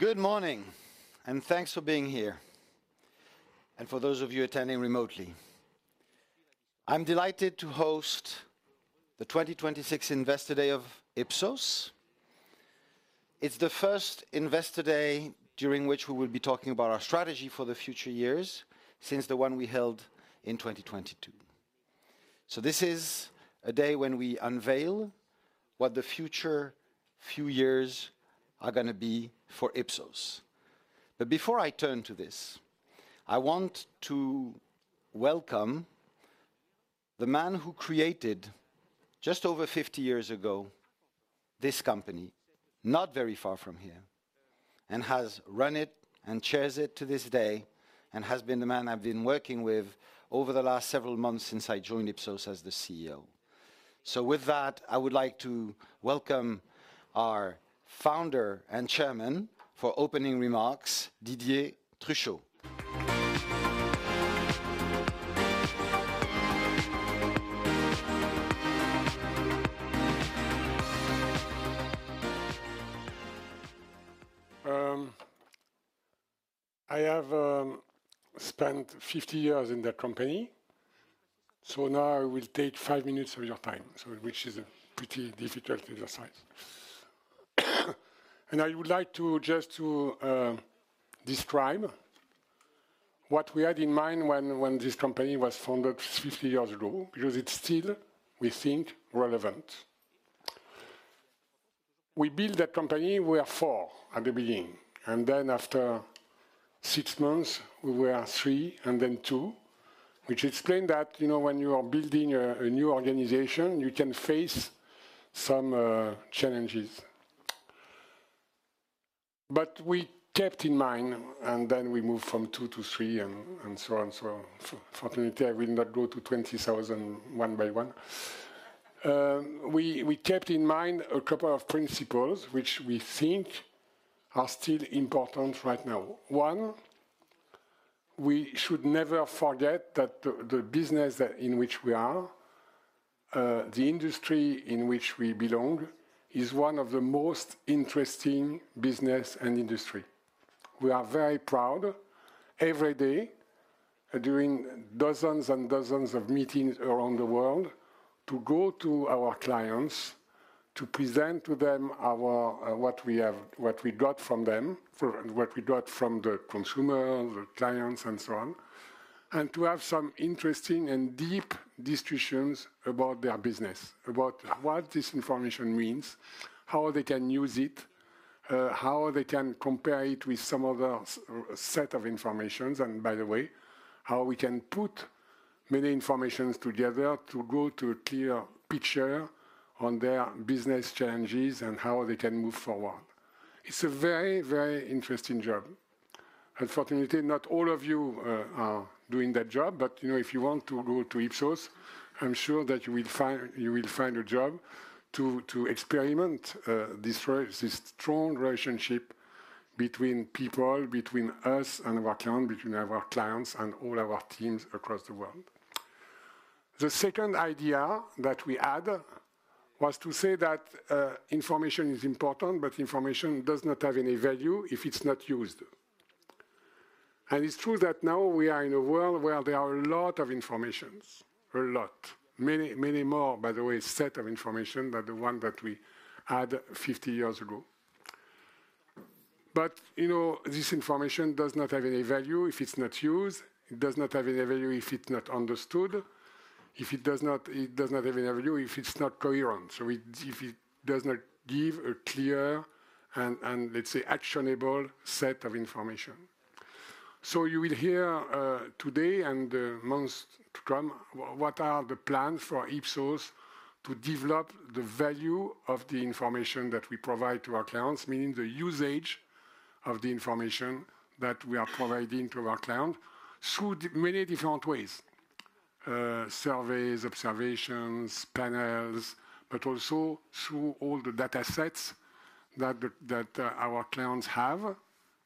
Good morning, and thanks for being here, and for those of you attending remotely. I'm delighted to host the 2026 Investor Day of Ipsos. It's the first Investor Day during which we will be talking about our strategy for the future years since the one we held in 2022. So this is a day when we unveil what the future few years are going to be for Ipsos. But before I turn to this, I want to welcome the man who created, just over 50 years ago, this company not very far from here, and has run it and chairs it to this day, and has been the man I've been working with over the last several months since I joined Ipsos as the CEO. So with that, I would like to welcome our Founder and Chairman for opening remarks, Didier Truchot. I have spent 50 years in the company, so now I will take five minutes of your time, which is a pretty difficult exercise, and I would like to just describe what we had in mind when this company was founded 50 years ago, because it's still, we think, relevant. We built that company. We were four at the beginning, and then after six months, we were three, and then two, which explains that when you are building a new organization, you can face some challenges, but we kept in mind, and then we moved from two to three, and so on and so on. Fortunately, I will not go to 20,000 one by one. We kept in mind a couple of principles which we think are still important right now. One, we should never forget that the business in which we are, the industry in which we belong, is one of the most interesting businesses and industries. We are very proud, every day, during dozens and dozens of meetings around the world, to go to our clients, to present to them what we got from them, what we got from the consumers, the clients, and so on, and to have some interesting and deep discussions about their business, about what this information means, how they can use it, how they can compare it with some other set of informations, and by the way, how we can put many informations together to go to a clear picture on their business challenges and how they can move forward. It's a very, very interesting job. Unfortunately, not all of you are doing that job, but if you want to go to Ipsos, I'm sure that you will find a job to experiment this strong relationship between people, between us and our clients, between our clients and all our teams across the world. The second idea that we had was to say that information is important, but information does not have any value if it's not used. And it's true that now we are in a world where there are a lot of information, a lot, many more, by the way, sets of information than the one that we had 50 years ago. But this information does not have any value if it's not used. It does not have any value if it's not understood. It does not have any value if it's not coherent. So it does not give a clear and, let's say, actionable set of information. So you will hear today and months to come what are the plans for Ipsos to develop the value of the information that we provide to our clients, meaning the usage of the information that we are providing to our clients through many different ways: surveys, observations, panels, but also through all the data sets that our clients have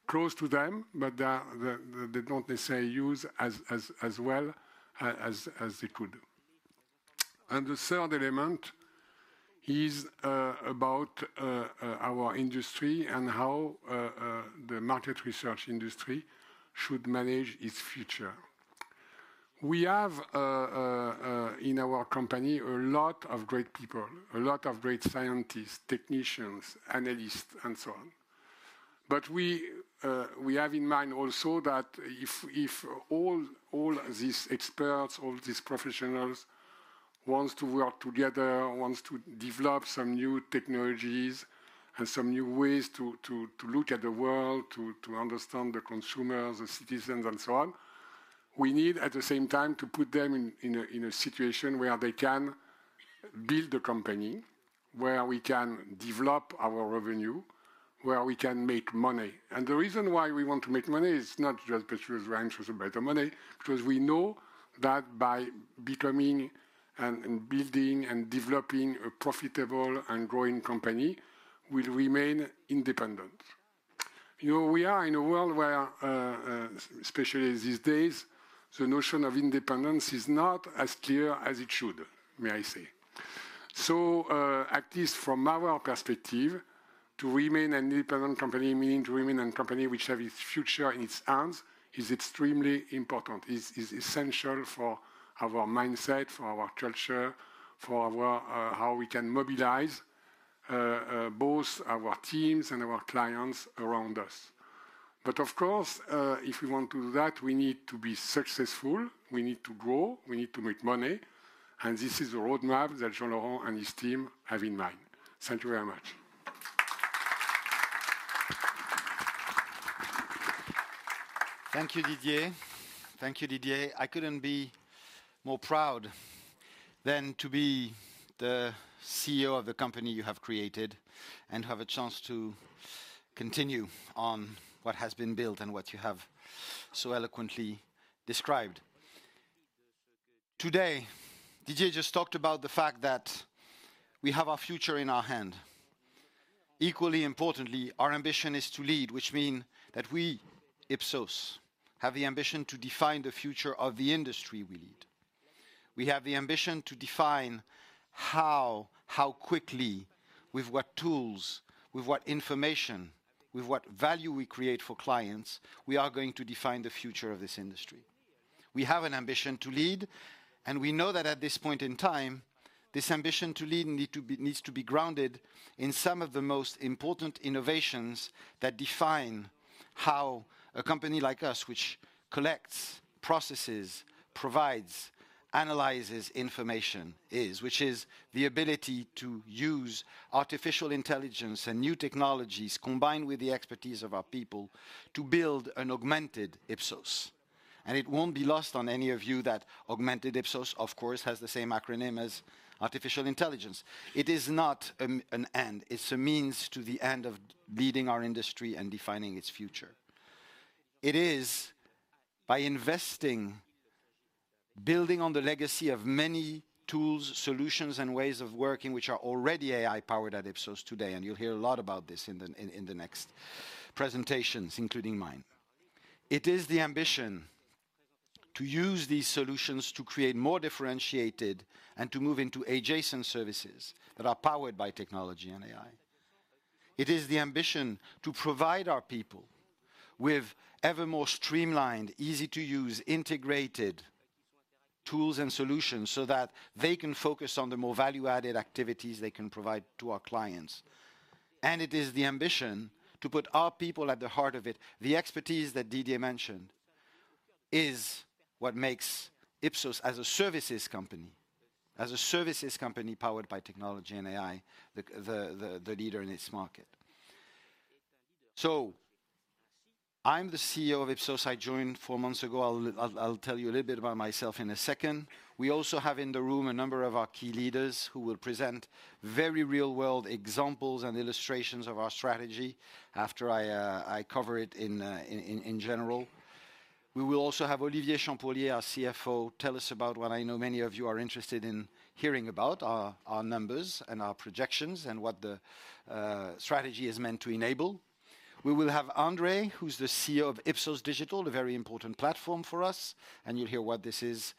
close to them, but they don't necessarily use as well as they could. And the third element is about our industry and how the market research industry should manage its future. We have in our company a lot of great people, a lot of great scientists, technicians, analysts, and so on. But we have in mind also that if all these experts, all these professionals want to work together, want to develop some new technologies and some new ways to look at the world, to understand the consumers, the citizens, and so on, we need at the same time to put them in a situation where they can build a company, where we can develop our revenue, where we can make money. And the reason why we want to make money is not just because we're interested in better money, because we know that by becoming and building and developing a profitable and growing company, we'll remain independent. We are in a world where, especially these days, the notion of independence is not as clear as it should, may I say. So at least from our perspective, to remain an independent company, meaning to remain a company which has its future in its hands, is extremely important, is essential for our mindset, for our culture, for how we can mobilize both our teams and our clients around us. But of course, if we want to do that, we need to be successful, we need to grow, we need to make money, and this is the roadmap that Jean-Laurent and his team have in mind. Thank you very much. Thank you, Didier. Thank you, Didier. I couldn't be more proud than to be the CEO of the company you have created and have a chance to continue on what has been built and what you have so eloquently described. Today, Didier just talked about the fact that we have our future in our hand. Equally importantly, our ambition is to lead, which means that we, Ipsos, have the ambition to define the future of the industry we lead. We have the ambition to define how, how quickly, with what tools, with what information, with what value we create for clients, we are going to define the future of this industry. We have an ambition to lead, and we know that at this point in time, this ambition to lead needs to be grounded in some of the most important innovations that define how a company like us, which collects, processes, provides, analyzes information, which is the ability to use artificial intelligence and new technologies combined with the expertise of our people to build an augmented Ipsos, and it won't be lost on any of you that augmented Ipsos, of course, has the same acronym as artificial intelligence. It is not an end. It's a means to the end of leading our industry and defining its future. It is by investing, building on the legacy of many tools, solutions, and ways of working which are already AI-powered at Ipsos today, and you'll hear a lot about this in the next presentations, including mine. It is the ambition to use these solutions to create more differentiated and to move into adjacent services that are powered by technology and AI. It is the ambition to provide our people with ever more streamlined, easy-to-use, integrated tools and solutions so that they can focus on the more value-added activities they can provide to our clients. And it is the ambition to put our people at the heart of it. The expertise that Didier mentioned is what makes Ipsos as a services company, as a services company powered by technology and AI, the leader in its market. So I'm the CEO of Ipsos. I joined four months ago. I'll tell you a little bit about myself in a second. We also have in the room a number of our key leaders who will present very real-world examples and illustrations of our strategy after I cover it in general. We will also have Olivier Champourlier, our CFO, tell us about what I know many of you are interested in hearing about, our numbers and our projections and what the strategy is meant to enable. We will have Andrei, who's the CEO of Ipsos Digital, a very important platform for us, and you'll hear what this is,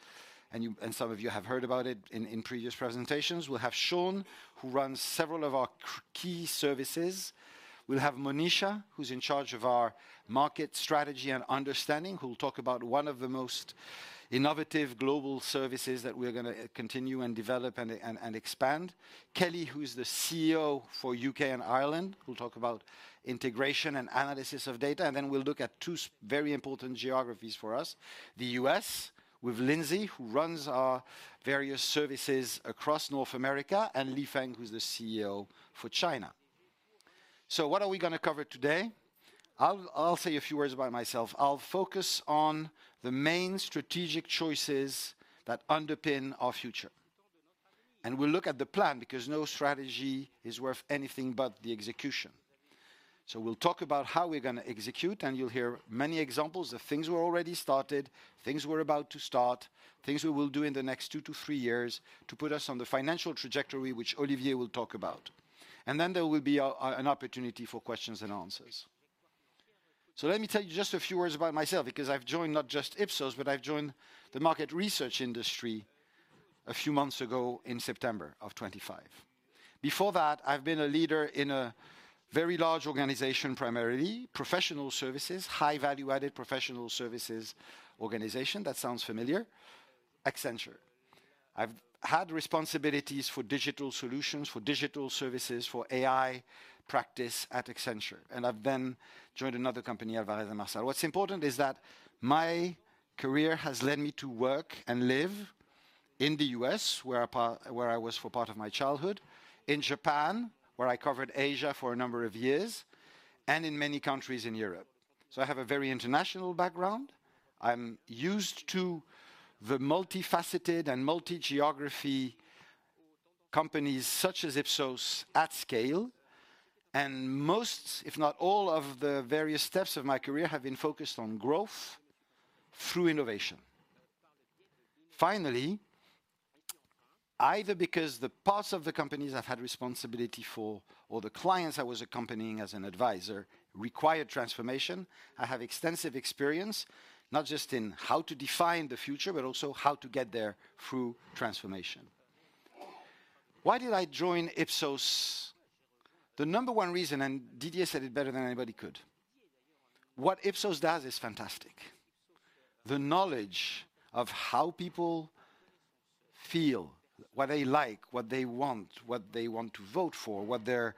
and some of you have heard about it in previous presentations. We'll have Shaun, who runs several of our key services. We'll have Moneesha, who's in charge of our Market Strategy & Understanding, who'll talk about one of the most innovative global services that we're going to continue and develop and expand. Kelly, who's the CEO for UK and Ireland, who'll talk about integration and analysis of data. And then we'll look at two very important geographies for us: the U.S., with Lindsay, who runs our various services across North America, and Lifeng, who's the CEO for China. So what are we going to cover today? I'll say a few words about myself. I'll focus on the main strategic choices that underpin our future. And we'll look at the plan, because no strategy is worth anything but the execution. So we'll talk about how we're going to execute, and you'll hear many examples of things we've already started, things we're about to start, things we will do in the next two to three years to put us on the financial trajectory which Olivier will talk about. And then there will be an opportunity for questions and answers. So let me tell you just a few words about myself, because I've joined not just Ipsos, but I've joined the market research industry a few months ago in September of 2025. Before that, I've been a leader in a very large organization, primarily professional services, high-value-added professional services organization. That sounds familiar? Accenture. I've had responsibilities for digital solutions, for digital services, for AI practice at Accenture, and I've then joined another company, Alvarez & Marsal. What's important is that my career has led me to work and live in the U.S., where I was for part of my childhood, in Japan, where I covered Asia for a number of years, and in many countries in Europe. So I have a very international background. I'm used to the multifaceted and multi-geography companies such as Ipsos at scale, and most, if not all, of the various steps of my career have been focused on growth through innovation. Finally, either because the parts of the companies I've had responsibility for or the clients I was accompanying as an advisor required transformation, I have extensive experience, not just in how to define the future, but also how to get there through transformation. Why did I join Ipsos? The number one reason, and Didier said it better than anybody could. What Ipsos does is fantastic. The knowledge of how people feel, what they like, what they want, what they want to vote for, what their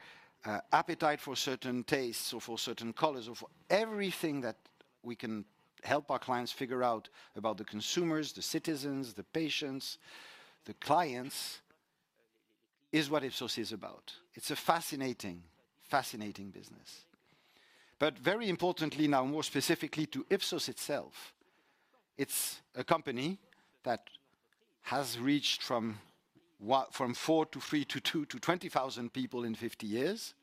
appetite for certain tastes or for certain colors, or for everything that we can help our clients figure out about the consumers, the citizens, the patients, the clients is what Ipsos is about. It's a fascinating, fascinating business. But very importantly now, more specifically to Ipsos itself, it's a company that has reached from four to three to two to 20,000 people in 50 years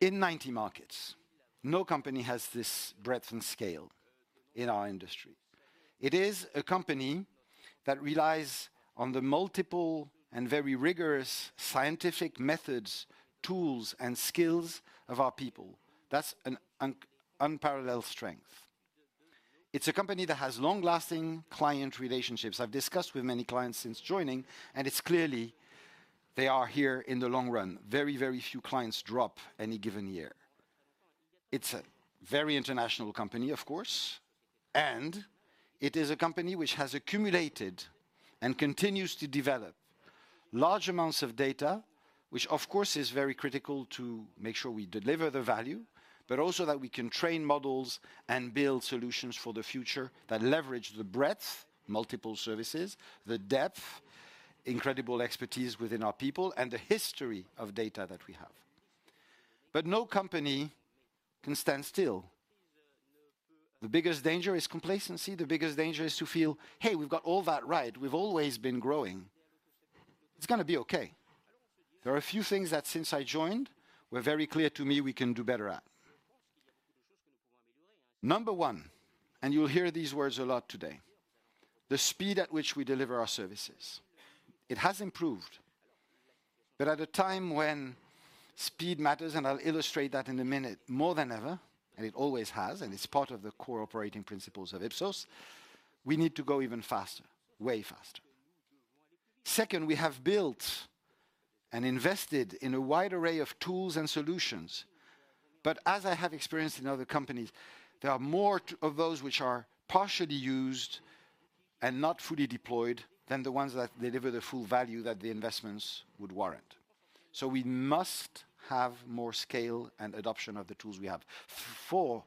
in 90 markets. No company has this breadth and scale in our industry. It is a company that relies on the multiple and very rigorous scientific methods, tools, and skills of our people. That's an unparalleled strength. It's a company that has long-lasting client relationships. I've discussed with many clients since joining, and it's clearly they are here in the long run. Very, very few clients drop any given year. It's a very international company, of course, and it is a company which has accumulated and continues to develop large amounts of data, which of course is very critical to make sure we deliver the value, but also that we can train models and build solutions for the future that leverage the breadth, multiple services, the depth, incredible expertise within our people, and the history of data that we have. But no company can stand still. The biggest danger is complacency. The biggest danger is to feel, "Hey, we've got all that right. We've always been growing. It's going to be okay." There are a few things that since I joined were very clear to me we can do better at. Number one, and you'll hear these words a lot today, the speed at which we deliver our services. It has improved, but at a time when speed matters, and I'll illustrate that in a minute more than ever, and it always has, and it's part of the core operating principles of Ipsos. We need to go even faster, way faster. Second, we have built and invested in a wide array of tools and solutions, but as I have experienced in other companies, there are more of those which are partially used and not fully deployed than the ones that deliver the full value that the investments would warrant. So we must have more scale and adoption of the tools we have. Four,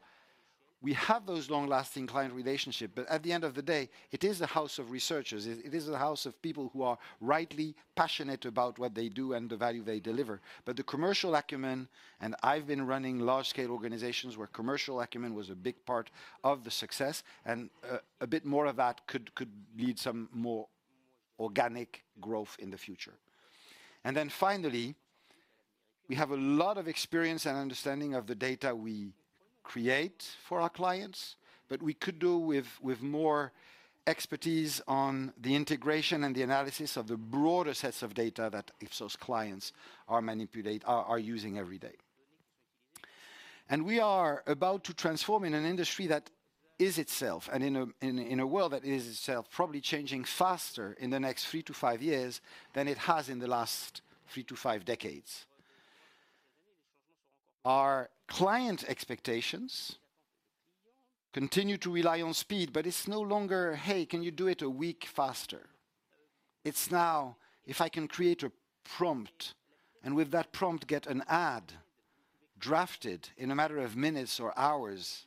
we have those long-lasting client relationships, but at the end of the day, it is a house of researchers. It is a house of people who are rightly passionate about what they do and the value they deliver. But the commercial acumen, and I've been running large-scale organizations where commercial acumen was a big part of the success, and a bit more of that could lead to some more organic growth in the future. And then finally, we have a lot of experience and understanding of the data we create for our clients, but we could do with more expertise on the integration and the analysis of the broader sets of data that Ipsos clients are using every day. And we are about to transform in an industry that is itself, and in a world that is itself, probably changing faster in the next three to five years than it has in the last three to five decades. Our client expectations continue to rely on speed, but it's no longer, "Hey, can you do it a week faster?" It's now, "If I can create a prompt and with that prompt get an ad drafted in a matter of minutes or hours,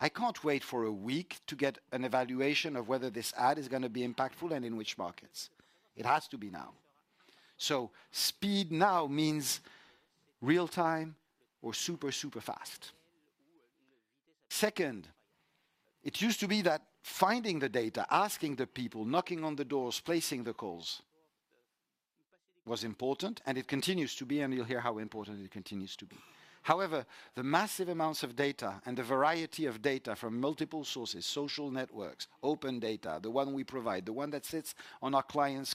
I can't wait for a week to get an evaluation of whether this ad is going to be impactful and in which markets." It has to be now. So speed now means real-time or super, super fast. Second, it used to be that finding the data, asking the people, knocking on the doors, placing the calls was important, and it continues to be, and you'll hear how important it continues to be. However, the massive amounts of data and the variety of data from multiple sources, social networks, open data, the one we provide, the one that sits on our clients'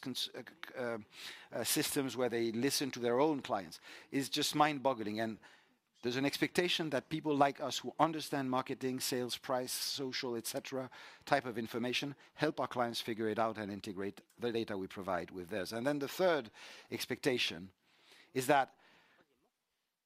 systems where they listen to their own clients, is just mind-boggling. And there's an expectation that people like us who understand marketing, sales, price, social, etc., type of information, help our clients figure it out and integrate the data we provide with theirs. And then the third expectation is that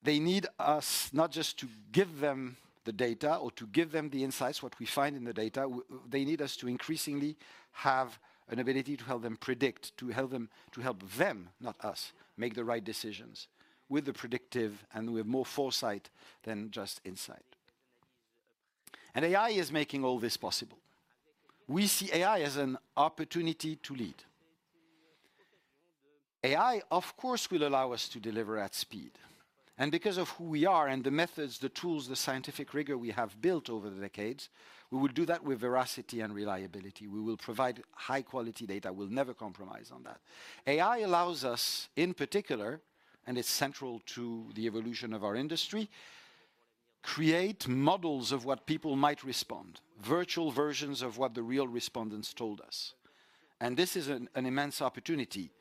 they need us not just to give them the data or to give them the insights, what we find in the data, they need us to increasingly have an ability to help them predict, to help them, to help them, not us, make the right decisions with the predictive and with more foresight than just insight. And AI is making all this possible. We see AI as an opportunity to lead. AI, of course, will allow us to deliver at speed. And because of who we are and the methods, the tools, the scientific rigor we have built over the decades, we will do that with veracity and reliability. We will provide high-quality data. We'll never compromise on that. AI allows us, in particular, and it's central to the evolution of our industry, to create models of what people might respond, virtual versions of what the real respondents told us. And this is an immense opportunity,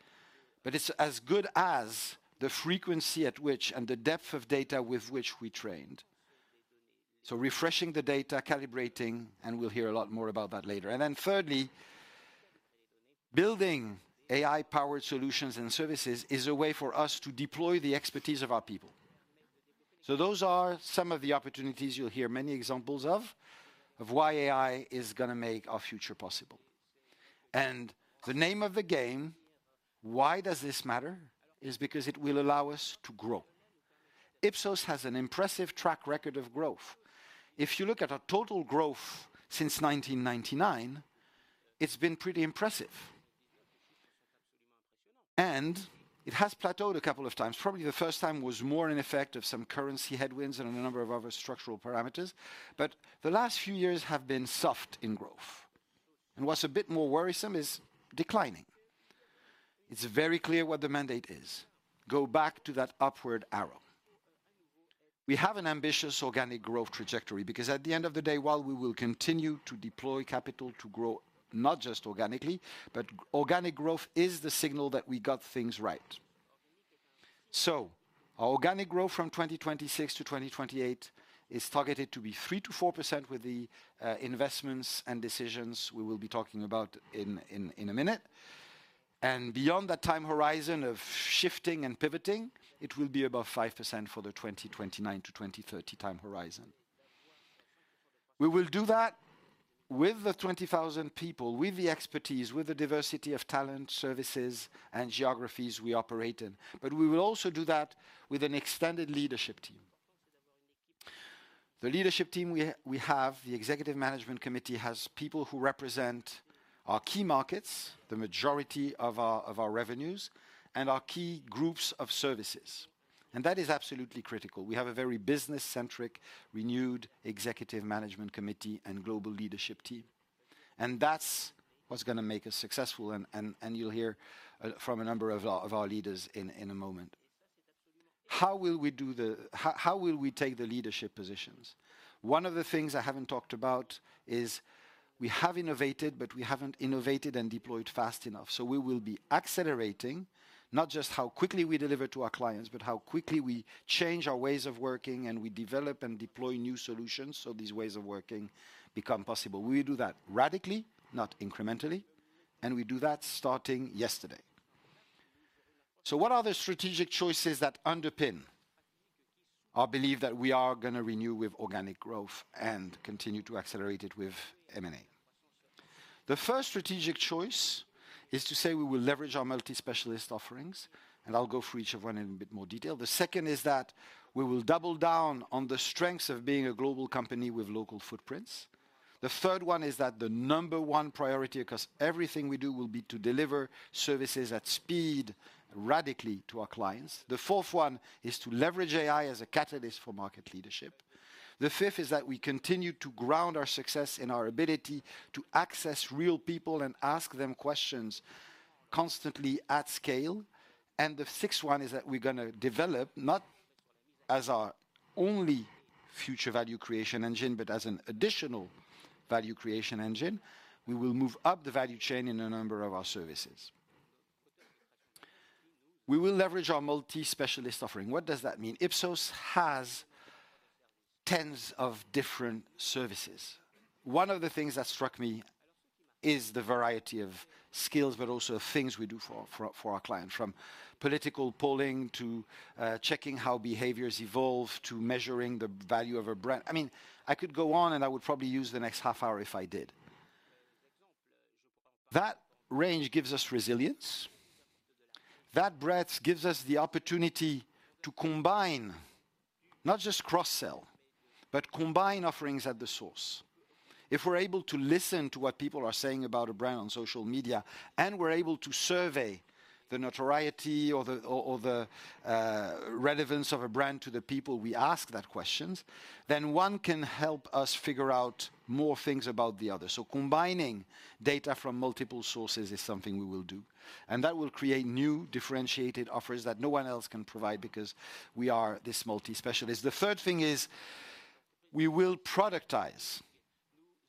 but it's as good as the frequency at which and the depth of data with which we trained. So refreshing the data, calibrating, and we'll hear a lot more about that later. And then thirdly, building AI-powered solutions and services is a way for us to deploy the expertise of our people. Those are some of the opportunities you'll hear many examples of, of why AI is going to make our future possible. And the name of the game, why does this matter? Is because it will allow us to grow. Ipsos has an impressive track record of growth. If you look at our total growth since 1999, it's been pretty impressive. And it has plateaued a couple of times. Probably the first time was more in effect of some currency headwinds and a number of other structural parameters, but the last few years have been soft in growth. And what's a bit more worrisome is declining. It's very clear what the mandate is. Go back to that upward arrow. We have an ambitious organic growth trajectory because at the end of the day, while we will continue to deploy capital to grow not just organically, but organic growth is the signal that we got things right. So our organic growth from 2026 to 2028 is targeted to be 3%-4% with the investments and decisions we will be talking about in a minute. And beyond that time horizon of shifting and pivoting, it will be above 5% for the 2029-2030 time horizon. We will do that with the 20,000 people, with the expertise, with the diversity of talent, services, and geographies we operate in. But we will also do that with an extended leadership team. The leadership team we have, the executive management committee has people who represent our key markets, the majority of our revenues, and our key groups of services. And that is absolutely critical. We have a very business-centric, renewed executive management committee and global leadership team. And that's what's going to make us successful, and you'll hear from a number of our leaders in a moment. How will we take the leadership positions? One of the things I haven't talked about is we have innovated, but we haven't innovated and deployed fast enough. So we will be accelerating, not just how quickly we deliver to our clients, but how quickly we change our ways of working and we develop and deploy new solutions so these ways of working become possible. We will do that radically, not incrementally, and we do that starting yesterday. So what are the strategic choices that underpin our belief that we are going to renew with organic growth and continue to accelerate it with M&A? The first strategic choice is to say we will leverage our multi-specialist offerings, and I'll go through each one in a bit more detail. The second is that we will double down on the strengths of being a global company with local footprints. The third one is that the number one priority across everything we do will be to deliver services at speed, radically to our clients. The fourth one is to leverage AI as a catalyst for market leadership. The fifth is that we continue to ground our success in our ability to access real people and ask them questions constantly at scale. The sixth one is that we're going to develop, not as our only future value creation engine, but as an additional value creation engine, we will move up the value chain in a number of our services. We will leverage our multi-specialist offering. What does that mean? Ipsos has tens of different services. One of the things that struck me is the variety of skills, but also things we do for our clients, from political polling to checking how behaviors evolve to measuring the value of a brand. I mean, I could go on and I would probably use the next half hour if I did. That range gives us resilience. That breadth gives us the opportunity to combine not just cross-sell, but combine offerings at the source. If we're able to listen to what people are saying about a brand on social media and we're able to survey the notoriety or the relevance of a brand to the people we ask that questions, then one can help us figure out more things about the other. So combining data from multiple sources is something we will do. And that will create new differentiated offers that no one else can provide because we are this multi-specialist. The third thing is we will productize,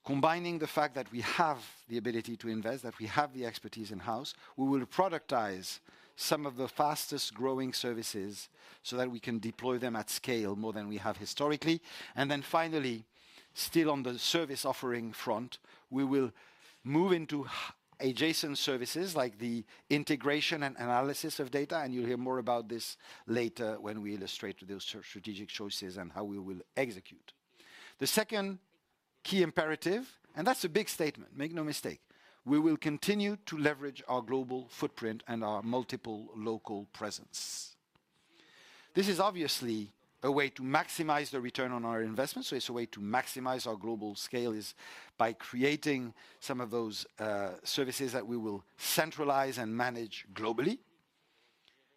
combining the fact that we have the ability to invest, that we have the expertise in-house. We will productize some of the fastest-growing services so that we can deploy them at scale more than we have historically. And then finally, still on the service offering front, we will move into adjacent services like the integration and analysis of data, and you'll hear more about this later when we illustrate those strategic choices and how we will execute. The second key imperative, and that's a big statement, make no mistake, we will continue to leverage our global footprint and our multiple local presence. This is obviously a way to maximize the return on our investments, so it's a way to maximize our global scale by creating some of those services that we will centralize and manage globally.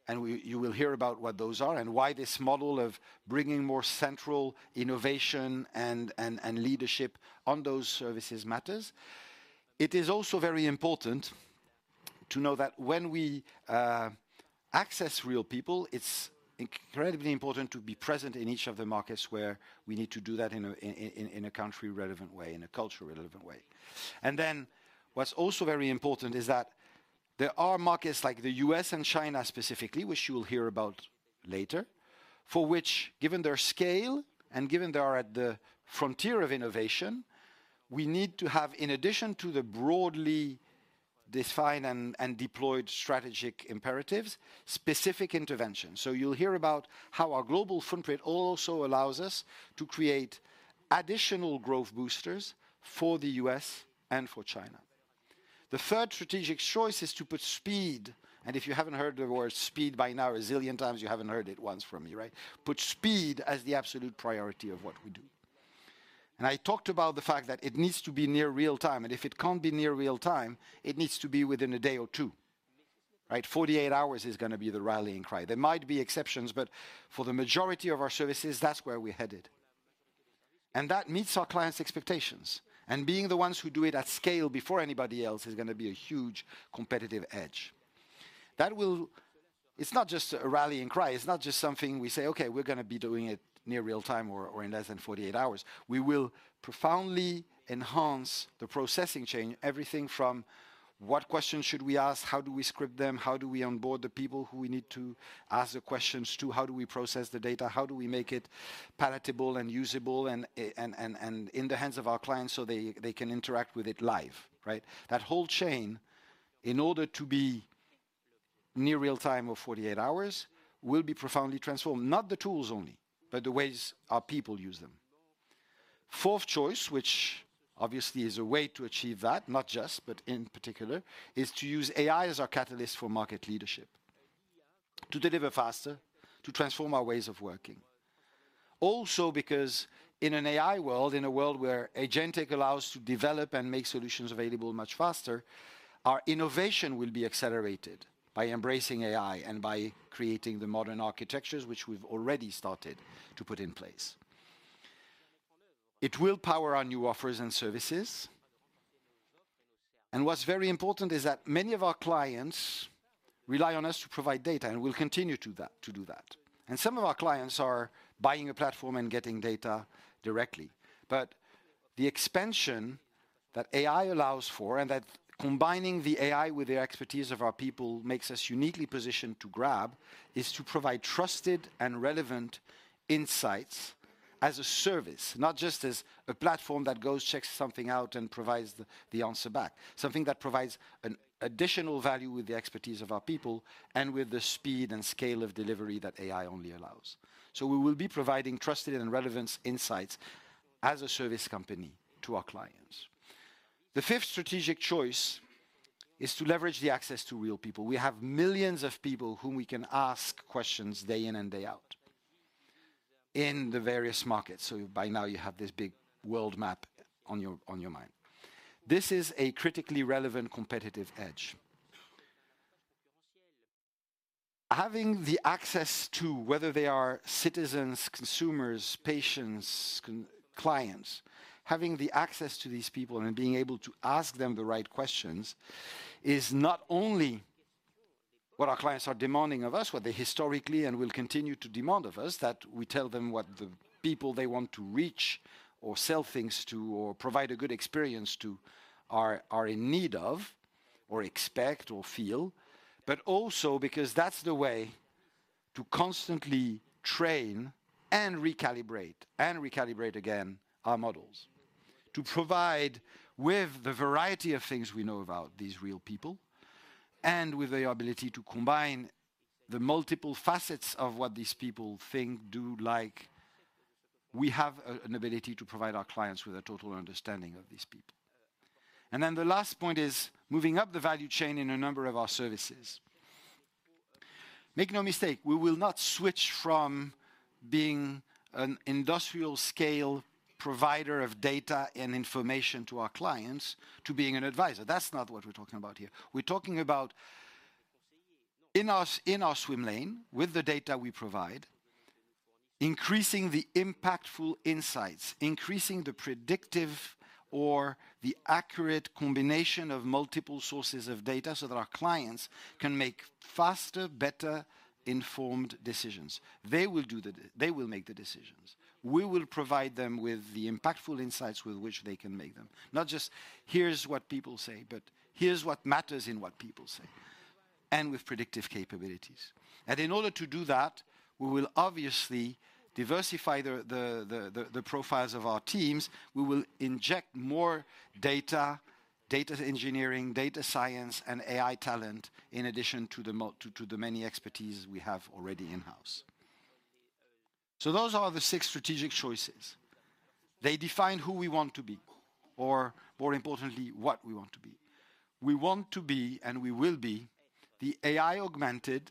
And you will hear about what those are and why this model of bringing more central innovation and leadership on those services matters. It is also very important to know that when we access real people, it's incredibly important to be present in each of the markets where we need to do that in a country-relevant way, in a culture-relevant way. And then what's also very important is that there are markets like the U.S. and China specifically, which you will hear about later, for which, given their scale and given they are at the frontier of innovation, we need to have, in addition to the broadly defined and deployed strategic imperatives, specific interventions. You'll hear about how our global footprint also allows us to create additional growth boosters for the U.S. and for China. The third strategic choice is to put speed, and if you haven't heard the word speed by now a zillion times, you haven't heard it once from me, right? Put speed as the absolute priority of what we do. I talked about the fact that it needs to be near real-time, and if it can't be near real-time, it needs to be within a day or two, right? 48 hours is going to be the rallying cry. There might be exceptions, but for the majority of our services, that's where we're headed. That meets our clients' expectations. Being the ones who do it at scale before anybody else is going to be a huge competitive edge. It's not just a rallying cry. It's not just something we say, "Okay, we're going to be doing it near real-time or in less than 48 hours." We will profoundly enhance the processing chain, everything from what questions should we ask, how do we script them, how do we onboard the people who we need to ask the questions, to how do we process the data, how do we make it palatable and usable and in the hands of our clients so they can interact with it live, right? That whole chain, in order to be near real-time or 48 hours, will be profoundly transformed, not the tools only, but the ways our people use them. Fourth choice, which obviously is a way to achieve that, not just, but in particular, is to use AI as our catalyst for market leadership, to deliver faster, to transform our ways of working. Also because in an AI world, in a world where agentic allows to develop and make solutions available much faster, our innovation will be accelerated by embracing AI and by creating the modern architectures, which we've already started to put in place. It will power our new offers and services. And what's very important is that many of our clients rely on us to provide data, and we'll continue to do that. And some of our clients are buying a platform and getting data directly. But the expansion that AI allows for, and that combining the AI with the expertise of our people makes us uniquely positioned to grab, is to provide trusted and relevant insights as a service, not just as a platform that goes, checks something out, and provides the answer back. Something that provides an additional value with the expertise of our people and with the speed and scale of delivery that AI only allows. We will be providing trusted and relevant insights as a service company to our clients. The fifth strategic choice is to leverage the access to real people. We have millions of people whom we can ask questions day in and day out in the various markets. By now, you have this big world map on your mind. This is a critically relevant competitive edge. Having the access to whether they are citizens, consumers, patients, clients, having the access to these people and being able to ask them the right questions is not only what our clients are demanding of us, what they historically and will continue to demand of us, that we tell them what the people they want to reach or sell things to or provide a good experience to are in need of or expect or feel, but also because that's the way to constantly train and recalibrate and recalibrate again our models, to provide with the variety of things we know about these real people and with the ability to combine the multiple facets of what these people think, do, like. We have an ability to provide our clients with a total understanding of these people. And then the last point is moving up the value chain in a number of our services. Make no mistake, we will not switch from being an industrial scale provider of data and information to our clients to being an advisor. That's not what we're talking about here. We're talking about in our swim lane, with the data we provide, increasing the impactful insights, increasing the predictive or the accurate combination of multiple sources of data so that our clients can make faster, better-informed decisions. They will make the decisions. We will provide them with the impactful insights with which they can make them. Not just, "Here's what people say," but, "Here's what matters in what people say." And with predictive capabilities. And in order to do that, we will obviously diversify the profiles of our teams. We will inject more data, data engineering, data science, and AI talent in addition to the many expertise we have already in-house. So those are the six strategic choices. They define who we want to be or, more importantly, what we want to be. We want to be and we will be the AI-augmented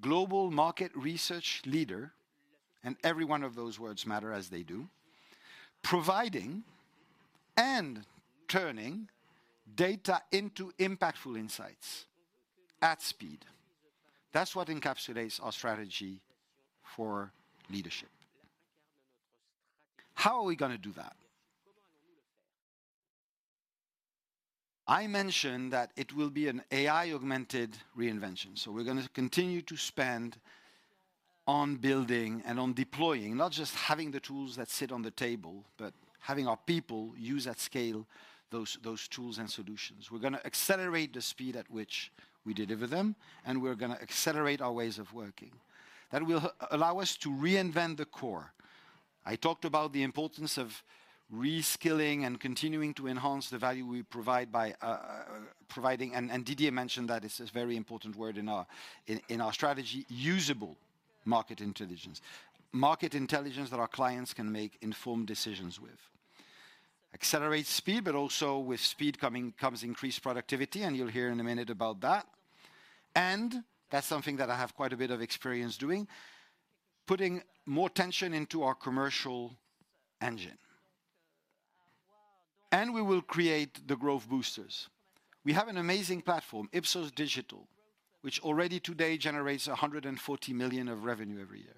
global market research leader, and every one of those words matter as they do, providing and turning data into impactful insights at speed. That's what encapsulates our strategy for leadership. How are we going to do that? I mentioned that it will be an AI-augmented reinvention. So we're going to continue to spend on building and on deploying, not just having the tools that sit on the table, but having our people use at scale those tools and solutions. We're going to accelerate the speed at which we deliver them, and we're going to accelerate our ways of working. That will allow us to reinvent the core. I talked about the importance of reskilling and continuing to enhance the value we provide by providing, and Didier mentioned that it's a very important word in our strategy, usable market intelligence. Market intelligence that our clients can make informed decisions with, accelerate speed, but also with speed comes increased productivity, and you'll hear in a minute about that, and that's something that I have quite a bit of experience doing, putting more tension into our commercial engine, and we will create the growth boosters. We have an amazing platform, Ipsos Digital, which already today generates 140 million of revenue every year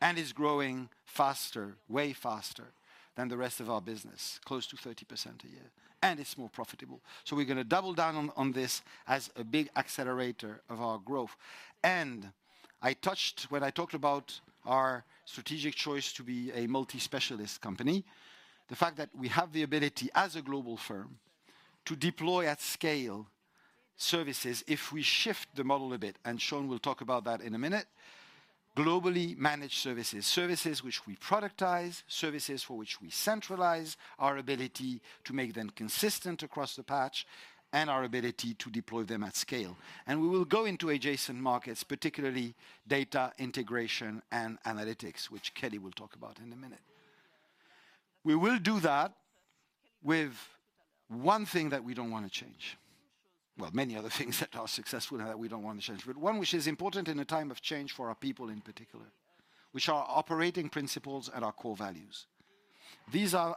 and is growing faster, way faster than the rest of our business, close to 30% a year. It's more profitable. We're going to double down on this as a big accelerator of our growth. I touched when I talked about our strategic choice to be a multi-specialist company, the fact that we have the ability as a global firm to deploy at scale services if we shift the model a bit, and Shaun will talk about that in a minute, globally managed services, services which we productize, services for which we centralize our ability to make them consistent across the patch and our ability to deploy them at scale. We will go into adjacent markets, particularly Data Integration and Analytics, which Kelly will talk about in a minute. We will do that with one thing that we don't want to change. Many other things that are successful and that we don't want to change, but one which is important in a time of change for our people in particular, which are operating principles and our core values. These are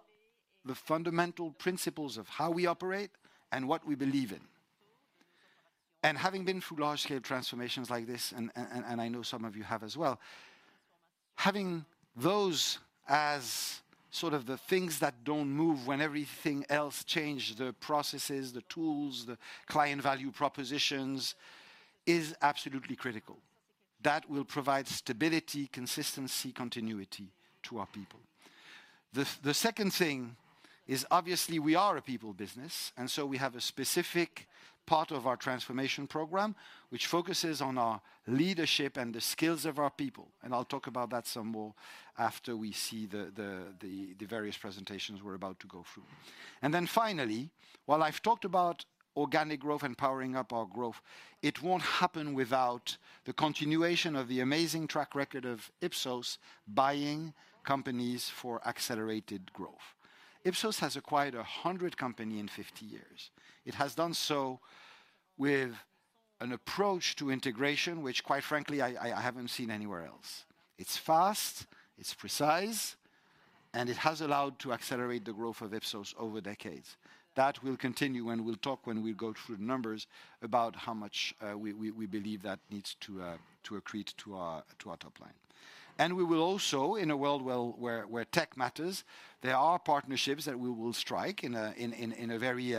the fundamental principles of how we operate and what we believe in. Having been through large-scale transformations like this, and I know some of you have as well, having those as sort of the things that don't move when everything else changed, the processes, the tools, the client value propositions is absolutely critical. That will provide stability, consistency, continuity to our people. The second thing is obviously we are a people business, and so we have a specific part of our transformation program which focuses on our leadership and the skills of our people. I'll talk about that some more after we see the various presentations we're about to go through. Then finally, while I've talked about organic growth and powering up our growth, it won't happen without the continuation of the amazing track record of Ipsos buying companies for accelerated growth. Ipsos has acquired 100 companies in 50 years. It has done so with an approach to integration which, quite frankly, I haven't seen anywhere else. It's fast, it's precise, and it has allowed to accelerate the growth of Ipsos over decades. That will continue when we'll talk, when we go through the numbers about how much we believe that needs to accrete to our top line. And we will also, in a world where tech matters. There are partnerships that we will strike in a very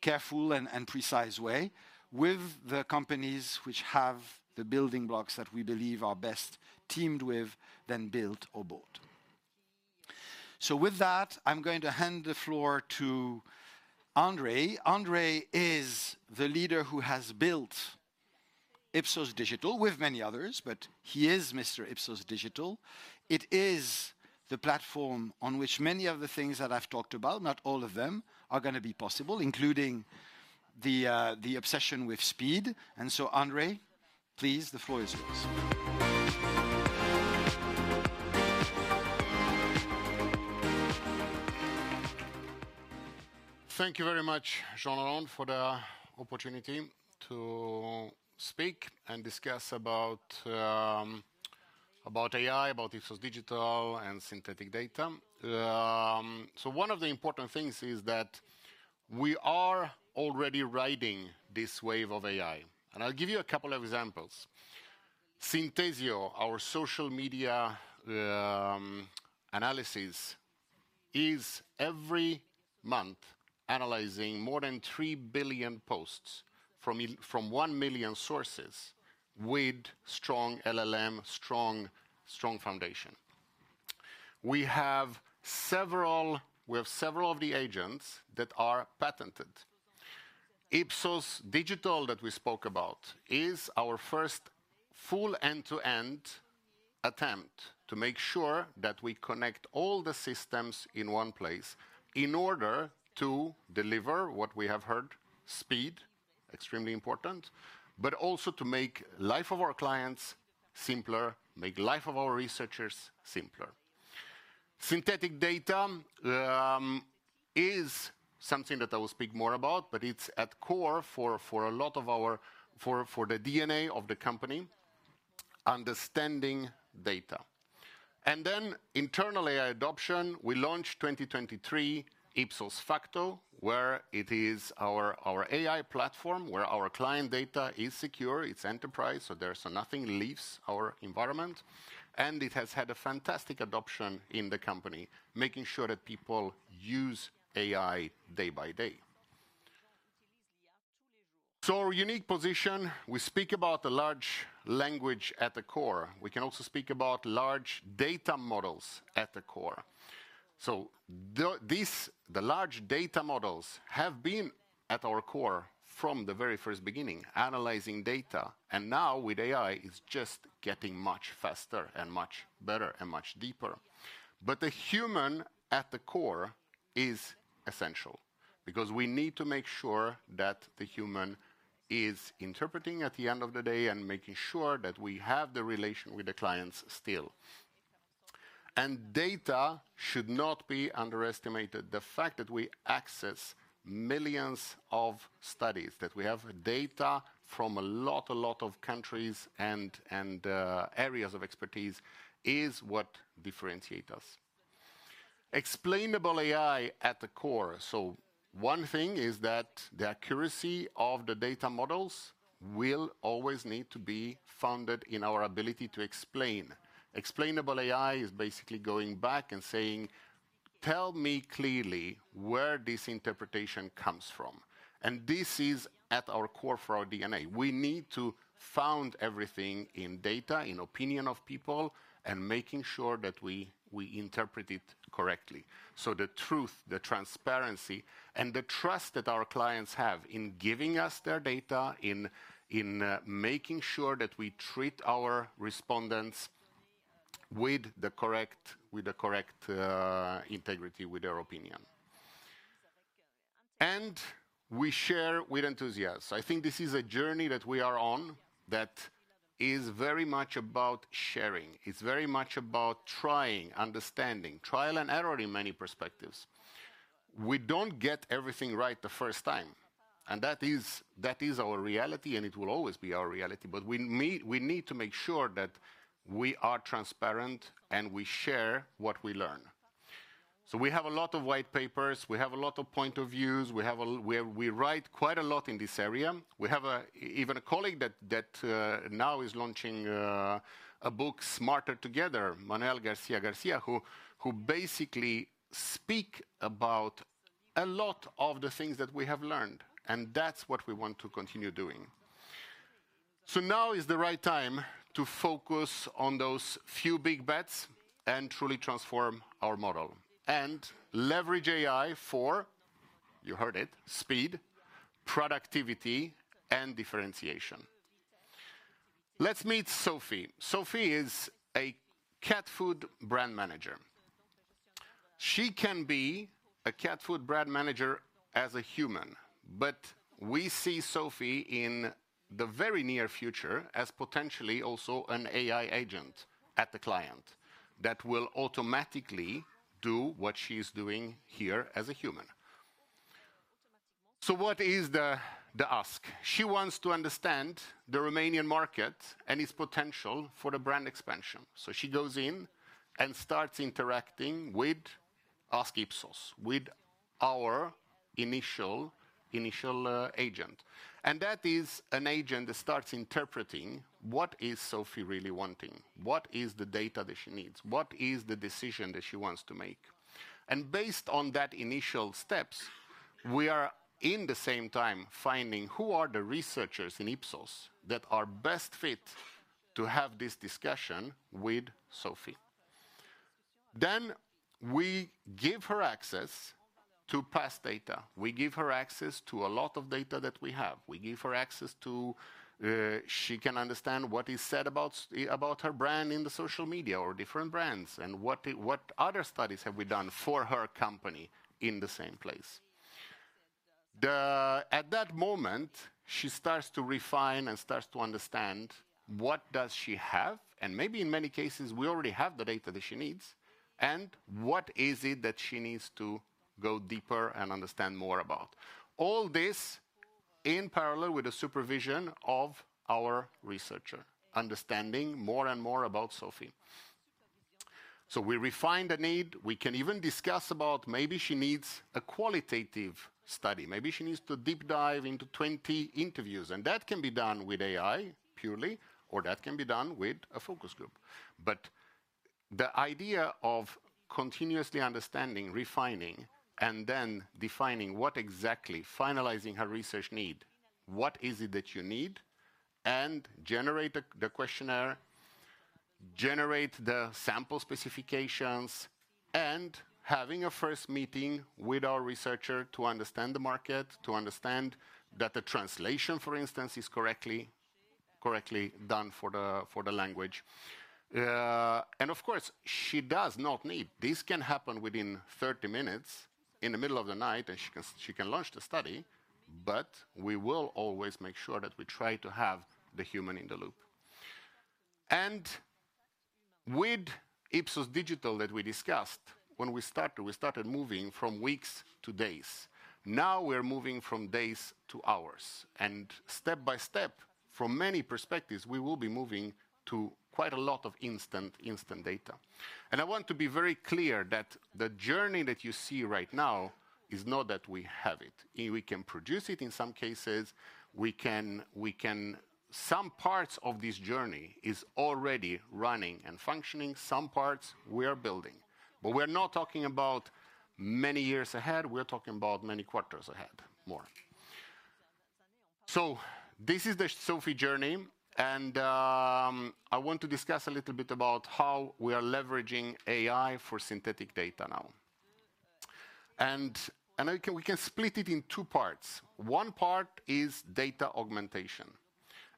careful and precise way with the companies which have the building blocks that we believe are best teamed with than built or bought. So with that, I'm going to hand the floor to Andrei. Andrei is the leader who has built Ipsos Digital with many others, but he is Mr. Ipsos Digital. It is the platform on which many of the things that I've talked about, not all of them, are going to be possible, including the obsession with speed. And so, Andrei, please, the floor is yours. Thank you very much, Jean-Laurent, for the opportunity to speak and discuss about AI, about Ipsos Digital and synthetic data. So one of the important things is that we are already riding this wave of AI. I'll give you a couple of examples. Synthesio, our social media analysis, is every month analyzing more than 3 billion posts from 1 million sources with strong LLM, strong foundation. We have several of the agents that are patented. Ipsos Digital that we spoke about is our first full end-to-end attempt to make sure that we connect all the systems in one place in order to deliver what we have heard, speed, extremely important, but also to make life of our clients simpler, make life of our researchers simpler. Synthetic data is something that I will speak more about, but it's at core for a lot of our, for the DNA of the company, understanding data. Then internal AI adoption, we launched 2023 Ipsos Facto, where it is our AI platform where our client data is secure, it's enterprise, so there's nothing leaves our environment. It has had a fantastic adoption in the company, making sure that people use AI day by day. So our unique position, we speak about a large language at the core. We can also speak about large data models at the core. So the large data models have been at our core from the very first beginning, analyzing data. And now with AI, it's just getting much faster and much better and much deeper. But the human at the core is essential because we need to make sure that the human is interpreting at the end of the day and making sure that we have the relation with the clients still. And data should not be underestimated. The fact that we access millions of studies, that we have data from a lot, a lot of countries and areas of expertise is what differentiates us. Explainable AI at the core. One thing is that the accuracy of the data models will always need to be founded in our ability to explain. Explainable AI is basically going back and saying, "Tell me clearly where this interpretation comes from." And this is at our core for our DNA. We need to found everything in data, in opinion of people, and making sure that we interpret it correctly. So the truth, the transparency, and the trust that our clients have in giving us their data, in making sure that we treat our respondents with the correct integrity with their opinion. And we share with enthusiasm. I think this is a journey that we are on that is very much about sharing. It's very much about trying, understanding, trial and error in many perspectives. We don't get everything right the first time. That is our reality, and it will always be our reality. But we need to make sure that we are transparent and we share what we learn. So we have a lot of white papers. We have a lot of points of view. We write quite a lot in this area. We have even a colleague that now is launching a book, Smarter Together, Manuel García-García, who basically speaks about a lot of the things that we have learned. And that's what we want to continue doing. So now is the right time to focus on those few big bets and truly transform our model and leverage AI for, you heard it, speed, productivity, and differentiation. Let's meet Sophie. Sophie is a cat food brand manager. She can be a cat food brand manager as a human, but we see Sophie in the very near future as potentially also an AI agent at the client that will automatically do what she is doing here as a human. So what is the ask? She wants to understand the Romanian market and its potential for the brand expansion. So she goes in and starts interacting with us, Ipsos, with our initial agent. And that is an agent that starts interpreting what is Sophie really wanting, what is the data that she needs, what is the decision that she wants to make. And based on that initial steps, we are at the same time finding who are the researchers in Ipsos that are best fit to have this discussion with Sophie. Then we give her access to past data. We give her access to a lot of data that we have. We give her access to she can understand what is said about her brand in the social media or different brands and what other studies have we done for her company in the same place. At that moment, she starts to refine and starts to understand what does she have, and maybe in many cases, we already have the data that she needs, and what is it that she needs to go deeper and understand more about. All this in parallel with the supervision of our researcher, understanding more and more about Sophie, so we refine the need. We can even discuss about maybe she needs a qualitative study. Maybe she needs to deep dive into 20 interviews, and that can be done with AI purely, or that can be done with a focus group. But the idea of continuously understanding, refining, and then defining what exactly finalizing her research need, what is it that you need, and generate the questionnaire, generate the sample specifications, and having a first meeting with our researcher to understand the market, to understand that the translation, for instance, is correctly done for the language. And of course, she does not need. This can happen within 30 minutes in the middle of the night, and she can launch the study, but we will always make sure that we try to have the human in the loop. And with Ipsos Digital that we discussed, when we started, we started moving from weeks to days. Now we're moving from days to hours. And step by step, from many perspectives, we will be moving to quite a lot of instant data. And I want to be very clear that the journey that you see right now is not that we have it. We can produce it in some cases. Some parts of this journey are already running and functioning. Some parts we are building. But we're not talking about many years ahead. We're talking about many quarters ahead more. So this is the Sophie journey. And I want to discuss a little bit about how we are leveraging AI for synthetic data now. And we can split it in two parts. One part is data augmentation.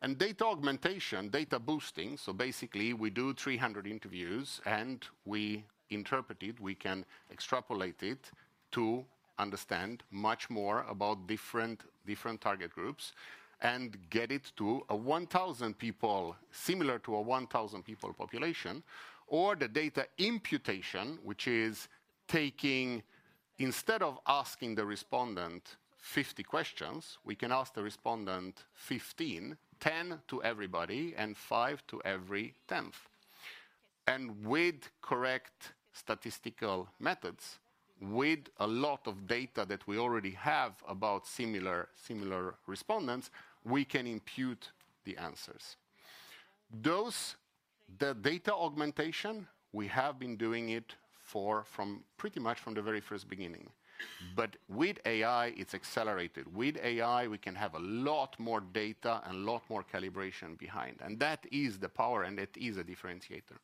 And data augmentation, data boosting, so basically we do 300 interviews and we interpret it. We can extrapolate it to understand much more about different target groups and get it to a 1,000 people, similar to a 1,000 people population, or the data imputation, which is taking instead of asking the respondent 50 questions, we can ask the respondent 15, 10 to everybody, and 5 to every 10th. And with correct statistical methods, with a lot of data that we already have about similar respondents, we can impute the answers. The data augmentation, we have been doing it from pretty much the very first beginning. But with AI, it's accelerated. With AI, we can have a lot more data and a lot more calibration behind. And that is the power, and it is a differentiator.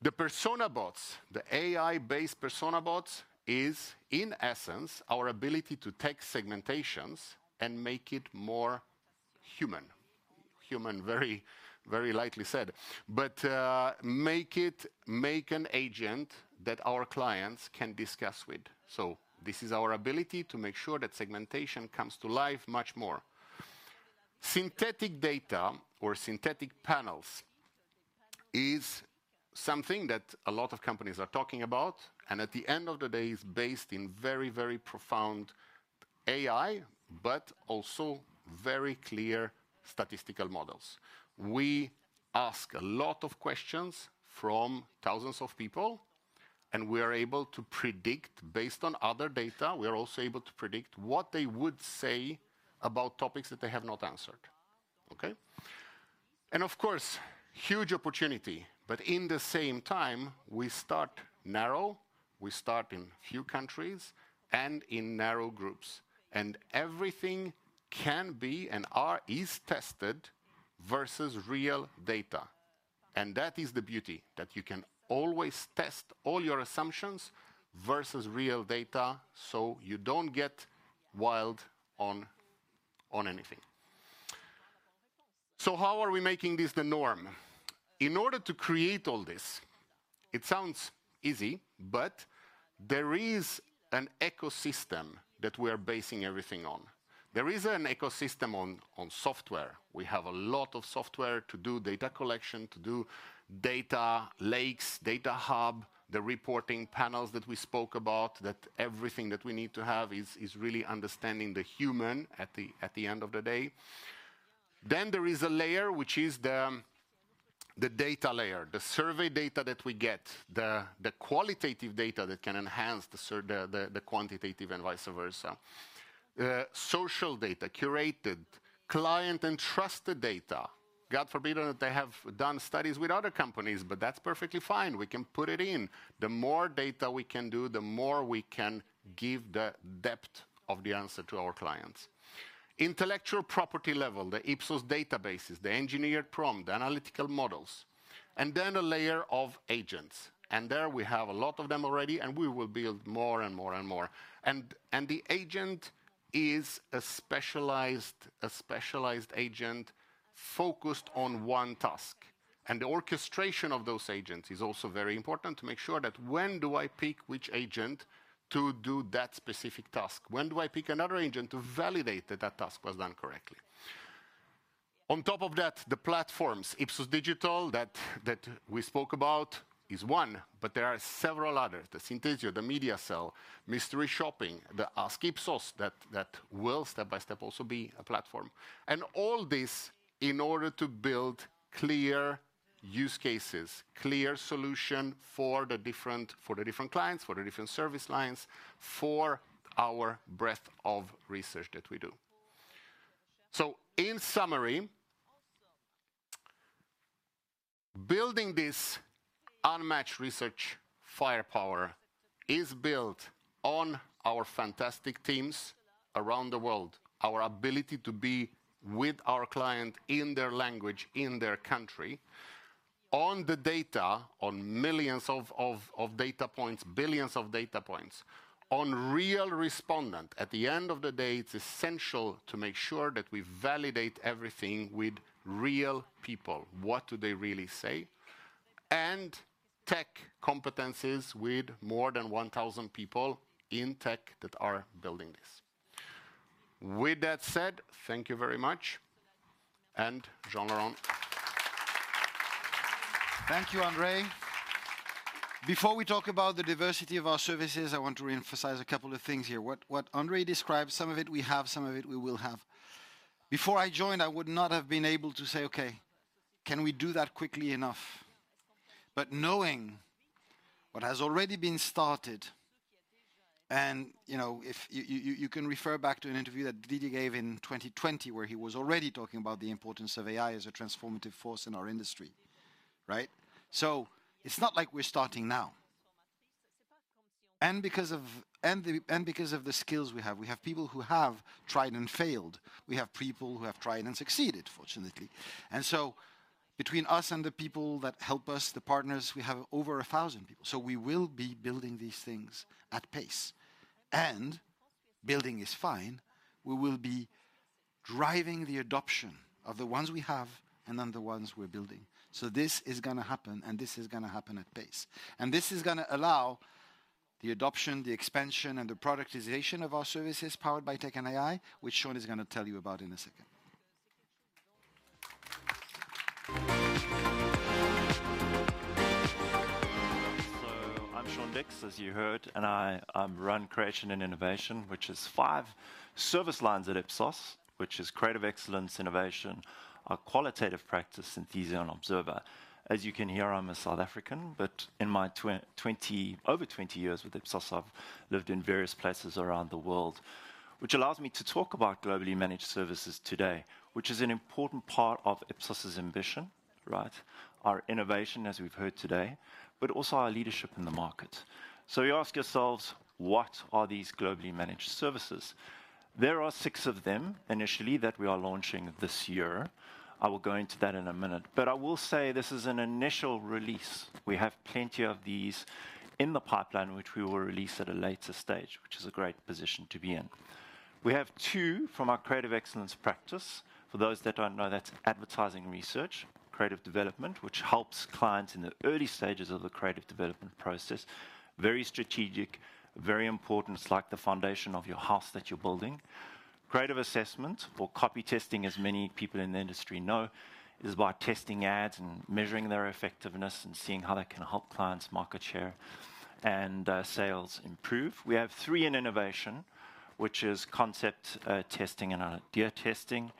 The PersonaBots, the AI-based PersonaBots, is in essence our ability to take segmentations and make it more human. Human, very lightly said, but make an agent that our clients can discuss with, so this is our ability to make sure that segmentation comes to life much more. Synthetic data or synthetic panels is something that a lot of companies are talking about, and at the end of the day, it's based in very, very profound AI, but also very clear statistical models. We ask a lot of questions from thousands of people, and we are able to predict based on other data. We are also able to predict what they would say about topics that they have not answered. Okay? And of course, huge opportunity, but in the same time, we start narrow. We start in few countries and in narrow groups. And everything can be and is tested versus real data. And that is the beauty that you can always test all your assumptions versus real data so you don't get wild on anything, so how are we making this the norm? In order to create all this, it sounds easy, but there is an ecosystem that we are basing everything on. There is an ecosystem on software. We have a lot of software to do data collection, to do data lakes, data hub, the reporting panels that we spoke about, that everything that we need to have is really understanding the human at the end of the day, then there is a layer, which is the data layer, the survey data that we get, the qualitative data that can enhance the quantitative and vice versa. Social data, curated, client-entrusted data. God forbid that they have done studies with other companies, but that's perfectly fine. We can put it in. The more data we can do, the more we can give the depth of the answer to our clients. Intellectual property level, the Ipsos databases, the engineered prompt, the analytical models, and then a layer of agents, and there we have a lot of them already, and we will build more and more and more, and the agent is a specialized agent focused on one task, and the orchestration of those agents is also very important to make sure that when do I pick which agent to do that specific task? When do I pick another agent to validate that that task was done correctly? On top of that, the platforms, Ipsos Digital that we spoke about is one, but there are several others, the Synthesio, the MediaCell, Mystery Shopping, the Ask Ipsos that will step by step also be a platform, and all this in order to build clear use cases, clear solutions for the different clients, for the different service lines, for our breadth of research that we do, so in summary, building this unmatched research firepower is built on our fantastic teams around the world, our ability to be with our client in their language, in their country, on the data, on millions of data points, billions of data points, on real respondents. At the end of the day, it's essential to make sure that we validate everything with real people. What do they really say, and tech competencies with more than 1,000 people in tech that are building this. With that said, thank you very much. And Jean-Laurent. Thank you, Andrei. Before we talk about the diversity of our services, I want to reemphasize a couple of things here. What Andrei described, some of it we have, some of it we will have. Before I joined, I would not have been able to say, "Okay, can we do that quickly enough?" But knowing what has already been started, and you can refer back to an interview that Didier gave in 2020 where he was already talking about the importance of AI as a transformative force in our industry, right? So it's not like we're starting now. And because of the skills we have, we have people who have tried and failed. We have people who have tried and succeeded, fortunately. And so between us and the people that help us, the partners, we have over 1,000 people. We will be building these things at pace. And building is fine. We will be driving the adoption of the ones we have and then the ones we're building. This is going to happen, and this is going to happen at pace. And this is going to allow the adoption, the expansion, and the productization of our services powered by tech and AI, which Shaun is going to tell you about in a second. I'm Shaun Dix, as you heard, and I run Creation and Innovation, which is five service lines at Ipsos, which is Creative Excellence, Innovation, a Qualitative Practice, Synthesio, and Observer. As you can hear, I'm a South African, but in my over 20 years with Ipsos, I've lived in various places around the world, which allows me to talk about globally managed services today, which is an important part of Ipsos's ambition, right? Our innovation, as we've heard today, but also our leadership in the market. So you ask yourselves, what are these globally managed services? There are six of them initially that we are launching this year. I will go into that in a minute. But I will say this is an initial release. We have plenty of these in the pipeline, which we will release at a later stage, which is a great position to be in. We have two from our Creative Excellence Practice. For those that don't know, that's advertising research, creative development, which helps clients in the early stages of the creative development process. Very strategic, very important. It's like the foundation of your house that you're building. Creative assessment, or copy testing, as many people in the industry know, is by testing ads and measuring their effectiveness and seeing how they can help clients' market share and sales improve. We have three in innovation, which is concept testing and idea testing,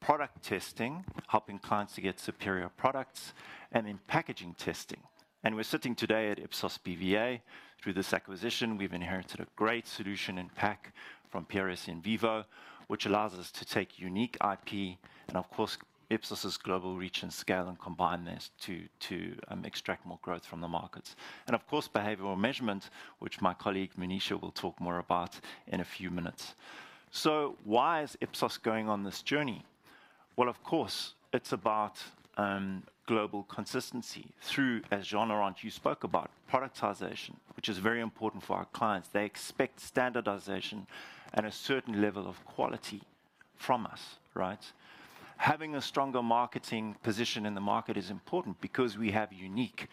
product testing, helping clients to get superior products, and in packaging testing. And we're sitting today at Ipsos BVA. Through this acquisition, we've inherited a great solution in Pack from PRS IN VIVO, which allows us to take unique IP and, of course, Ipsos's global reach and scale and combine this to extract more growth from the markets. And of course, Behavioral Measurement, which my colleague Moneesha will talk more about in a few minutes. So why is Ipsos going on this journey? Well, of course, it's about global consistency through, as Jean-Laurent you spoke about, productization, which is very important for our clients. They expect standardization and a certain level of quality from us, right? Having a stronger marketing position in the market is important because we have unique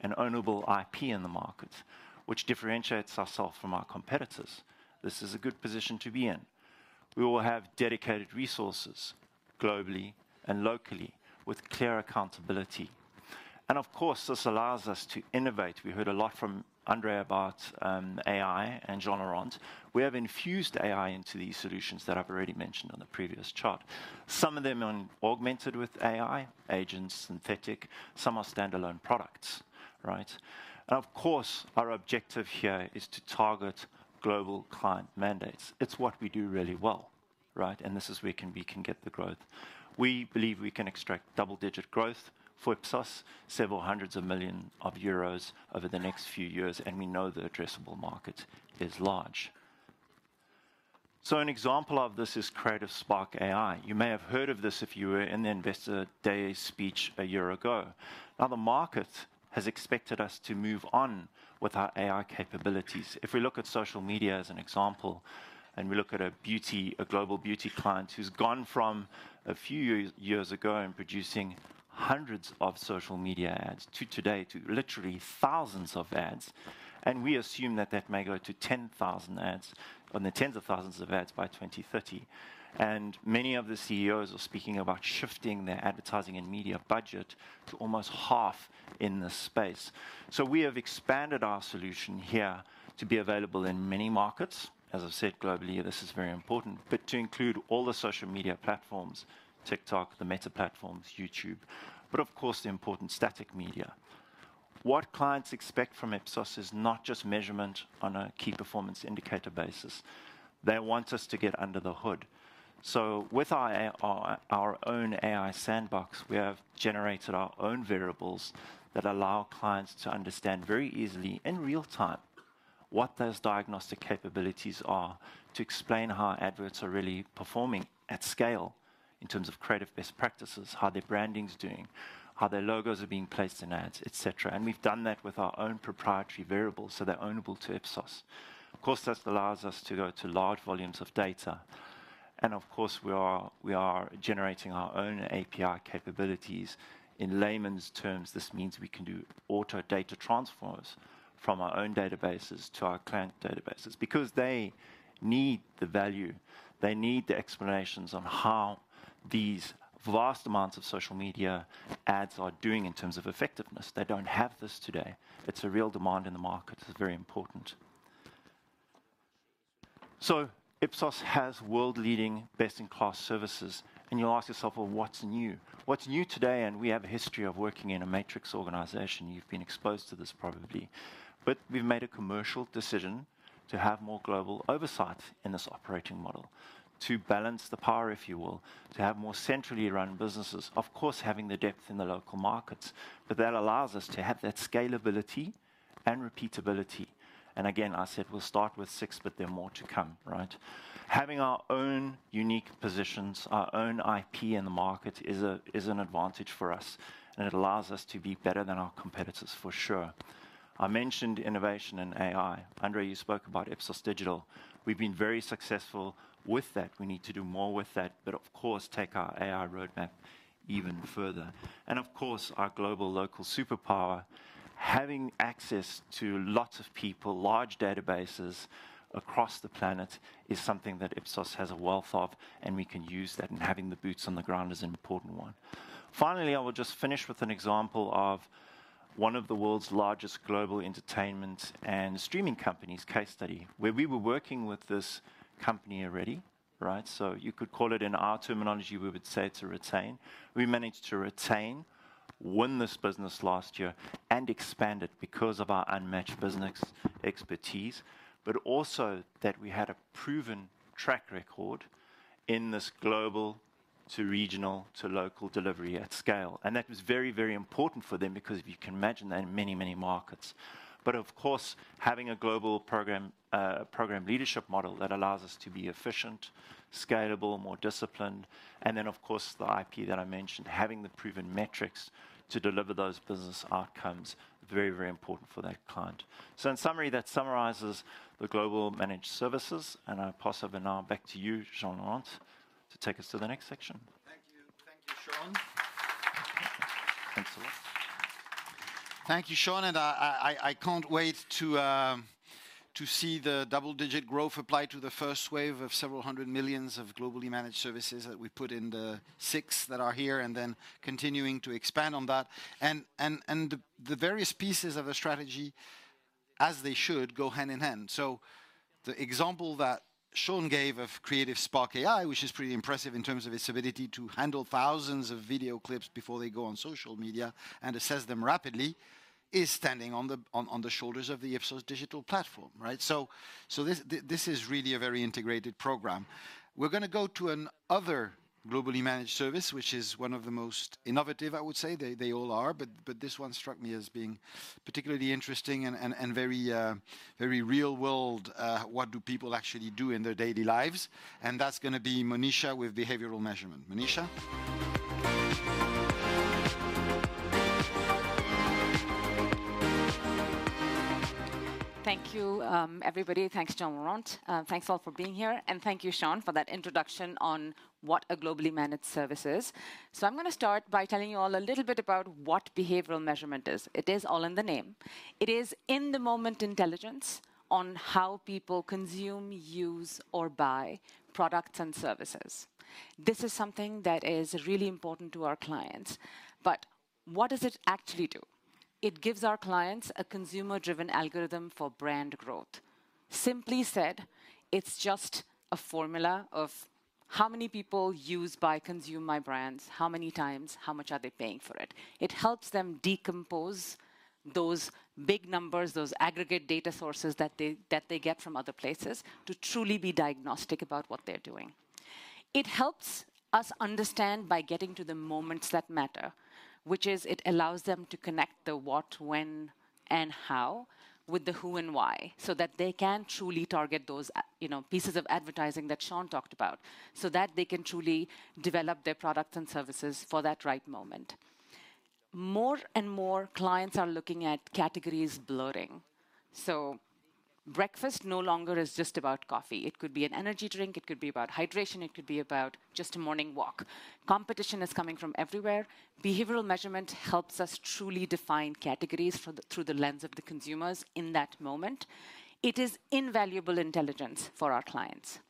and ownable IP in the market, which differentiates ourselves from our competitors. This is a good position to be in. We will have dedicated resources globally and locally with clear accountability. Of course, this allows us to innovate. We heard a lot from Andrei about AI and Jean-Laurent. We have infused AI into these solutions that I've already mentioned on the previous chart. Some of them are augmented with AI, agents, synthetic. Some are standalone products, right? Of course, our objective here is to target global client mandates. It's what we do really well, right? This is where we can get the growth. We believe we can extract double-digit growth for Ipsos, several hundred million EUR over the next few years, and we know the addressable market is large, so an example of this is Creative Spark AI. You may have heard of this if you were in the Investor Day speech a year ago. Now the market has expected us to move on with our AI capabilities. If we look at social media as an example, and we look at a beauty, a global beauty client who's gone from a few years ago and producing hundreds of social media ads to today to literally thousands of ads. And we assume that that may go to 10,000 ads on the tens of thousands of ads by 2030. And many of the CEOs are speaking about shifting their advertising and media budget to almost half in this space. So we have expanded our solution here to be available in many markets. As I've said, globally, this is very important, but to include all the social media platforms, TikTok, the Meta platforms, YouTube, but of course, the important static media. What clients expect from Ipsos is not just measurement on a key performance indicator basis. They want us to get under the hood. So with our own AI sandbox, we have generated our own variables that allow clients to understand very easily in real time what those diagnostic capabilities are to explain how adverts are really performing at scale in terms of creative best practices, how their branding is doing, how their logos are being placed in ads, etc. And we've done that with our own proprietary variables that are ownable to Ipsos. Of course, this allows us to go to large volumes of data. Of course, we are generating our own API capabilities. In layman's terms, this means we can do auto data transforms from our own databases to our client databases because they need the value. They need the explanations on how these vast amounts of social media ads are doing in terms of effectiveness. They don't have this today. It's a real demand in the market. It's very important. Ipsos has world-leading best-in-class services. You'll ask yourself, well, what's new? What's new today? We have a history of working in a matrix organization. You've been exposed to this probably. We've made a commercial decision to have more global oversight in this operating model to balance the power, if you will, to have more centrally run businesses, of course, having the depth in the local markets. That allows us to have that scalability and repeatability. And again, I said we'll start with six, but there are more to come, right? Having our own unique positions, our own IP in the market is an advantage for us. And it allows us to be better than our competitors, for sure. I mentioned innovation and AI. Andrei, you spoke about Ipsos Digital. We've been very successful with that. We need to do more with that, but of course, take our AI roadmap even further. And of course, our global local superpower, having access to lots of people, large databases across the planet is something that Ipsos has a wealth of, and we can use that. And having the boots on the ground is an important one. Finally, I will just finish with an example of one of the world's largest global entertainment and streaming companies case study where we were working with this company already, right? So you could call it in our terminology; we would say it's a retain. We managed to retain, win this business last year, and expand it because of our unmatched business expertise, but also that we had a proven track record in this global to regional to local delivery at scale. And that was very, very important for them because you can imagine that in many, many markets. But of course, having a global program leadership model that allows us to be efficient, scalable, more disciplined, and then of course, the IP that I mentioned, having the proven metrics to deliver those business outcomes, very, very important for that client. So in summary, that summarizes the global managed services. And I pass over now back to you, Jean-Laurent, to take us to the next section. Thank you. Thank you, Shaun. Thanks a lot. Thank you, Shaun. And I can't wait to see the double-digit growth applied to the first wave of several hundred millions of globally managed services that we put in the six that are here and then continuing to expand on that. And the various pieces of a strategy, as they should, go hand in hand. So the example that Shaun gave of Creative Spark AI, which is pretty impressive in terms of its ability to handle thousands of video clips before they go on social media and assess them rapidly, is standing on the shoulders of the Ipsos Digital platform, right? So this is really a very integrated program. We're going to go to another globally managed service, which is one of the most innovative, I would say. They all are, but this one struck me as being particularly interesting and very real-world. What do people actually do in their daily lives? That's going to be Moneesha with Behavioral Measurement. Moneesha. Thank you, everybody. Thanks, Jean-Laurent. Thanks all for being here. Thank you, Shaun, for that introduction on what a globally managed service is. I'm going to start by telling you all a little bit about what Behavioral Measurement is. It is all in the name. It is in-the-moment intelligence on how people consume, use, or buy products and services. This is something that is really important to our clients. What does it actually do? It gives our clients a consumer-driven algorithm for brand growth. Simply said, it's just a formula of how many people use, buy, consume my brands, how many times, how much are they paying for it? It helps them decompose those big numbers, those aggregate data sources that they get from other places to truly be diagnostic about what they're doing. It helps us understand by getting to the moments that matter, which is, it allows them to connect the what, when, and how with the who and why so that they can truly target those pieces of advertising that Shaun talked about so that they can truly develop their products and services for that right moment. More and more clients are looking at categories blurring, so breakfast no longer is just about coffee. It could be an energy drink. It could be about hydration. It could be about just a morning walk. Competition is coming from everywhere. Behavioral Measurement helps us truly define categories through the lens of the consumers in that moment. It is invaluable intelligence for our clients.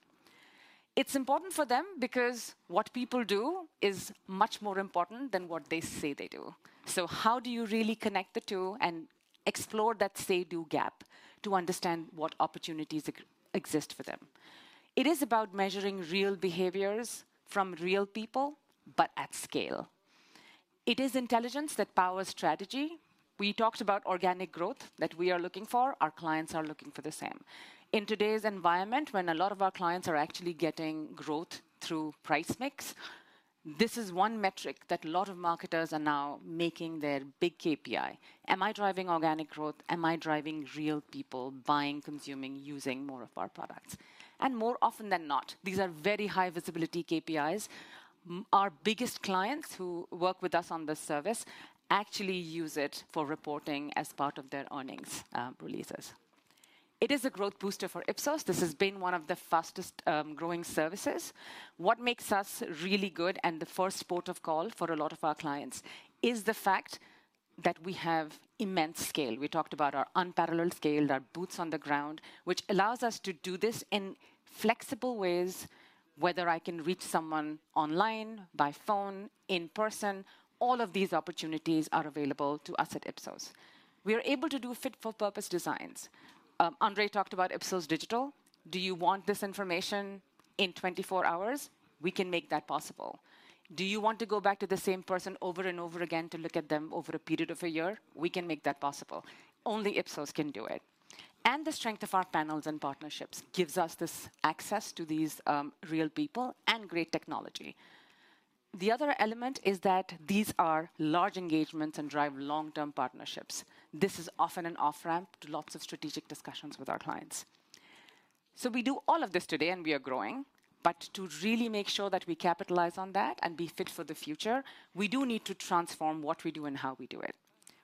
It's important for them because what people do is much more important than what they say they do. So how do you really connect the two and explore that say-do gap to understand what opportunities exist for them? It is about measuring real behaviors from real people, but at scale. It is intelligence that powers strategy. We talked about organic growth that we are looking for. Our clients are looking for the same. In today's environment, when a lot of our clients are actually getting growth through price mix, this is one metric that a lot of marketers are now making their big KPI. Am I driving organic growth? Am I driving real people buying, consuming, using more of our products? And more often than not, these are very high-visibility KPIs. Our biggest clients who work with us on this service actually use it for reporting as part of their earnings releases. It is a growth booster for Ipsos. This has been one of the fastest-growing services. What makes us really good and the first port of call for a lot of our clients is the fact that we have immense scale. We talked about our unparalleled scale, our boots on the ground, which allows us to do this in flexible ways, whether I can reach someone online, by phone, in person. All of these opportunities are available to us at Ipsos. We are able to do fit-for-purpose designs. Andrei talked about Ipsos Digital. Do you want this information in 24 hours? We can make that possible. Do you want to go back to the same person over and over again to look at them over a period of a year? We can make that possible. Only Ipsos can do it, and the strength of our panels and partnerships gives us this access to these real people and great technology. The other element is that these are large engagements and drive long-term partnerships. This is often an off-ramp to lots of strategic discussions with our clients. So we do all of this today, and we are growing. But to really make sure that we capitalize on that and be fit for the future, we do need to transform what we do and how we do it,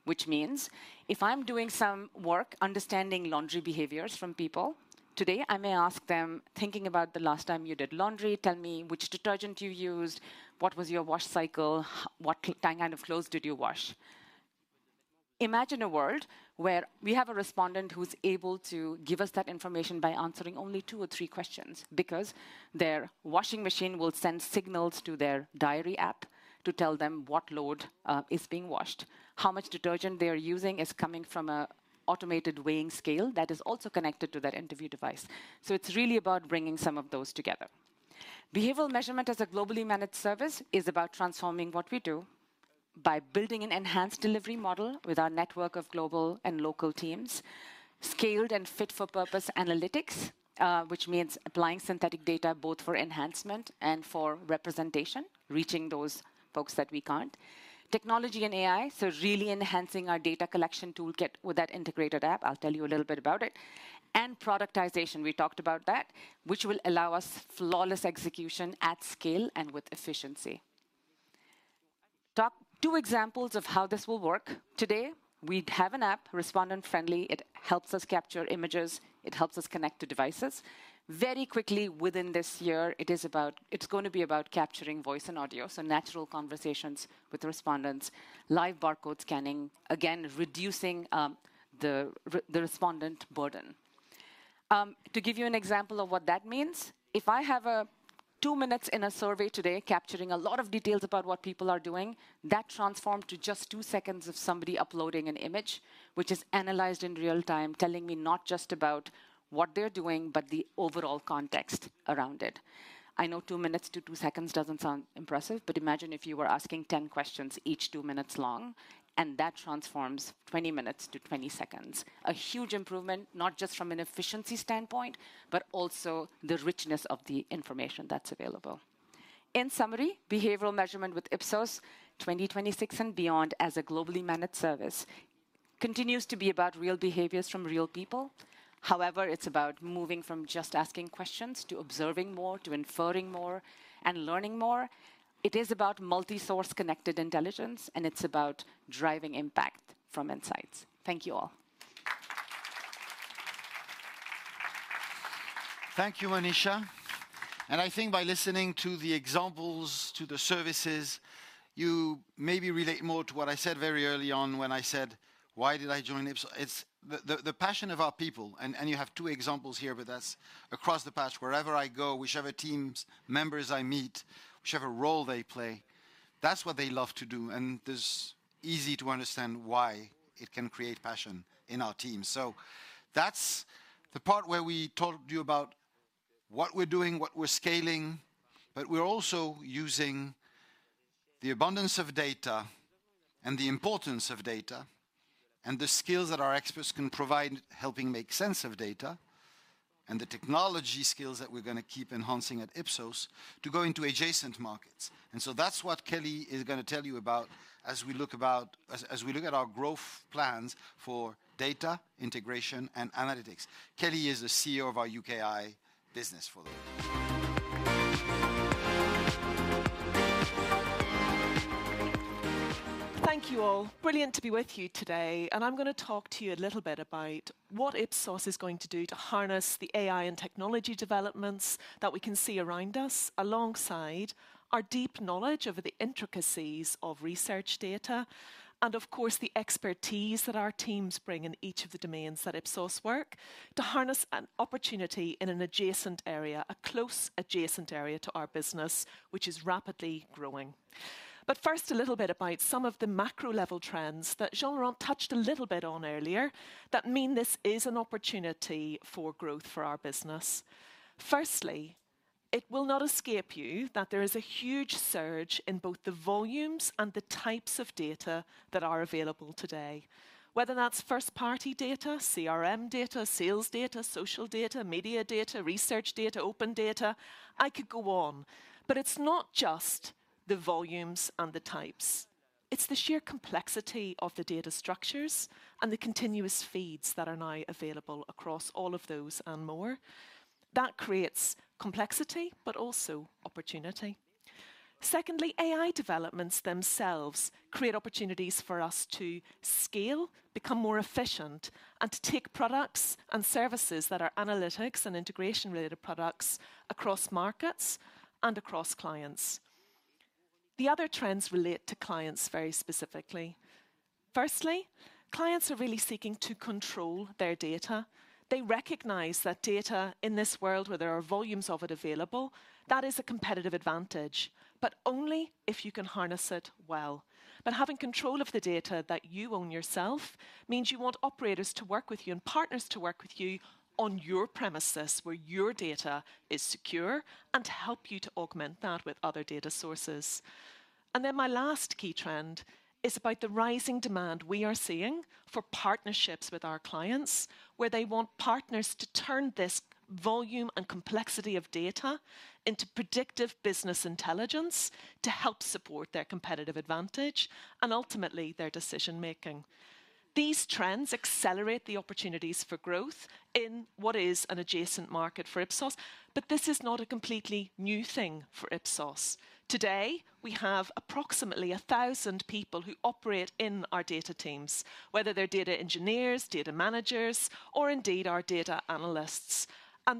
which means if I'm doing some work understanding laundry behaviors from people today, I may ask them, "Thinking about the last time you did laundry, tell me which detergent you used, what was your wash cycle, what kind of clothes did you wash?" Imagine a world where we have a respondent who's able to give us that information by answering only two or three questions because their washing machine will send signals to their diary app to tell them what load is being washed. How much detergent they are using is coming from an automated weighing scale that is also connected to that interview device. So it's really about bringing some of those together. Behavioral Measurement as a globally managed service is about transforming what we do by building an enhanced delivery model with our network of global and local teams, scaled and fit-for-purpose analytics, which means applying synthetic data both for enhancement and for representation, reaching those folks that we can't, technology and AI, so really enhancing our data collection toolkit with that integrated app. I'll tell you a little bit about it. And productization. We talked about that, which will allow us flawless execution at scale and with efficiency. Two examples of how this will work today. We have an app, respondent friendly. It helps us capture images. It helps us connect to devices. Very quickly, within this year, it's going to be about capturing voice and audio, so natural conversations with respondents, live barcode scanning, again, reducing the respondent burden. To give you an example of what that means, if I have two minutes in a survey today capturing a lot of details about what people are doing, that transformed to just two seconds of somebody uploading an image, which is analyzed in real time, telling me not just about what they're doing, but the overall context around it. I know two minutes to two seconds doesn't sound impressive, but imagine if you were asking 10 questions each two minutes long, and that transforms 20 minutes to 20 seconds. A huge improvement, not just from an efficiency standpoint, but also the richness of the information that's available. In summary, Behavioral Measurement with Ipsos 2026 and beyond as a globally managed service continues to be about real behaviors from real people. However, it's about moving from just asking questions to observing more, to inferring more, and learning more. It is about multi-source connected intelligence, and it's about driving impact from insights. Thank you all. Thank you, Moneesha. And I think by listening to the examples, to the services, you maybe relate more to what I said very early on when I said, "Why did I join Ipsos?" It's the passion of our people. And you have two examples here, but that's across the board. Wherever I go, whichever team members I meet, whichever role they play, that's what they love to do. And it's easy to understand why it can create passion in our team. So that's the part where we told you about what we're doing, what we're scaling, but we're also using the abundance of data and the importance of data and the skills that our experts can provide, helping make sense of data, and the technology skills that we're going to keep enhancing at Ipsos to go into adjacent markets, and so that's what Kelly is going to tell you about as we look at our growth plans for Data Integration and Analytics. Kelly is the CEO of our UKI business for the moment. Thank you all. Brilliant to be with you today. I'm going to talk to you a little bit about what Ipsos is going to do to harness the AI and technology developments that we can see around us alongside our deep knowledge of the intricacies of research data and, of course, the expertise that our teams bring in each of the domains that Ipsos work to harness an opportunity in an adjacent area, a close adjacent area to our business, which is rapidly growing. First, a little bit about some of the macro-level trends that Jean-Laurent touched a little bit on earlier that mean this is an opportunity for growth for our business. Firstly, it will not escape you that there is a huge surge in both the volumes and the types of data that are available today, whether that's first-party data, CRM data, sales data, social data, media data, research data, open data. I could go on, but it's not just the volumes and the types. It's the sheer complexity of the data structures and the continuous feeds that are now available across all of those and more that creates complexity, but also opportunity. Secondly, AI developments themselves create opportunities for us to scale, become more efficient, and to take products and services that are analytics and integration-related products across markets and across clients. The other trends relate to clients very specifically. Firstly, clients are really seeking to control their data. They recognize that data in this world where there are volumes of it available, that is a competitive advantage, but only if you can harness it well. Having control of the data that you own yourself means you want operators to work with you and partners to work with you on your premises where your data is secure and to help you to augment that with other data sources. My last key trend is about the rising demand we are seeing for partnerships with our clients where they want partners to turn this volume and complexity of data into predictive business intelligence to help support their competitive advantage and ultimately their decision-making. These trends accelerate the opportunities for growth in what is an adjacent market for Ipsos, but this is not a completely new thing for Ipsos. Today, we have approximately 1,000 people who operate in our data teams, whether they're data engineers, data managers, or indeed our data analysts.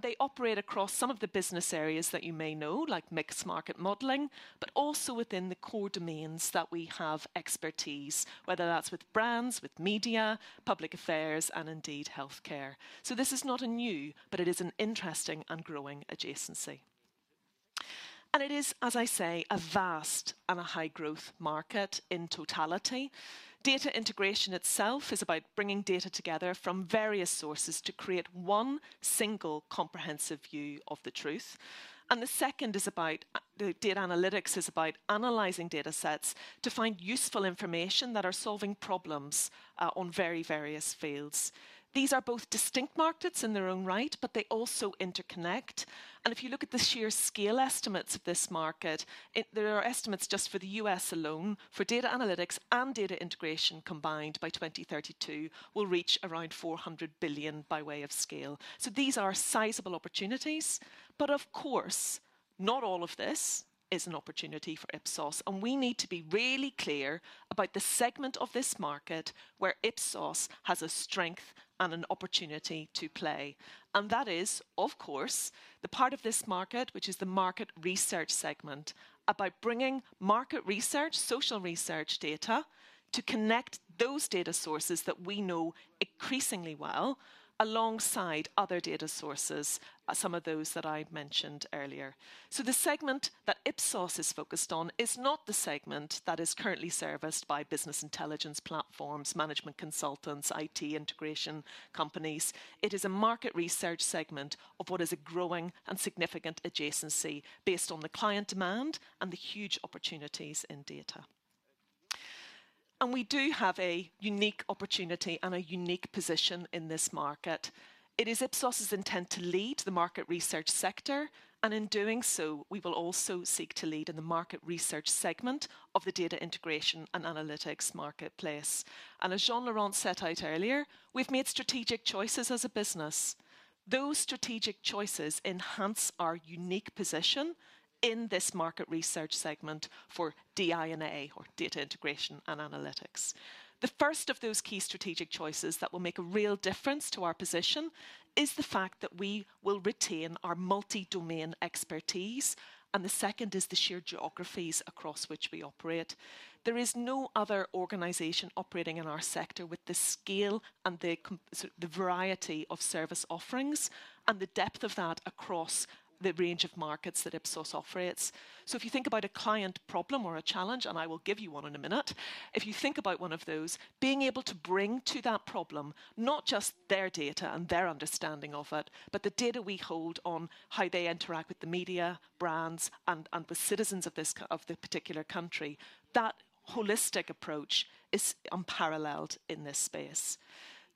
They operate across some of the business areas that you may know, like mixed market modeling, but also within the core domains that we have expertise, whether that's with brands, with media, public affairs, and indeed healthcare. This is not a new, but it is an interesting and growing adjacency. It is, as I say, a vast and a high-growth market in totality. Data integration itself is about bringing data together from various sources to create one single comprehensive view of the truth. The second is about data analytics is about analyzing data sets to find useful information that are solving problems on very various fields. These are both distinct markets in their own right, but they also interconnect. And if you look at the sheer scale estimates of this market, there are estimates just for the U.S. alone for data analytics and data integration combined, by 2032 will reach around $400 billion by way of scale. So these are sizable opportunities, but of course, not all of this is an opportunity for Ipsos. And we need to be really clear about the segment of this market where Ipsos has a strength and an opportunity to play. And that is, of course, the part of this market, which is the market research segment, about bringing market research, social research data to connect those data sources that we know increasingly well alongside other data sources, some of those that I mentioned earlier. So the segment that Ipsos is focused on is not the segment that is currently serviced by business intelligence platforms, management consultants, IT integration companies. It is a market research segment of what is a growing and significant adjacency based on the client demand and the huge opportunities in data, and we do have a unique opportunity and a unique position in this market. It is Ipsos' intent to lead the market research sector, and in doing so, we will also seek to lead in the market research segment of the Data Integration and Analytics marketplace, and as Jean-Laurent set out earlier, we've made strategic choices as a business. Those strategic choices enhance our unique position in this market research segment for DI&A or Data Integration and Analytics. The first of those key strategic choices that will make a real difference to our position is the fact that we will retain our multi-domain expertise, and the second is the sheer geographies across which we operate. There is no other organization operating in our sector with the scale and the variety of service offerings and the depth of that across the range of markets that Ipsos operates, so if you think about a client problem or a challenge, and I will give you one in a minute, if you think about one of those, being able to bring to that problem not just their data and their understanding of it, but the data we hold on how they interact with the media, brands, and the citizens of the particular country, that holistic approach is unparalleled in this space.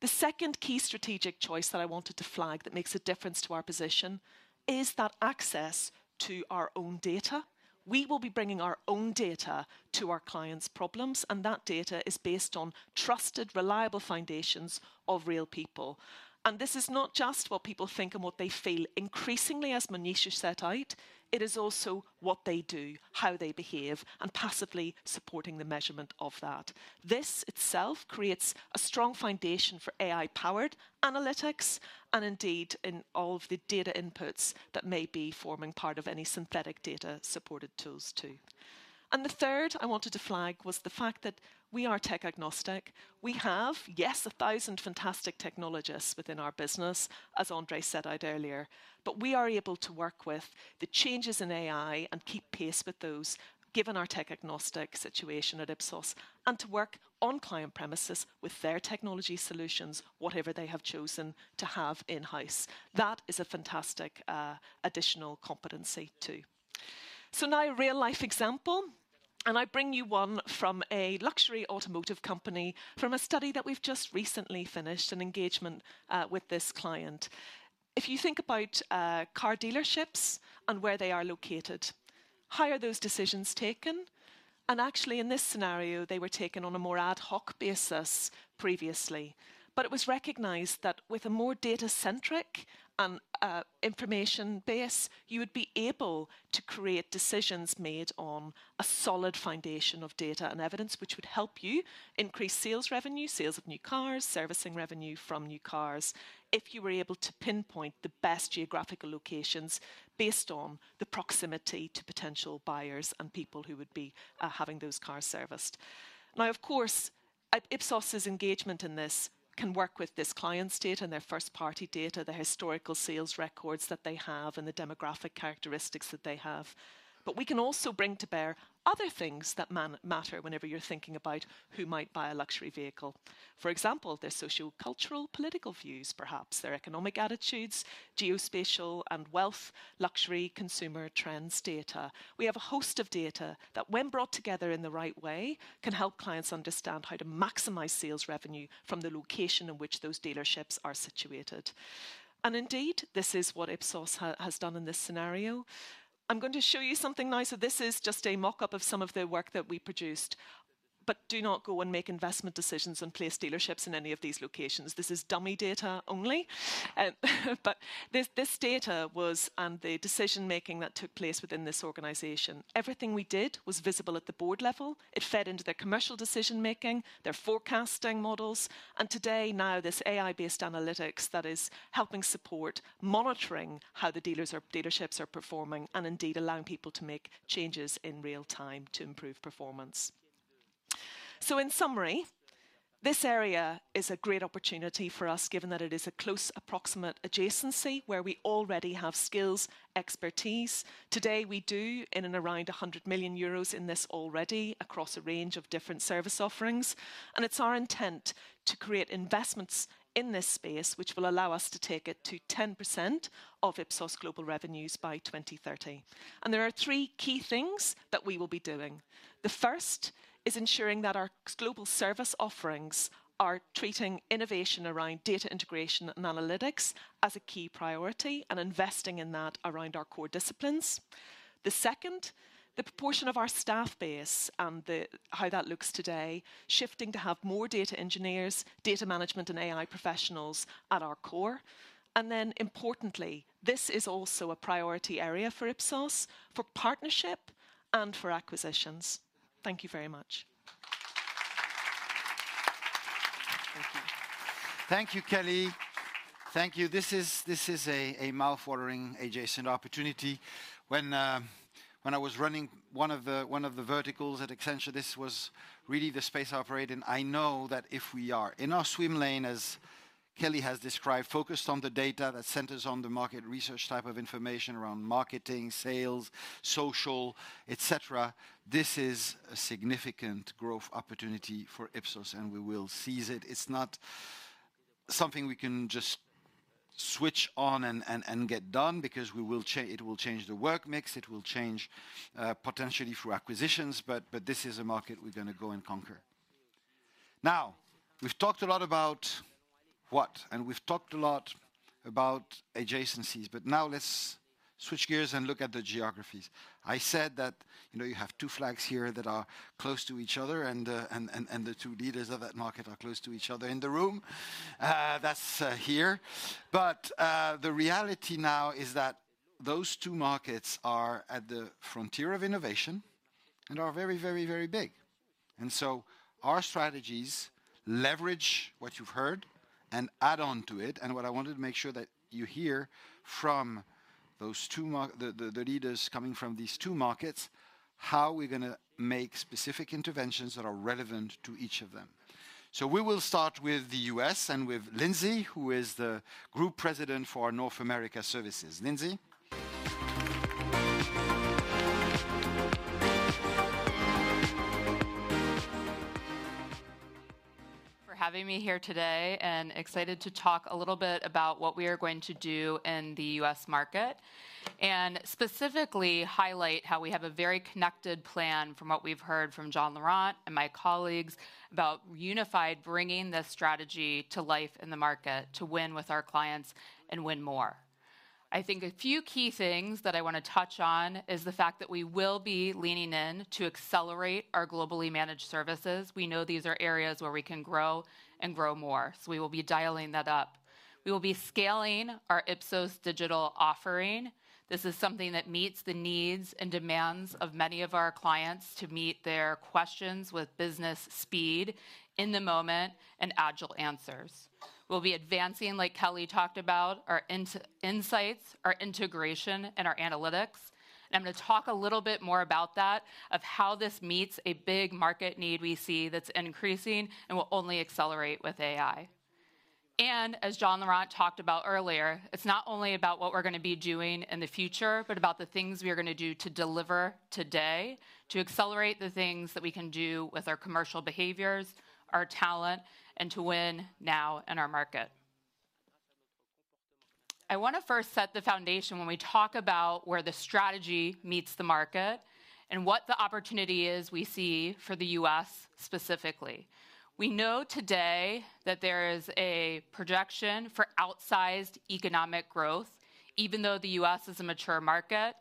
The second key strategic choice that I wanted to flag that makes a difference to our position is that access to our own data. We will be bringing our own data to our clients' problems, and that data is based on trusted, reliable foundations of real people. And this is not just what people think and what they feel increasingly, as Moneesha set out. It is also what they do, how they behave, and passively supporting the measurement of that. This itself creates a strong foundation for AI-powered analytics and indeed in all of the data inputs that may be forming part of any synthetic data-supported tools too. And the third I wanted to flag was the fact that we are tech-agnostic. We have, yes, 1,000 fantastic technologists within our business, as Andrei said earlier, but we are able to work with the changes in AI and keep pace with those given our tech-agnostic situation at Ipsos and to work on client premises with their technology solutions, whatever they have chosen to have in-house. That is a fantastic additional competency too. So now a real-life example, and I bring you one from a luxury automotive company from a study that we've just recently finished, an engagement with this client. If you think about car dealerships and where they are located, how are those decisions taken? Actually, in this scenario, they were taken on a more ad hoc basis previously, but it was recognized that with a more data-centric and information base, you would be able to create decisions made on a solid foundation of data and evidence, which would help you increase sales revenue, sales of new cars, servicing revenue from new cars if you were able to pinpoint the best geographical locations based on the proximity to potential buyers and people who would be having those cars serviced. Now, of course, Ipsos' engagement in this can work with this client's data and their first-party data, the historical sales records that they have and the demographic characteristics that they have. But we can also bring to bear other things that matter whenever you're thinking about who might buy a luxury vehicle. For example, their socio-cultural political views, perhaps their economic attitudes, geospatial and wealth luxury consumer trends data. We have a host of data that, when brought together in the right way, can help clients understand how to maximize sales revenue from the location in which those dealerships are situated. And indeed, this is what Ipsos has done in this scenario. I'm going to show you something nice. This is just a mock-up of some of the work that we produced, but do not go and make investment decisions and place dealerships in any of these locations. This is dummy data only, but this data was and the decision-making that took place within this organization. Everything we did was visible at the board level. It fed into their commercial decision-making, their forecasting models, and today, now this AI-based analytics that is helping support monitoring how the dealerships are performing and indeed allowing people to make changes in real time to improve performance, so in summary, this area is a great opportunity for us given that it is a close approximate adjacency where we already have skills, expertise. Today, we do in and around 100 million euros in this already across a range of different service offerings, and it's our intent to create investments in this space, which will allow us to take it to 10% of Ipsos' global revenues by 2030, and there are three key things that we will be doing. The first is ensuring that our global service offerings are treating innovation around Data Integration and Analytics as a key priority and investing in that around our core disciplines. The second, the proportion of our staff base and how that looks today, shifting to have more data engineers, data management, and AI professionals at our core. And then importantly, this is also a priority area for Ipsos for partnership and for acquisitions. Thank you very much. Thank you. Thank you, Kelly. Thank you. This is a mouthwatering adjacent opportunity. When I was running one of the verticals at Accenture, this was really the space I operate in. I know that if we are in our swim lane, as Kelly has described, focused on the data that centers on the market research type of information around marketing, sales, social, etc., this is a significant growth opportunity for Ipsos, and we will seize it. It's not something we can just switch on and get done because it will change the work mix. It will change potentially for acquisitions, but this is a market we're going to go and conquer. Now, we've talked a lot about what, and we've talked a lot about adjacencies, but now let's switch gears and look at the geographies. I said that you have two flags here that are close to each other, and the two leaders of that market are close to each other in the room. That's here. But the reality now is that those two markets are at the frontier of innovation and are very, very, very big. And so our strategies leverage what you've heard and add on to it. And what I wanted to make sure that you hear from the leaders coming from these two markets, how we're going to make specific interventions that are relevant to each of them. So we will start with the U.S. and with Lindsay, who is the Group President for Ipsos North America. Lindsay. For having me here today and excited to talk a little bit about what we are going to do in the U.S. market and specifically highlight how we have a very connected plan from what we've heard from Jean-Laurent and my colleagues about unified bringing this strategy to life in the market to win with our clients and win more. I think a few key things that I want to touch on is the fact that we will be leaning in to accelerate our Globally Managed Services. We know these are areas where we can grow and grow more, so we will be dialing that up. We will be scaling our Ipsos Digital offering. This is something that meets the needs and demands of many of our clients to meet their questions with business speed in the moment and agile answers. We'll be advancing, like Kelly talked about, our insights, our integration, and our analytics. And I'm going to talk a little bit more about that, of how this meets a big market need we see that's increasing and will only accelerate with AI. And as Jean-Laurent talked about earlier, it's not only about what we're going to be doing in the future, but about the things we are going to do to deliver today to accelerate the things that we can do with our commercial behaviors, our talent, and to win now in our market. I want to first set the foundation when we talk about where the strategy meets the market and what the opportunity is we see for the U.S. specifically. We know today that there is a projection for outsized economic growth, even though the U.S. is a mature market.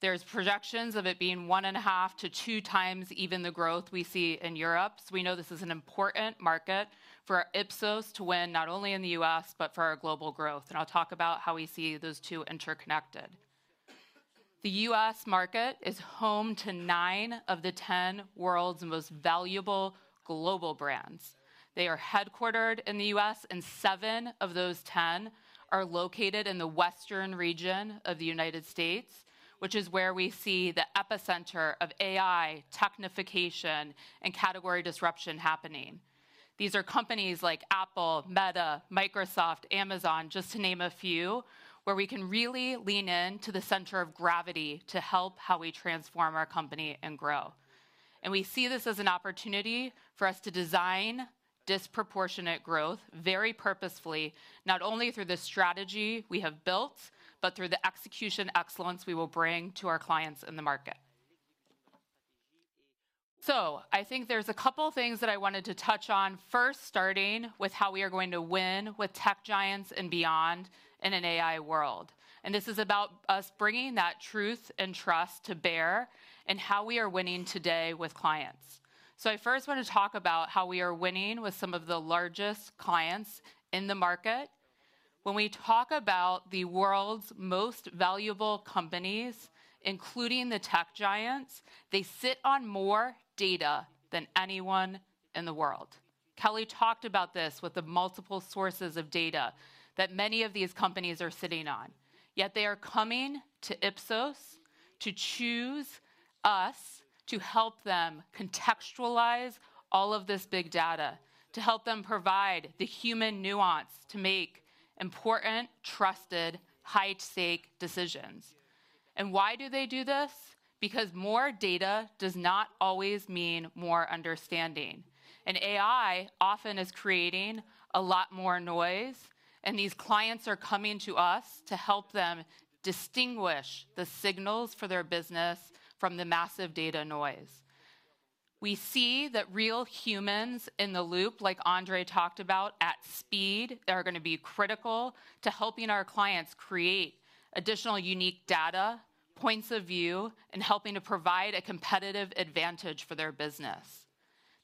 There's projections of it being 1.5x-2x even the growth we see in Europe. So we know this is an important market for Ipsos to win not only in the U.S., but for our global growth. I'll talk about how we see those two interconnected. The U.S. market is home to nine of the 10 world's most valuable global brands. They are headquartered in the U.S., and seven of those 10 are located in the western region of the United States, which is where we see the epicenter of AI, technification, and category disruption happening. These are companies like Apple, Meta, Microsoft, Amazon, just to name a few, where we can really lean into the center of gravity to help how we transform our company and grow. We see this as an opportunity for us to design disproportionate growth very purposefully, not only through the strategy we have built, but through the execution excellence we will bring to our clients in the market. I think there's a couple of things that I wanted to touch on, first starting with how we are going to win with tech giants and beyond in an AI world. This is about us bringing that truth and trust to bear in how we are winning today with clients. I first want to talk about how we are winning with some of the largest clients in the market. When we talk about the world's most valuable companies, including the tech giants, they sit on more data than anyone in the world. Kelly talked about this with the multiple sources of data that many of these companies are sitting on. Yet they are coming to Ipsos to choose us to help them contextualize all of this big data, to help them provide the human nuance to make important, trusted, high-stakes decisions. Why do they do this? Because more data does not always mean more understanding, and AI often is creating a lot more noise, and these clients are coming to us to help them distinguish the signals for their business from the massive data noise. We see that real humans in the loop, like Andrei talked about, at speed, are going to be critical to helping our clients create additional unique data, points of view, and helping to provide a competitive advantage for their business.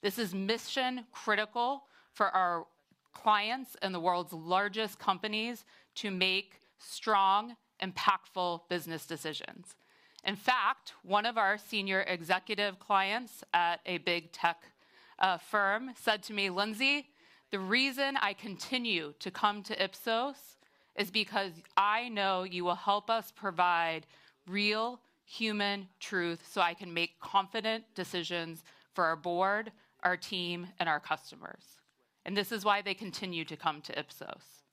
This is mission-critical for our clients and the world's largest companies to make strong, impactful business decisions. In fact, one of our senior executive clients at a big tech firm said to me, "Lindsay, the reason I continue to come to Ipsos is because I know you will help us provide real human truth so I can make confident decisions for our board, our team, and our customers." and this is why they continue to come to Ipsos.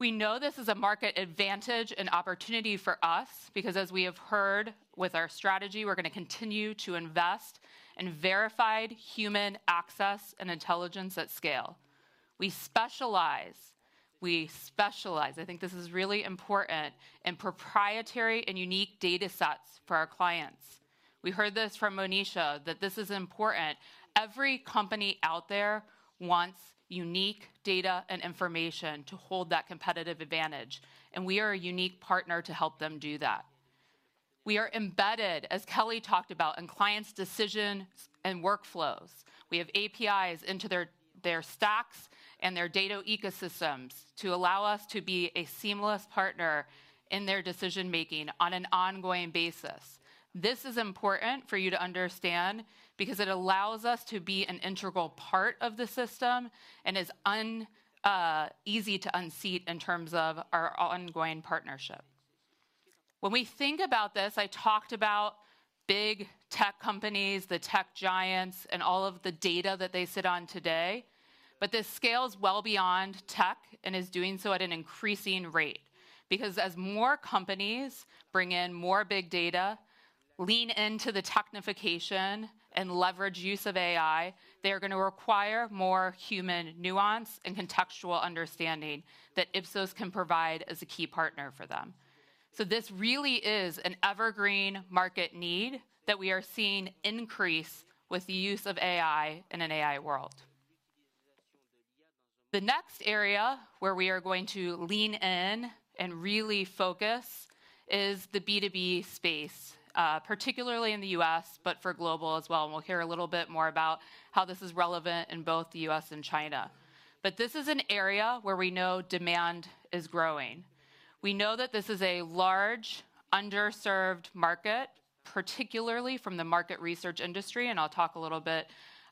We know this is a market advantage and opportunity for us because, as we have heard with our strategy, we're going to continue to invest in verified human access and intelligence at scale. We specialize. We specialize. I think this is really important in proprietary and unique data sets for our clients. We heard this from Moneesha, that this is important. Every company out there wants unique data and information to hold that competitive advantage, and we are a unique partner to help them do that. We are embedded, as Kelly talked about, in clients' decision and workflows. We have APIs into their stacks and their data ecosystems to allow us to be a seamless partner in their decision-making on an ongoing basis. This is important for you to understand because it allows us to be an integral part of the system and is easy to unseat in terms of our ongoing partnership. When we think about this, I talked about big tech companies, the tech giants, and all of the data that they sit on today, but this scales well beyond tech and is doing so at an increasing rate because as more companies bring in more big data, lean into the technification, and leverage use of AI, they are going to require more human nuance and contextual understanding that Ipsos can provide as a key partner for them. This really is an evergreen market need that we are seeing increase with the use of AI in an AI world. The next area where we are going to lean in and really focus is the B2B space, particularly in the U.S., but for global as well, and we'll hear a little bit more about how this is relevant in both the U.S. and China, but this is an area where we know demand is growing. We know that this is a large, underserved market, particularly from the market research industry, and I'll talk a little bit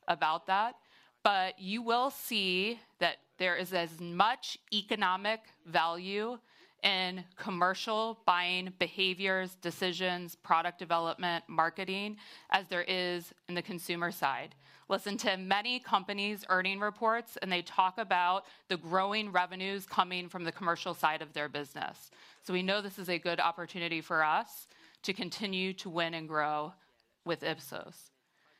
about that, but you will see that there is as much economic value in commercial buying behaviors, decisions, product development, marketing as there is in the consumer side, listen to many companies' earnings reports, and they talk about the growing revenues coming from the commercial side of their business. So we know this is a good opportunity for us to continue to win and grow with Ipsos.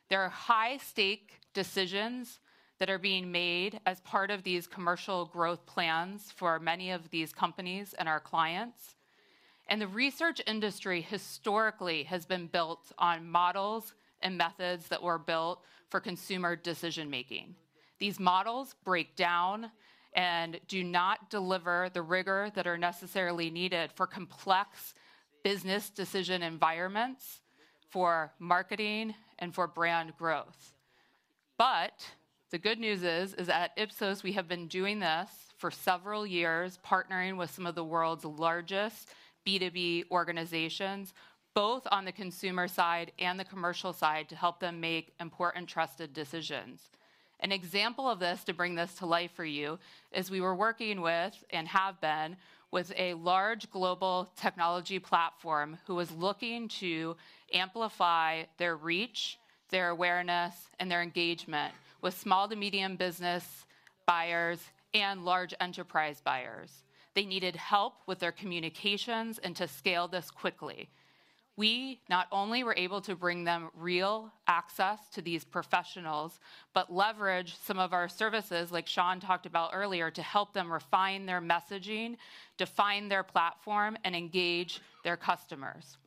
There are high-stake decisions that are being made as part of these commercial growth plans for many of these companies and our clients. And the research industry historically has been built on models and methods that were built for consumer decision-making. These models break down and do not deliver the rigor that is necessarily needed for complex business decision environments for marketing and for brand growth. But the good news is that at Ipsos, we have been doing this for several years, partnering with some of the world's largest B2B organizations, both on the consumer side and the commercial side, to help them make important trusted decisions. An example of this to bring this to life for you is we were working with and have been with a large global technology platform who was looking to amplify their reach, their awareness, and their engagement with small to medium business buyers and large enterprise buyers. They needed help with their communications and to scale this quickly. We not only were able to bring them real access to these professionals, but leverage some of our services, like Shaun talked about earlier, to help them refine their messaging, define their platform, and engage their customers.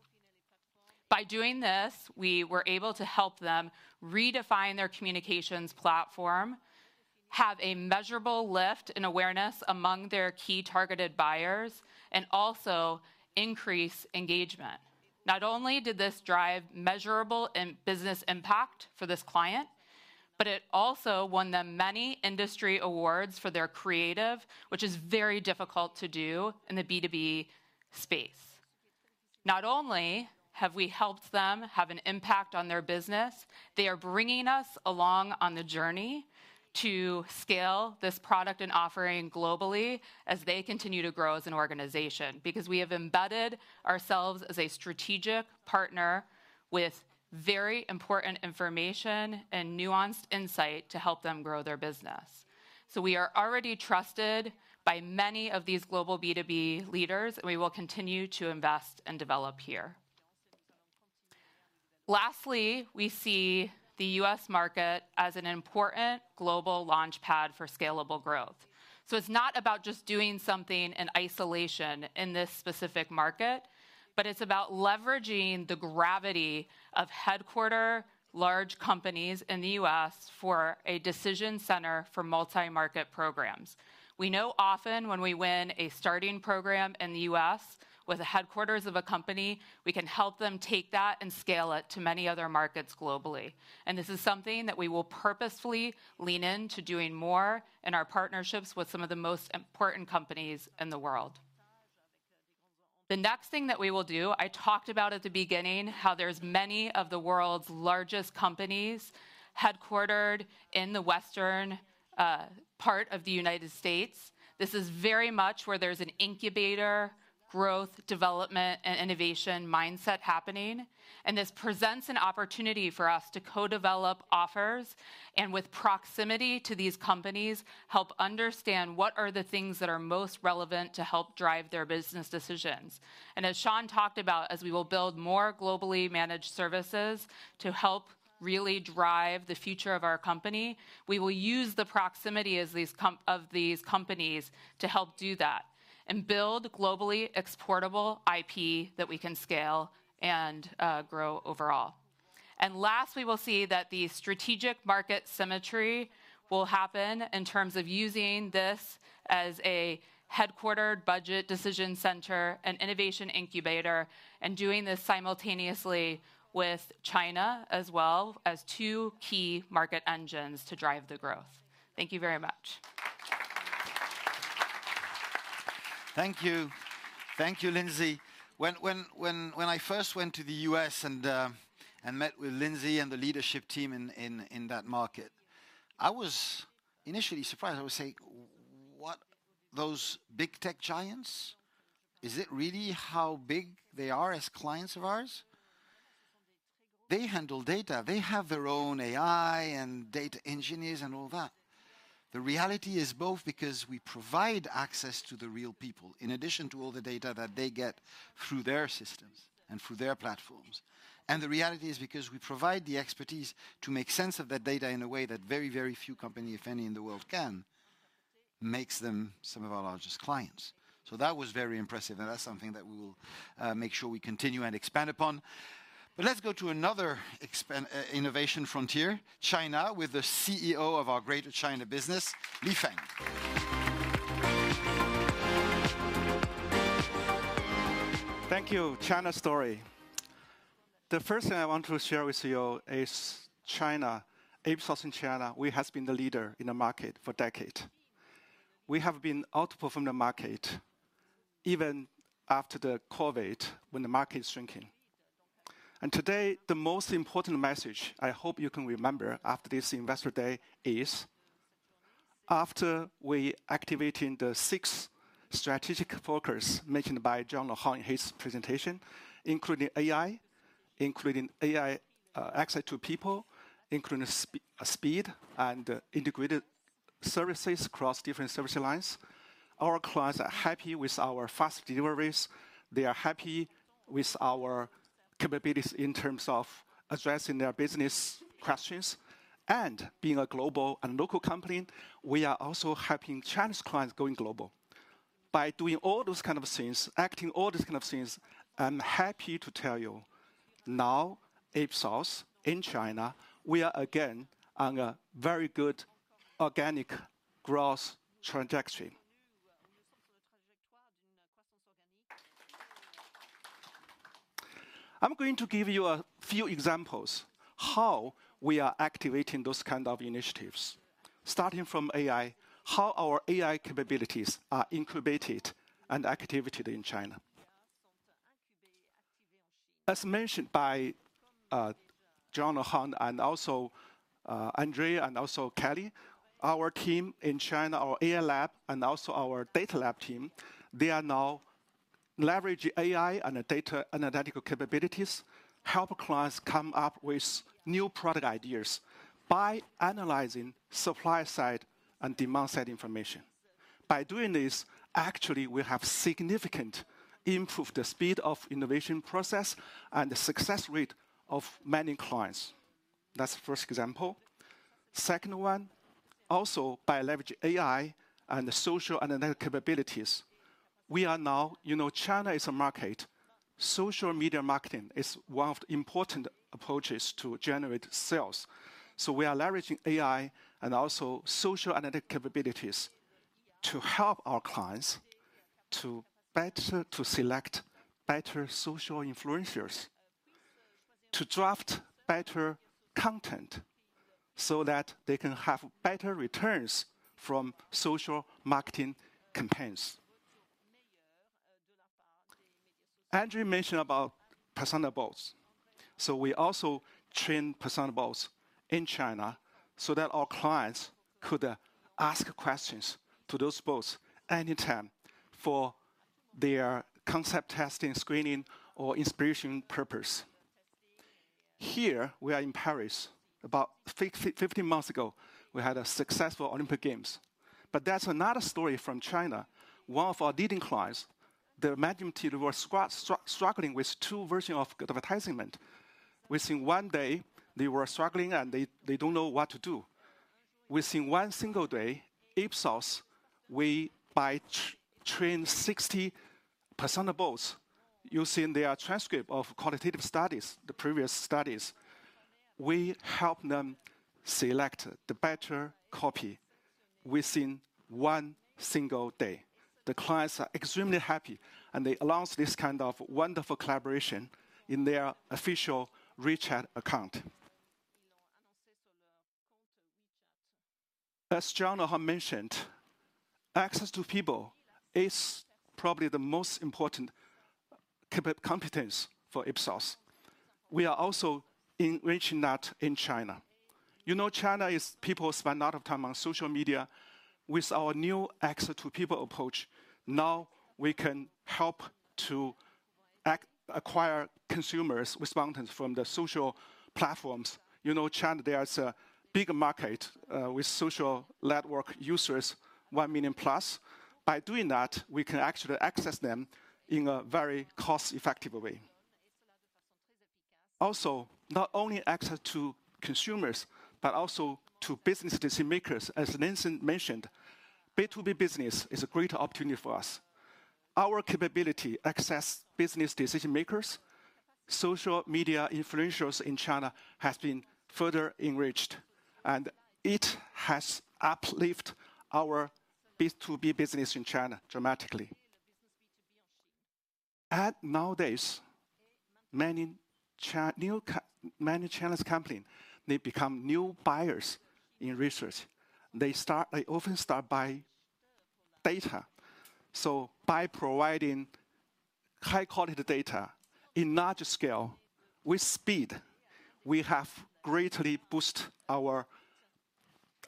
By doing this, we were able to help them redefine their communications platform, have a measurable lift in awareness among their key targeted buyers, and also increase engagement. Not only did this drive measurable business impact for this client, but it also won them many industry awards for their creative, which is very difficult to do in the B2B space. Not only have we helped them have an impact on their business, they are bringing us along on the journey to scale this product and offering globally as they continue to grow as an organization because we have embedded ourselves as a strategic partner with very important information and nuanced insight to help them grow their business. So we are already trusted by many of these global B2B leaders, and we will continue to invest and develop here. Lastly, we see the U.S. market as an important global launchpad for scalable growth. It's not about just doing something in isolation in this specific market, but it's about leveraging the gravity of headquartered large companies in the U.S. for a decision center for multi-market programs. We know often when we win a starting program in the U.S. with the headquarters of a company, we can help them take that and scale it to many other markets globally, and this is something that we will purposefully lean into doing more in our partnerships with some of the most important companies in the world. The next thing that we will do. I talked about at the beginning how there's many of the world's largest companies headquartered in the western part of the United States. This is very much where there's an incubator, growth, development, and innovation mindset happening. And this presents an opportunity for us to co-develop offers and, with proximity to these companies, help understand what are the things that are most relevant to help drive their business decisions. And as Shaun talked about, as we will build more globally managed services to help really drive the future of our company, we will use the proximity of these companies to help do that and build globally exportable IP that we can scale and grow overall. And last, we will see that the strategic market symmetry will happen in terms of using this as a headquartered budget decision center, an innovation incubator, and doing this simultaneously with China as well as two key market engines to drive the growth. Thank you very much. Thank you. Thank you, Lindsay. When I first went to the U.S. and met with Lindsay and the leadership team in that market, I was initially surprised. I was saying, "What? Those big tech giants? Is it really how big they are as clients of ours? They handle data. They have their own AI and data engineers and all that." The reality is both because we provide access to the real people in addition to all the data that they get through their systems and through their platforms, and the reality is because we provide the expertise to make sense of that data in a way that very, very few companies, if any, in the world can, makes them some of our largest clients, so that was very impressive, and that's something that we will make sure we continue and expand upon. But let's go to another innovation frontier, China, with the CEO of our Greater China business, Lifeng Liu. Thank you. China story. The first thing I want to share with you is China. Ipsos in China, we have been the leader in the market for decades. We have been outperforming the market even after the COVID when the market is shrinking. And today, the most important message I hope you can remember after this investor day is, after we activated the six strategic focus mentioned by Jean-Laurent Poitou in his presentation, including AI, including AI access to people, including speed and integrated services across different service lines, our clients are happy with our fast deliveries. They are happy with our capabilities in terms of addressing their business questions. And being a global and local company, we are also helping Chinese clients go global. By doing all those kinds of things, acting all these kinds of things, I'm happy to tell you now, Ipsos in China, we are again on a very good organic growth trajectory. I'm going to give you a few examples of how we are activating those kinds of initiatives, starting from AI, how our AI capabilities are incubated and activated in China. As mentioned by Jean-Laurent and also Andrei and also Kelly, our team in China, our AI lab, and also our data lab team, they are now leveraging AI and data analytical capabilities, helping clients come up with new product ideas by analyzing supply side and demand side information. By doing this, actually, we have significantly improved the speed of the innovation process and the success rate of many clients. That's the first example. Second one, also by leveraging AI and social analytic capabilities, we are now, you know, China is a market. Social media marketing is one of the important approaches to generate sales, so we are leveraging AI and also social analytic capabilities to help our clients to better select better social influencers, to draft better content so that they can have better returns from social marketing campaigns. Andrei mentioned about PersonaBots, so we also trained PersonaBots in China so that our clients could ask questions to those bots anytime for their concept testing, screening, or inspiration purpose. Here, we are in Paris. About 15 months ago, we had a successful Olympic Games, but that's another story from China. One of our leading clients, the management team, they were struggling with two versions of advertisement. Within one day, they were struggling and they don't know what to do. Within one single day, Ipsos, we trained 60 PersonaBots using their transcript of qualitative studies, the previous studies. We helped them select the better copy within one single day. The clients are extremely happy, and they announced this kind of wonderful collaboration in their official WeChat account. As Jean-Laurent mentioned, access to people is probably the most important competence for Ipsos. We are also enriching that in China. You know, China is people spend a lot of time on social media. With our new access to people approach, now we can help to acquire consumers' responses from the social platforms. You know, China, there's a big market with social network users, 1 million+. By doing that, we can actually access them in a very cost-effective way. Also, not only access to consumers, but also to business decision-makers. As Lindsay mentioned, B2B business is a great opportunity for us. Our capability to access business decision-makers, social media influencers in China has been further enriched, and it has uplifted our B2B business in China dramatically, and nowadays, many Chinese companies, they become new buyers in research. They often start by data. So by providing high-quality data in large scale with speed, we have greatly boosted our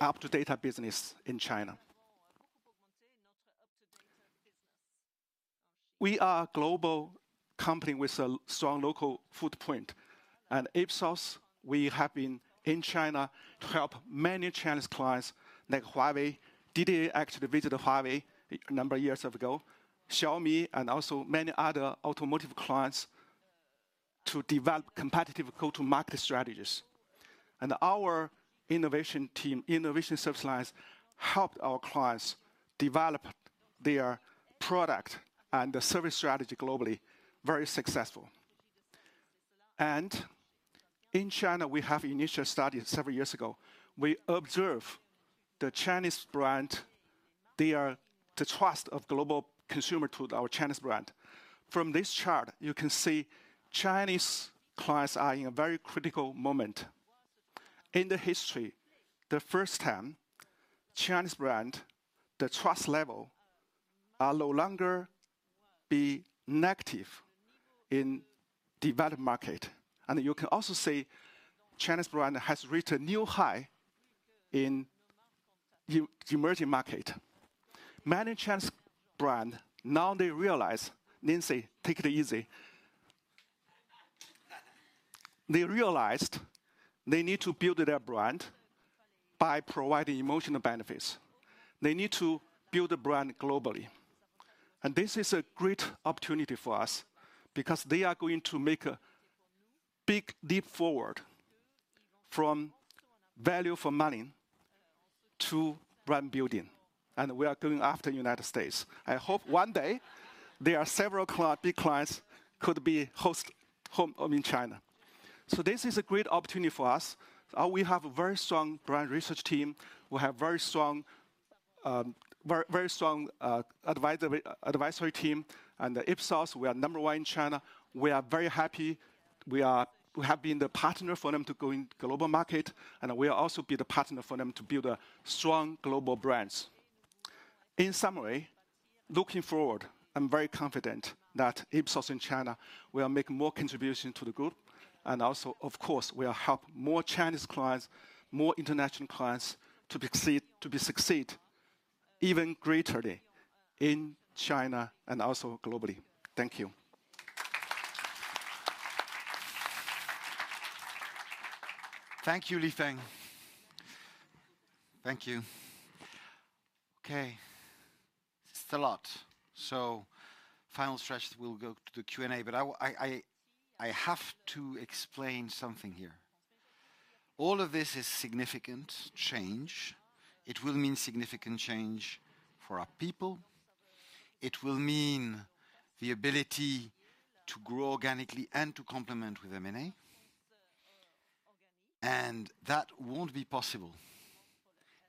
uptake business in China. We are a global company with a strong local footprint, and Ipsos, we have been in China to help many Chinese clients like Huawei. Did they actually visit Huawei a number of years ago? Xiaomi and also many other automotive clients to develop competitive go-to-market strategies, and our innovation team, innovation service lines, helped our clients develop their product and the service strategy globally very successfully, and in China, we have initiated studies several years ago. We observe the Chinese brand, their trust of global consumer to our Chinese brand. From this chart, you can see Chinese clients are in a very critical moment. In the history, the first time, Chinese brand, the trust level will no longer be negative in the developed market, and you can also see Chinese brand has reached a new high in the emerging market. Many Chinese brands now, they realize, Lindsay, take it easy. They realized they need to build their brand by providing emotional benefits. They need to build a brand globally, and this is a great opportunity for us because they are going to make a big leap forward from value for money to brand building, and we are going after the United States. I hope one day there are several big clients who could be hosted in China, so this is a great opportunity for us. We have a very strong brand research team. We have a very strong advisory team. And Ipsos, we are number one in China. We are very happy. We have been the partner for them to go in the global market. And we will also be the partner for them to build a strong global brand. In summary, looking forward, I'm very confident that Ipsos in China will make more contributions to the group. And also, of course, we will help more Chinese clients, more international clients to succeed even greater in China and also globally. Thank you. Thank you, Lifeng. Thank you. Okay. Still a lot. So final stretch, we'll go to the Q&A, but I have to explain something here. All of this is significant change. It will mean significant change for our people. It will mean the ability to grow organically and to complement with M&A. That won't be possible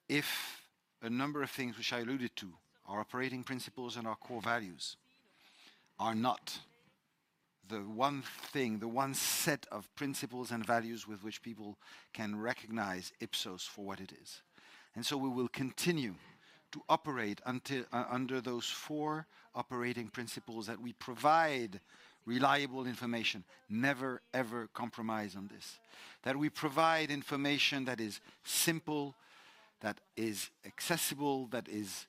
if a number of things which I alluded to, our operating principles and our core values, are not the one thing, the one set of principles and values with which people can recognize Ipsos for what it is. We will continue to operate under those four operating principles that we provide reliable information, never, ever compromise on this, that we provide information that is simple, that is accessible, that is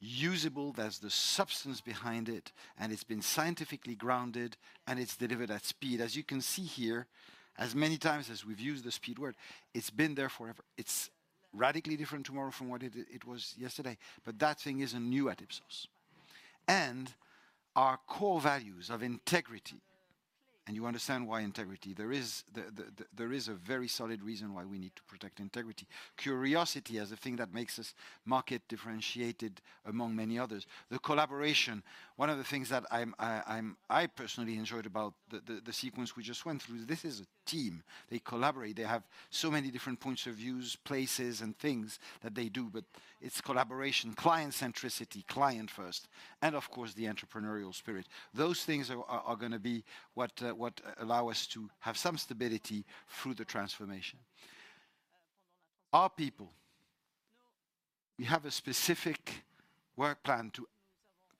usable, that's the substance behind it, and it's been scientifically grounded, and it's delivered at speed. As you can see here, as many times as we've used the speed word, it's been there forever. It's radically different tomorrow from what it was yesterday. That thing isn't new at Ipsos. Our core values of integrity, and you understand why integrity. There is a very solid reason why we need to protect integrity. Curiosity as a thing that makes us market differentiated among many others. The collaboration, one of the things that I personally enjoyed about the sequence we just went through. This is a team. They collaborate. They have so many different points of views, places, and things that they do, but it's collaboration, client-centricity, client-first, and of course, the entrepreneurial spirit. Those things are going to be what allow us to have some stability through the transformation. Our people, we have a specific work plan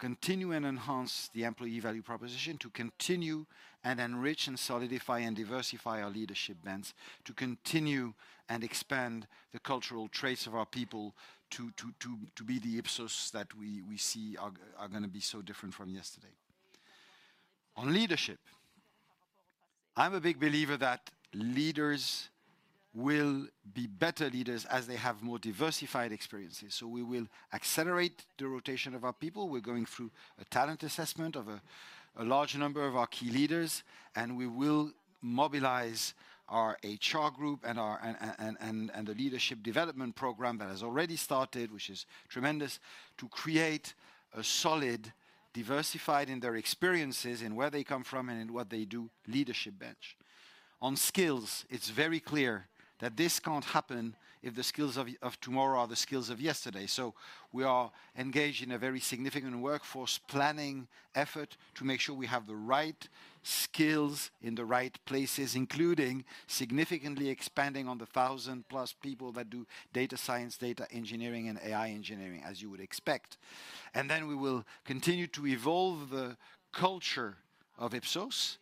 to continue and enhance the employee value proposition, to continue and enrich and solidify and diversify our leadership bench, to continue and expand the cultural traits of our people to be the Ipsos that we see are going to be so different from yesterday. On leadership, I'm a big believer that leaders will be better leaders as they have more diversified experiences. So we will accelerate the rotation of our people. We're going through a talent assessment of a large number of our key leaders, and we will mobilize our HR group and the leadership development program that has already started, which is tremendous, to create a solid, diversified in their experiences, in where they come from, and in what they do, leadership bench. On skills, it's very clear that this can't happen if the skills of tomorrow are the skills of yesterday. So we are engaged in a very significant workforce planning effort to make sure we have the right skills in the right places, including significantly expanding on the 1000+ people that do data science, data engineering, and AI engineering, as you would expect. And then we will continue to evolve the culture of Ipsos.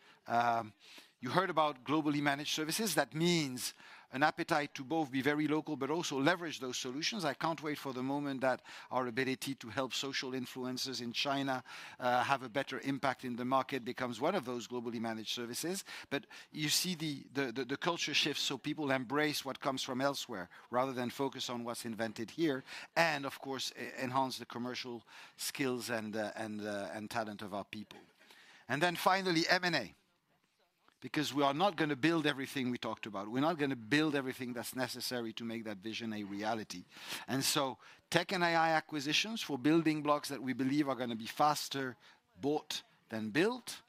You heard about globally managed services. That means an appetite to both be very local but also leverage those solutions. I can't wait for the moment that our ability to help social influencers in China have a better impact in the market becomes one of those globally managed services. But you see the culture shift. So people embrace what comes from elsewhere rather than focus on what's invented here, and of course, enhance the commercial skills and talent of our people. And then finally, M&A, because we are not going to build everything we talked about. We're not going to build everything that's necessary to make that vision a reality. And so tech and AI acquisitions for building blocks that we believe are going to be faster bought than built.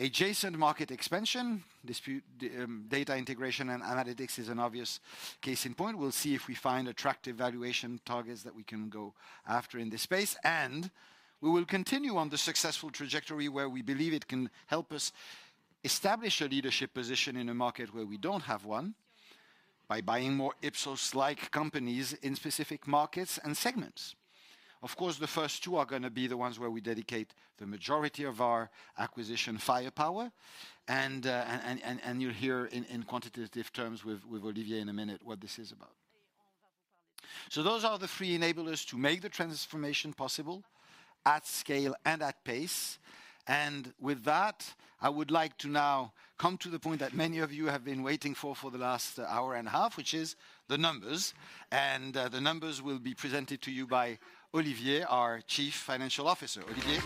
Adjacent market expansion, Data Integration and Analytics is an obvious case in point. We'll see if we find attractive valuation targets that we can go after in this space. And we will continue on the successful trajectory where we believe it can help us establish a leadership position in a market where we don't have one by buying more Ipsos-like companies in specific markets and segments. Of course, the first two are going to be the ones where we dedicate the majority of our acquisition firepower. And you'll hear in quantitative terms with Olivier in a minute what this is about. So those are the three enablers to make the transformation possible at scale and at pace. And with that, I would like to now come to the point that many of you have been waiting for for the last hour and a half, which is the numbers. And the numbers will be presented to you by Olivier, our Chief Financial Officer. Olivier.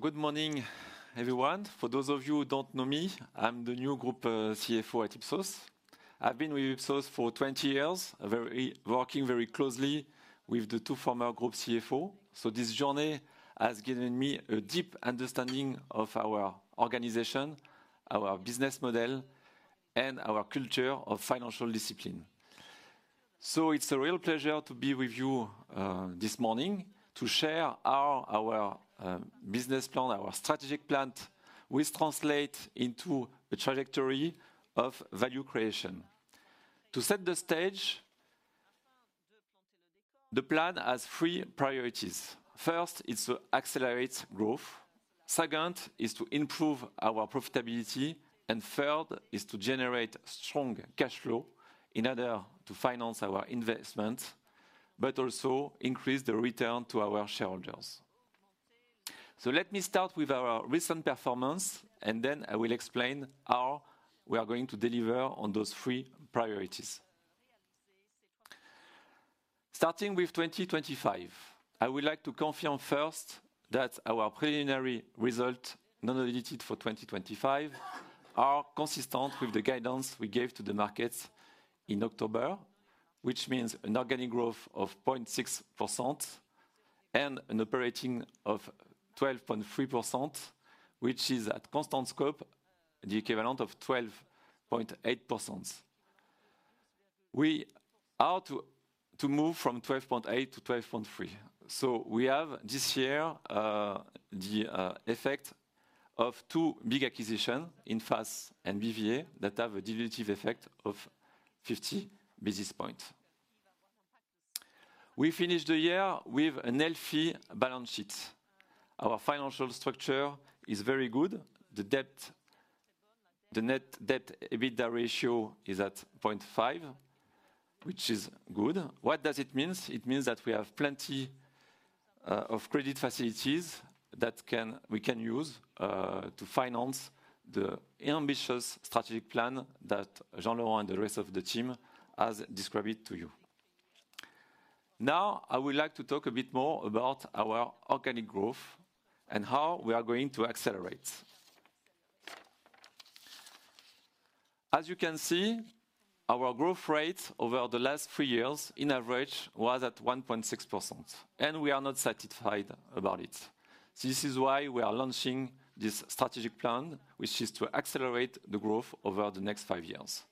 Good morning, everyone. For those of you who don't know me, I'm the new Group CFO at Ipsos. I've been with Ipsos for 20 years, working very closely with the two former Group CFOs. This journey has given me a deep understanding of our organization, our business model, and our culture of financial discipline. It's a real pleasure to be with you this morning to share our business plan, our strategic plan, which translates into a trajectory of value creation. To set the stage, the plan has three priorities. First, it's to accelerate growth. Second, it's to improve our profitability. And third, it's to generate strong cash flow in order to finance our investments, but also increase the return to our shareholders. Let me start with our recent performance, and then I will explain how we are going to deliver on those three priorities. Starting with 2025, I would like to confirm first that our preliminary results not only dated for 2025 are consistent with the guidance we gave to the markets in October, which means an organic growth of 0.6% and an operating of 12.3%, which is at constant scope, the equivalent of 12.8%. We are to move from 12.8% to 12.3%. So we have this year the effect of two big acquisitions Infas and BVA that have a dilutive effect of 50 basis points. We finished the year with a healthy balance sheet. Our financial structure is very good. The net debt/EBITDA ratio is at 0.5%, which is good. What does it mean? It means that we have plenty of credit facilities that we can use to finance the ambitious strategic plan that Jean-Laurent and the rest of the team have described to you. Now, I would like to talk a bit more about our organic growth and how we are going to accelerate. As you can see, our growth rate over the last three years, on average, was at 1.6%. And we are not satisfied about it. This is why we are launching this strategic plan, which is to accelerate the growth over the next five years.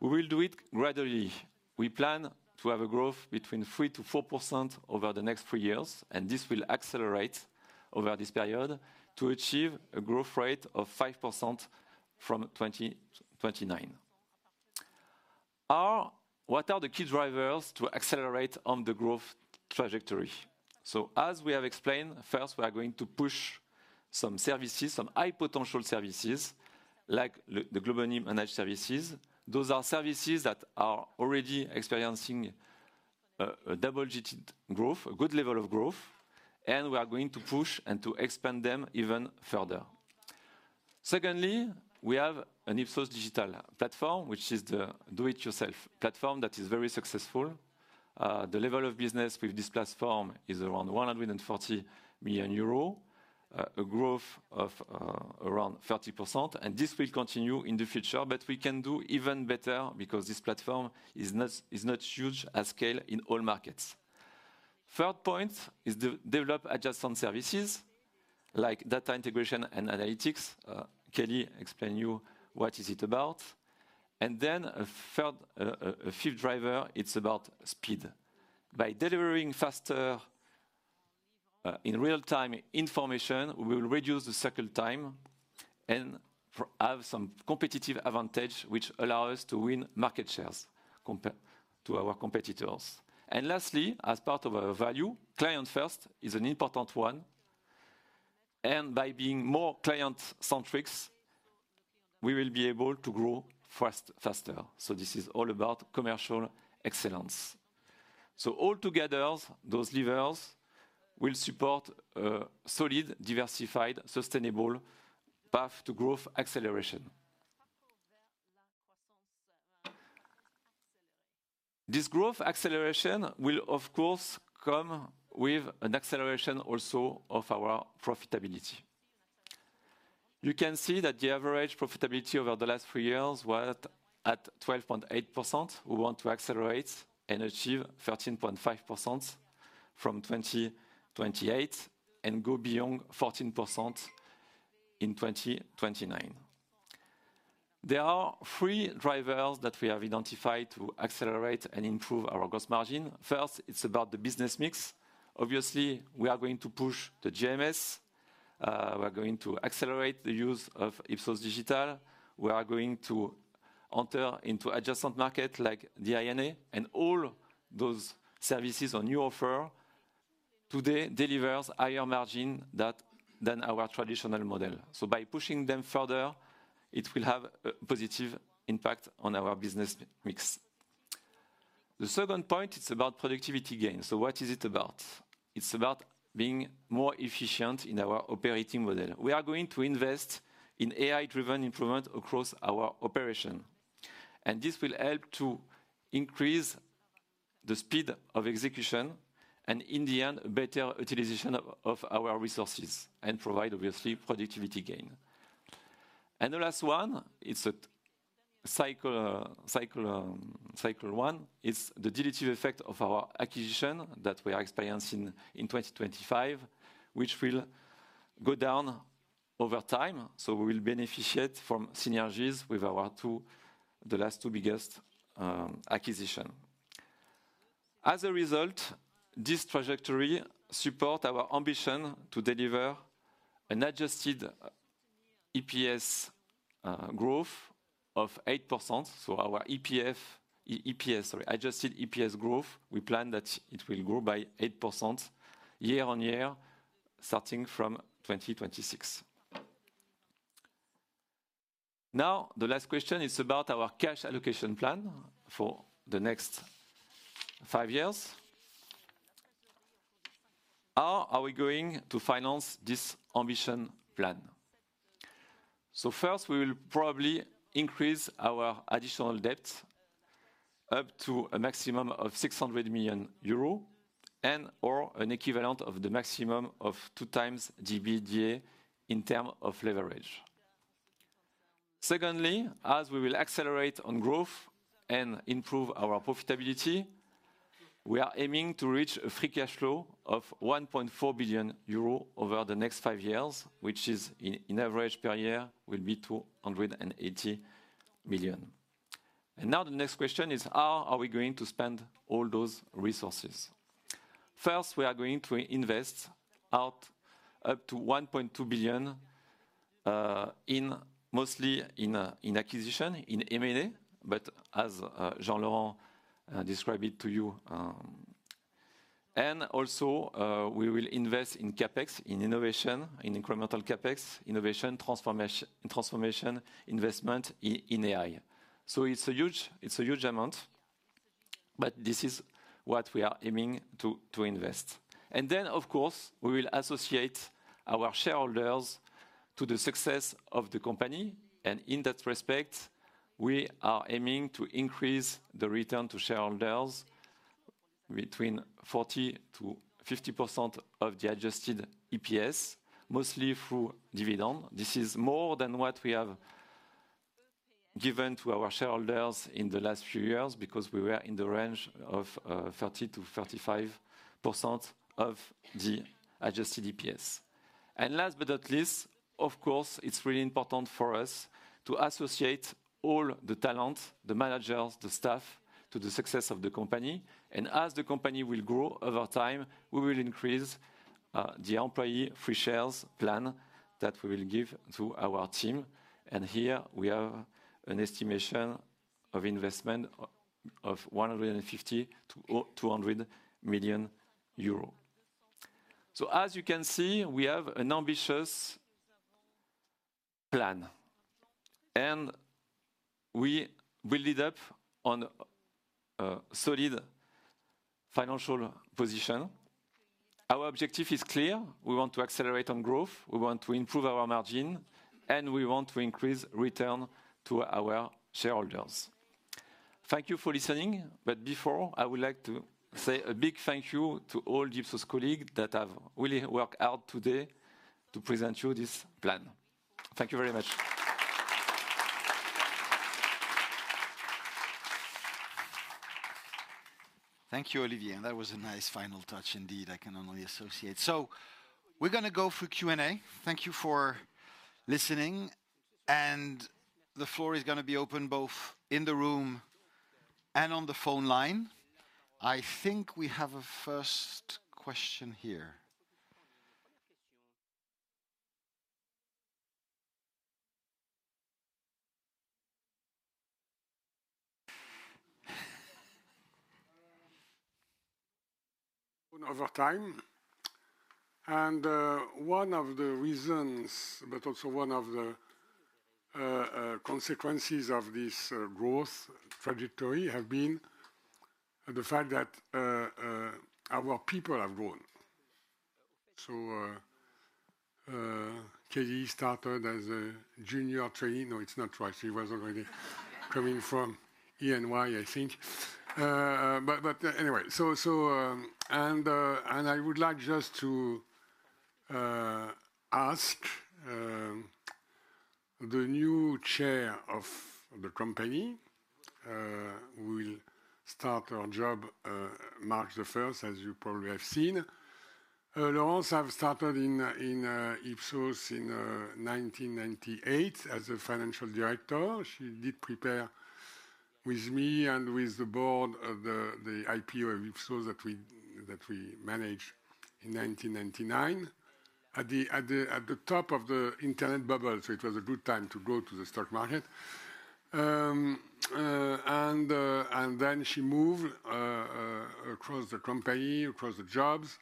We will do it gradually. We plan to have a growth between 3%-4% over the next three years, and this will accelerate over this period to achieve a growth rate of 5% from 2029. What are the key drivers to accelerate on the growth trajectory? So as we have explained, first, we are going to push some services, some high-potential services like the Globally Managed Services. Those are services that are already experiencing a double-digit growth, a good level of growth. We are going to push and to expand them even further. Secondly, we have an Ipsos Digital platform, which is the do-it-yourself platform that is very successful. The level of business with this platform is around 140 million euros, a growth of around 30%. This will continue in the future, but we can do even better because this platform is not huge at scale in all markets. Third point is to develop adjusted services like Data Integration and Analytics. Kelly explained to you what it is about. Then a fifth driver, it's about speed. By delivering faster in real-time information, we will reduce the cycle time and have some competitive advantage, which allows us to win market shares from our competitors. Lastly, as part of our values, client-first is an important one. By being more client-centric, we will be able to grow faster. So this is all about commercial excellence. So altogether, those levers will support a solid, diversified, sustainable path to growth acceleration. This growth acceleration will, of course, come with an acceleration also of our profitability. You can see that the average profitability over the last three years was at 12.8%. We want to accelerate and achieve 13.5% from 2028 and go beyond 14% in 2029. There are three drivers that we have identified to accelerate and improve our gross margin. First, it's about the business mix. Obviously, we are going to push the GMS. We're going to accelerate the use of Ipsos Digital. We are going to enter into adjacent markets like the I&A. And all those services now on offer today deliver higher margins than our traditional model. So by pushing them further, it will have a positive impact on our business mix. The second point, it's about productivity gains. So what is it about? It's about being more efficient in our operating model. We are going to invest in AI-driven improvement across our operation. And this will help to increase the speed of execution and, in the end, a better utilization of our resources and provide, obviously, productivity gain. And the last one, it's cycle one. It's the dilutive effect of our acquisition that we are experiencing in 2025, which will go down over time. So we will benefit from synergies with our two, the last two biggest acquisitions. As a result, this trajectory supports our ambition to deliver an adjusted EPS growth of 8%. So our EPS, sorry, adjusted EPS growth, we plan that it will grow by 8% YoY, starting from 2026. Now, the last question is about our cash allocation plan for the next five years. How are we going to finance this ambition plan? So first, we will probably increase our additional debt up to a maximum of 600 million euro and/or an equivalent of the maximum of 2x EBITDA in terms of leverage. Secondly, as we will accelerate on growth and improve our profitability, we are aiming to reach a free cash flow of 1.4 billion euro over the next five years, which is, in average per year, will be 280 million. And now the next question is, how are we going to spend all those resources? First, we are going to invest up to 1.2 billion mostly in acquisition, in M&A, but as Jean-Laurent described it to you. And also, we will invest in CapEx, in innovation, in incremental CapEx, innovation, transformation, investment in AI. So it's a huge amount, but this is what we are aiming to invest. And then, of course, we will associate our shareholders to the success of the company. And in that respect, we are aiming to increase the return to shareholders between 40%-50% of the Adjusted EPS, mostly through dividends. This is more than what we have given to our shareholders in the last few years because we were in the range of 30%-35% of the Adjusted EPS. And last but not least, of course, it's really important for us to associate all the talent, the managers, the staff to the success of the company. And as the company will grow over time, we will increase the employee free shares plan that we will give to our team. And here, we have an estimation of investment of 150 million-200 million euro. So as you can see, we have an ambitious plan. And we will lead up on a solid financial position. Our objective is clear. We want to accelerate on growth. We want to improve our margin, and we want to increase return to our shareholders. Thank you for listening. But before, I would like to say a big thank you to all the Ipsos colleagues that have really worked hard today to present you this plan. Thank you very much. Thank you, Olivier. That was a nice final touch, indeed. I can only associate. So we're going to go through Q&A. Thank you for listening. And the floor is going to be open both in the room and on the phone line. I think we have a first question here. Over time. And one of the reasons, but also one of the consequences of this growth trajectory, has been the fact that our people have grown. So Kelly started as a junior trainee. No, it's not right. She was already coming from E&Y, I think. But anyway, and I would like just to ask the new Chair of the company who will start her job March 1st, as you probably have seen. Laurence has started in Ipsos in 1998 as a Financial Director. She did prepare with me and with the Board the IPO of Ipsos that we managed in 1999 at the top of the internet bubble. So it was a good time to go to the stock market. And then she moved across the company, across the jobs.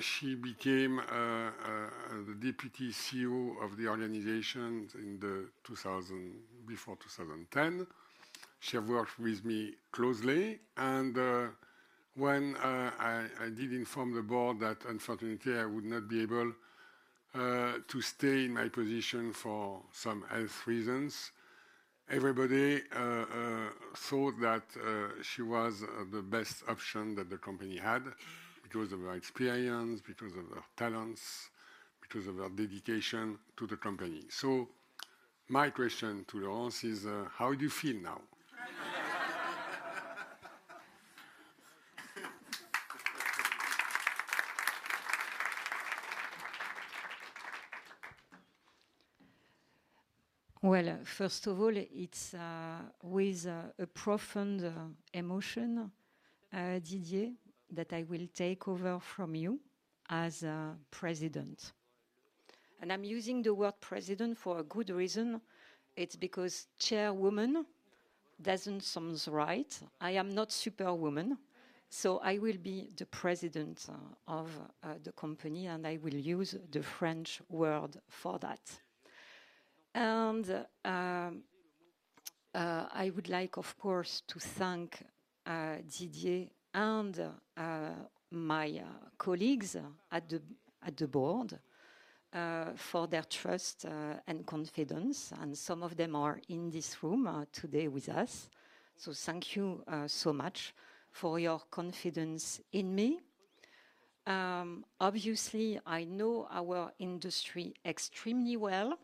She became the Deputy CEO of the organization before 2010. She has worked with me closely. When I did inform the board that, unfortunately, I would not be able to stay in my position for some health reasons, everybody thought that she was the best option that the company had because of her experience, because of her talents, because of her dedication to the company. So my question to Laurence is, how do you feel now? Well, first of all, it's with a profound emotion, Didier, that I will take over from you as president. And I'm using the word president for a good reason. It's because chairwoman doesn't sound right. I am not superwoman. So I will be the president of the company, and I will use the French word for that. And I would like, of course, to thank Didier and my colleagues at the board for their trust and confidence. And some of them are in this room today with us. So thank you so much for your confidence in me. Obviously, I know our industry extremely well,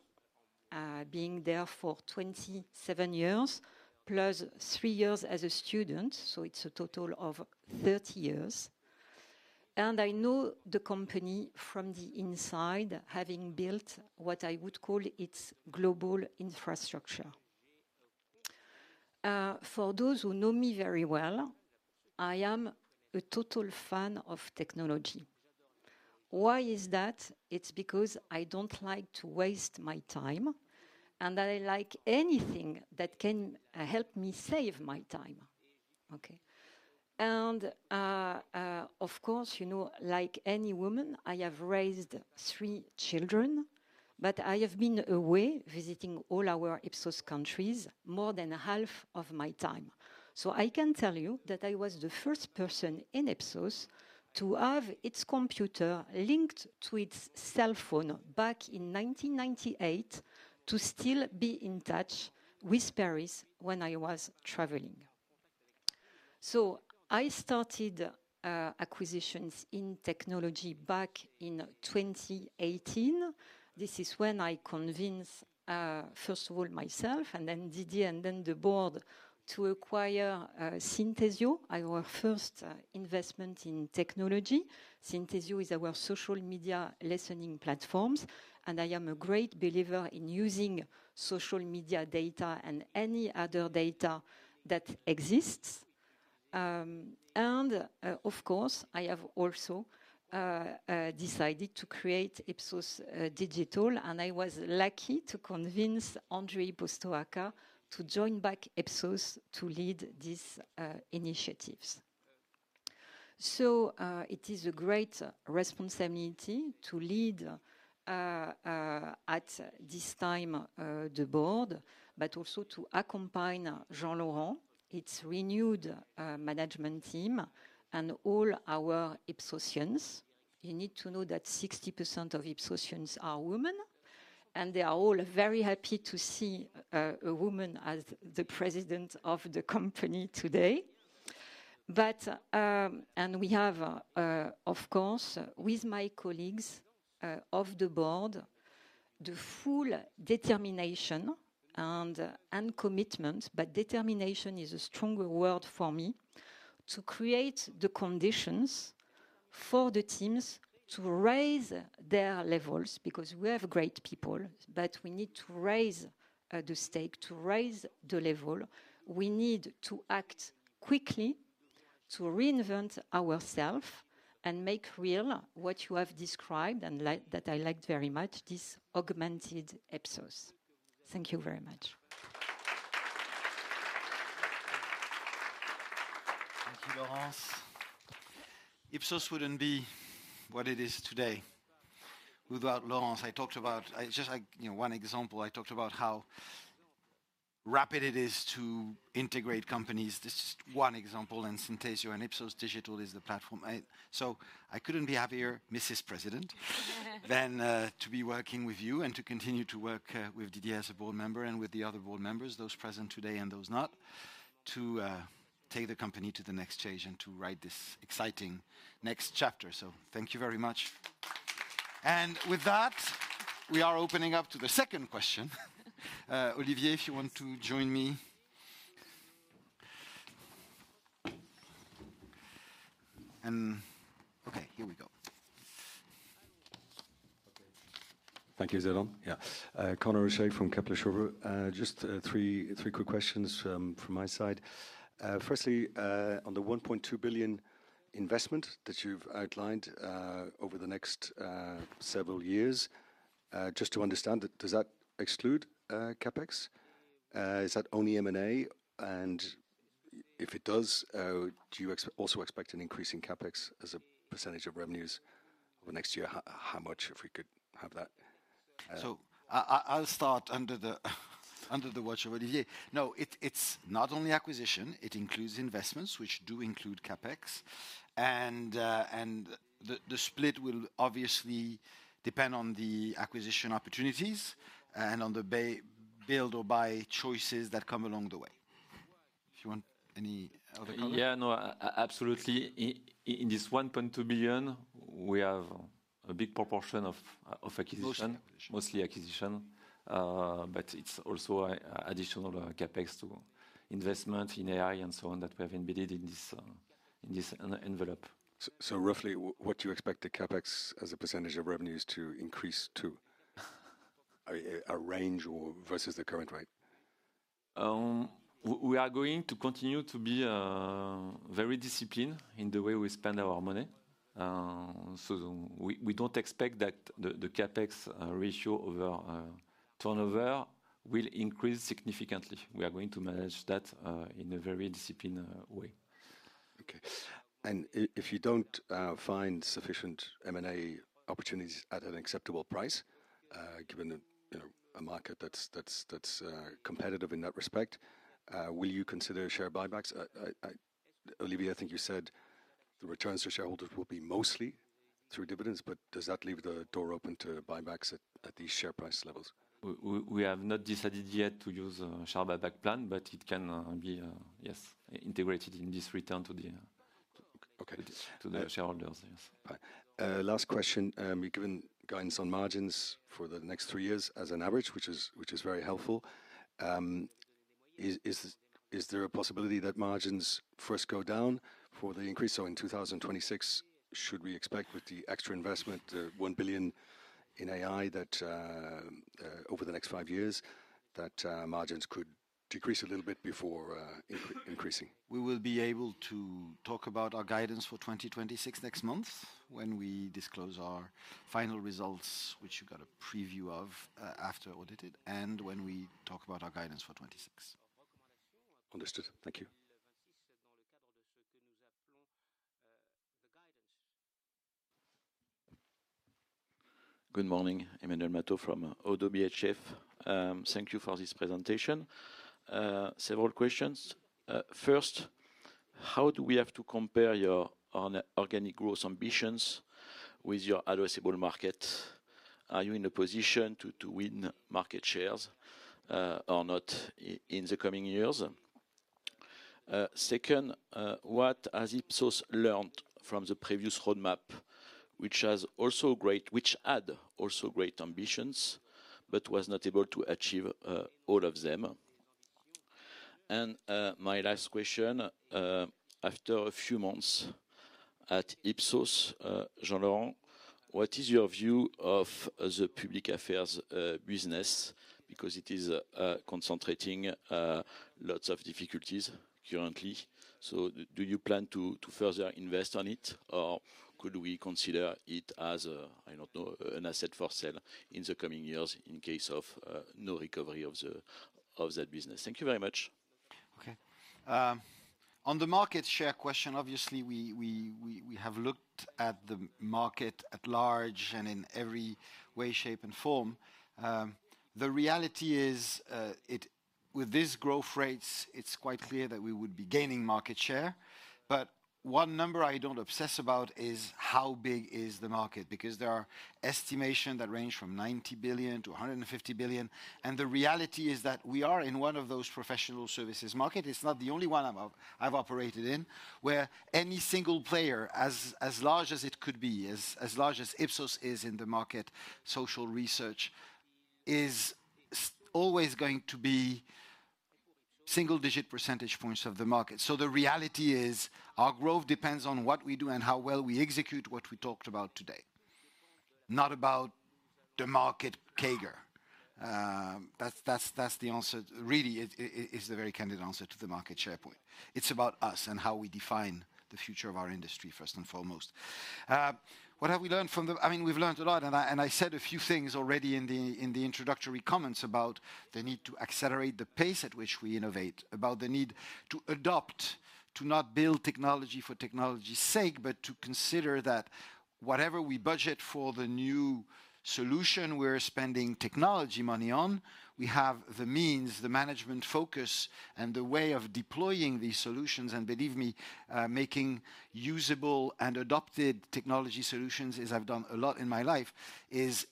being there for 27 years, plus three years as a student. So it's a total of 30 years. And I know the company from the inside, having built what I would call its global infrastructure. For those who know me very well, I am a total fan of technology. Why is that? It's because I don't like to waste my time, and I like anything that can help me save my time. Okay. And of course, like any woman, I have raised three children, but I have been away visiting all our Ipsos countries more than half of my time. So I can tell you that I was the first person in Ipsos to have its computer linked to its cell phone back in 1998 to still be in touch with Paris when I was traveling. So I started acquisitions in technology back in 2018. This is when I convinced, first of all, myself, and then Didier, and then the board to acquire Synthesio, our first investment in technology. Synthesio is our social media listening platforms, and I am a great believer in using social media data and any other data that exists. And of course, I have also decided to create Ipsos Digital, and I was lucky to convince Andrei Postoaca to join back Ipsos to lead these initiatives. So it is a great responsibility to lead at this time the board, but also to accompany Jean-Laurent, its renewed management team, and all our Ipsosians. You need to know that 60% of Ipsosians are women, and they are all very happy to see a woman as the President of the company today. But we have, of course, with my colleagues of the board, the full determination and commitment, but determination is a stronger word for me, to create the conditions for the teams to raise their levels because we have great people, but we need to raise the stake, to raise the level. We need to act quickly to reinvent ourselves and make real what you have described and that I liked very much, this augmented Ipsos. Thank you very much. Thank you, Laurence. Ipsos wouldn't be what it is today without Laurence. I talked about just one example. I talked about how rapid it is to integrate companies. This is one example, and Synthesio and Ipsos Digital is the platform. So I couldn't be happier, Mrs. President, than to be working with you and to continue to work with Didier as a board member and with the other board members, those present today and those not, to take the company to the next stage and to write this exciting next chapter. So thank you very much. And with that, we are opening up to the second question. Olivier, if you want to join me. And okay, here we go. Thank you, Jean-Laurent. Yeah. Conor O'Shea from Kepler Cheuvreux. Just three quick questions from my side. Firstly, on the 1.2 billion investment that you've outlined over the next several years, just to understand, does that exclude CapEx? Is that only M&A? And if it does, do you also expect an increase in CapEx as a percentage of revenues over the next year? How much, if we could have that? So I'll start under the watch of Olivier. No, it's not only acquisition. It includes investments, which do include CapEx. And the split will obviously depend on the acquisition opportunities and on the build or buy choices that come along the way. If you want any other comment? Yeah, no, absolutely. In this 1.2 billion, we have a big proportion of acquisition, mostly acquisition, but it's also additional CapEx to investment in AI and so on that we have embedded in this envelope. So roughly, what do you expect the CapEx as a percentage of revenues to increase to? A range versus the current rate? We are going to continue to be very disciplined in the way we spend our money. So we don't expect that the CapEx ratio over turnover will increase significantly. We are going to manage that in a very disciplined way. Okay. And if you don't find sufficient M&A opportunities at an acceptable price, given a market that's competitive in that respect, will you consider share buybacks? Olivier, I think you said the returns to shareholders will be mostly through dividends, but does that leave the door open to buybacks at these share price levels? We have not decided yet to use a share buyback plan, but it can be, yes, integrated in this return to the shareholders. Last question. We're given guidance on margins for the next three years as an average, which is very helpful. Is there a possibility that margins first go down for the increase? So in 2026, should we expect with the extra investment, the 1 billion in AI, that over the next five years, that margins could decrease a little bit before increasing? We will be able to talk about our guidance for 2026 next month when we disclose our final results, which you got a preview of after auditing, and when we talk about our guidance for 2026. Understood. Thank you. Good morning. Emmanuel Matot from ODDO BHF. Thank you for this presentation. Several questions. First, how do we have to compare your organic growth ambitions with your addressable market? Are you in a position to win market shares or not in the coming years? Second, what has Ipsos learned from the previous roadmap, which had also great ambitions, but was not able to achieve all of them? And my last question, after a few months at Ipsos, Jean-Laurent, what is your view of the public affairs business? Because it is concentrating lots of difficulties currently. Do you plan to further invest on it, or could we consider it as, I don't know, an asset for sale in the coming years in case of no recovery of that business? Thank you very much. Okay. On the market share question, obviously, we have looked at the market at large and in every way, shape, and form. The reality is, with these growth rates, it's quite clear that we would be gaining market share. But one number I don't obsess about is how big is the market, because there are estimations that range from 90 billion-150 billion. And the reality is that we are in one of those professional services markets. It's not the only one I've operated in, where any single player, as large as it could be, as large as Ipsos is in the market, social research, is always going to be single-digit percentage points of the market. So the reality is our growth depends on what we do and how well we execute what we talked about today, not about the market CAGR. That's the answer. Really, it is the very candid answer to the market share point. It's about us and how we define the future of our industry, first and foremost. What have we learned? I mean, we've learned a lot. I said a few things already in the introductory comments about the need to accelerate the pace at which we innovate, about the need to adopt, to not build technology for technology's sake, but to consider that whatever we budget for the new solution we're spending technology money on. We have the means, the management focus, and the way of deploying these solutions. Believe me, making usable and adopted technology solutions, as I've done a lot in my life, is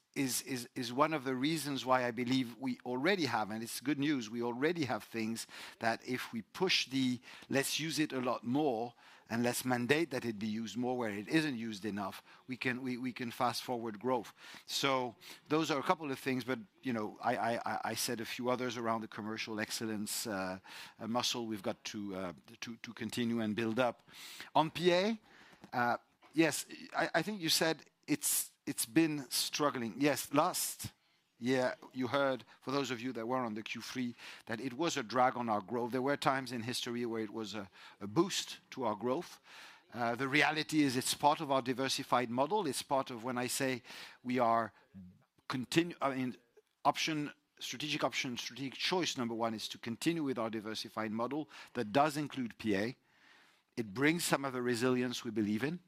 one of the reasons why I believe we already have, and it's good news, we already have things that if we push the let's use it a lot more and let's mandate that it be used more where it isn't used enough, we can fast-forward growth. So those are a couple of things, but I said a few others around the commercial excellence muscle we've got to continue and build up. On PA, yes, I think you said it's been struggling. Yes, last year, you heard, for those of you that were on the Q3, that it was a drag on our growth. There were times in history where it was a boost to our growth. The reality is it's part of our diversified model. It's part of when I say we are continuing strategic options. Strategic choice, number one, is to continue with our diversified model that does include PA. It brings some of the resilience we believe in.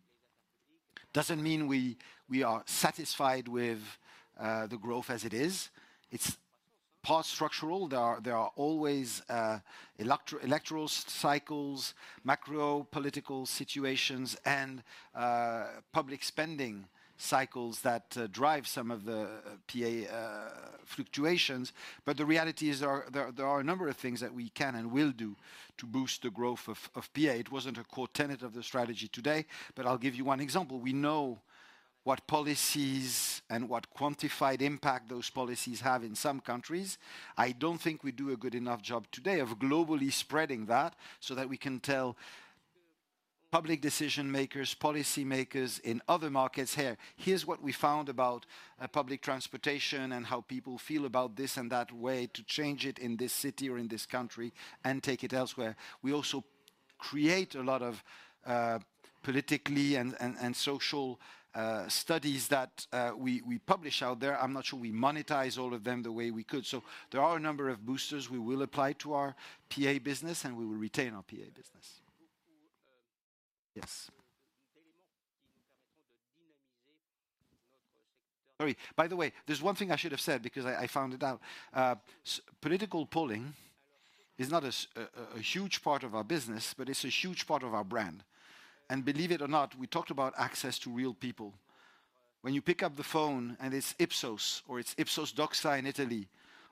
Doesn't mean we are satisfied with the growth as it is. It's part structural. There are always electoral cycles, macro-political situations, and public spending cycles that drive some of the PA fluctuations. But the reality is there are a number of things that we can and will do to boost the growth of PA. It wasn't a core tenet of the strategy today, but I'll give you one example. We know what policies and what quantified impact those policies have in some countries. I don't think we do a good enough job today of globally spreading that so that we can tell public decision-makers, policymakers in other markets, "Here, here's what we found about public transportation and how people feel about this and that way to change it in this city or in this country and take it elsewhere." We also create a lot of political and social studies that we publish out there. I'm not sure we monetize all of them the way we could. So there are a number of boosters we will apply to our PA business, and we will retain our PA business. Yes. By the way, there's one thing I should have said because I found it out. Political polling is not a huge part of our business, but it's a huge part of our brand. And believe it or not, we talked about access to real people. When you pick up the phone and it's Ipsos or it's Ipsos Doxa in Italy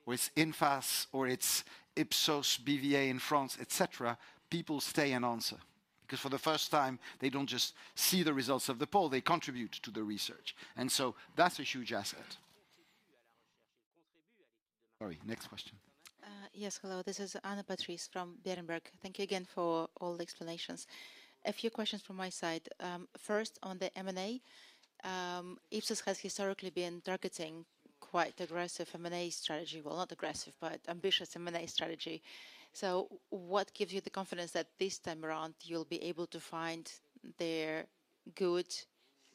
or it's I&O or it's Ipsos BVA in France, etc., people stay and answer because for the first time, they don't just see the results of the poll. They contribute to the research. And so that's a huge asset. Sorry, next question. Yes, hello. This is Anna Patrice from Berenberg. Thank you again for all the explanations. A few questions from my side. First, on the M&A, Ipsos has historically been targeting quite aggressive M&A strategy, well, not aggressive, but ambitious M&A strategy. So what gives you the confidence that this time around you'll be able to find the good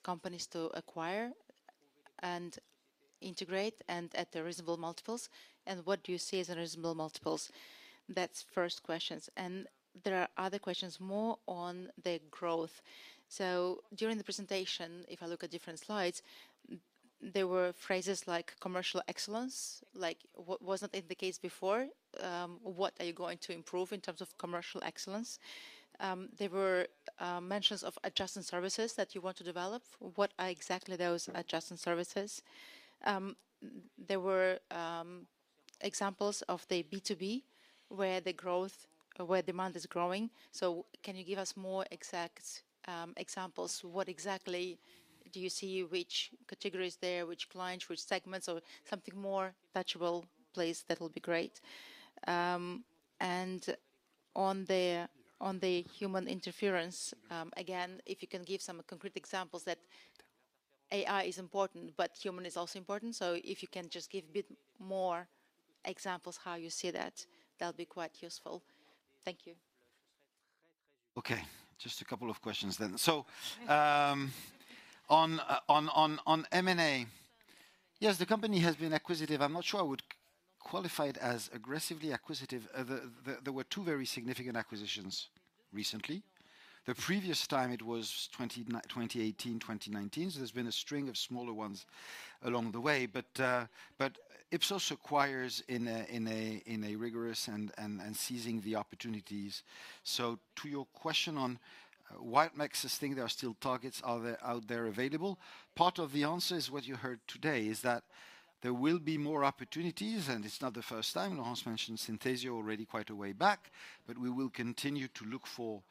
companies to acquire and integrate and at the reasonable multiples? And what do you see as the reasonable multiples? That's first questions. And there are other questions more on the growth. So during the presentation, if I look at different slides, there were phrases like commercial excellence, like, what was not the case before, what are you going to improve in terms of commercial excellence? There were mentions of advisory services that you want to develop. What are exactly those advisory services? There were examples of the B2B where the demand is growing. So can you give us more exact examples? What exactly do you see, which categories there, which clients, which segments, or something more touchable place that will be great, and on the human interference, again, if you can give some concrete examples that AI is important, but human is also important, so if you can just give a bit more examples how you see that, that'll be quite useful. Thank you. Okay, just a couple of questions then, so on M&A, yes, the company has been acquisitive. I'm not sure I would qualify it as aggressively acquisitive. There were two very significant acquisitions recently. The previous time, it was 2018, 2019, so there's been a string of smaller ones along the way, but Ipsos acquires in a rigorous and seizing the opportunities. To your question on why it makes us think there are still targets out there available, part of the answer is what you heard today, is that there will be more opportunities, and it's not the first time. Laurence mentioned Synthesio already quite a way back, but we will continue to look for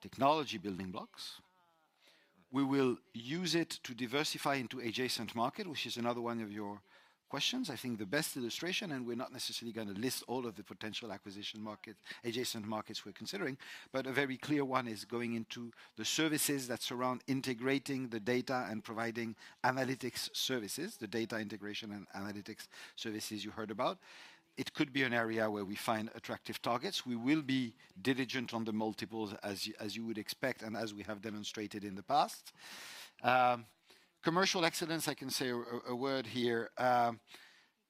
technology building blocks. We will use it to diversify into adjacent market, which is another one of your questions. I think the best illustration, and we're not necessarily going to list all of the potential adjacent markets we're considering, but a very clear one is going into the services that surround integrating the data and providing analytics services, the Data Integration and Analytics services you heard about. It could be an area where we find attractive targets. We will be diligent on the multiples, as you would expect, and as we have demonstrated in the past. Commercial excellence, I can say a word here.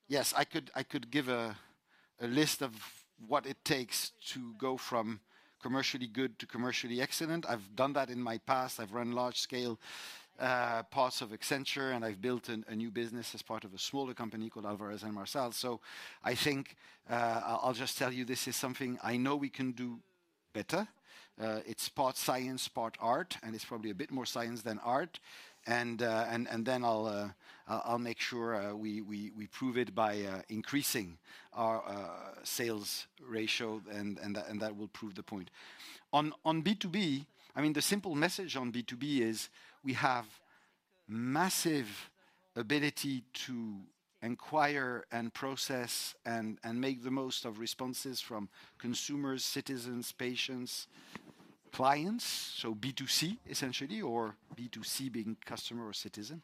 Yes, I could give a list of what it takes to go from commercially good to commercially excellent. I've done that in my past. I've run large-scale parts of Accenture, and I've built a new business as part of a smaller company called Alvarez & Marsal. So I think I'll just tell you this is something I know we can do better. It's part science, part art, and it's probably a bit more science than art. And then I'll make sure we prove it by increasing our sales ratio, and that will prove the point. On B2B, I mean, the simple message on B2B is we have massive ability to acquire and process and make the most of responses from consumers, citizens, patients, clients, so B2C essentially, or B2C being customer or citizen.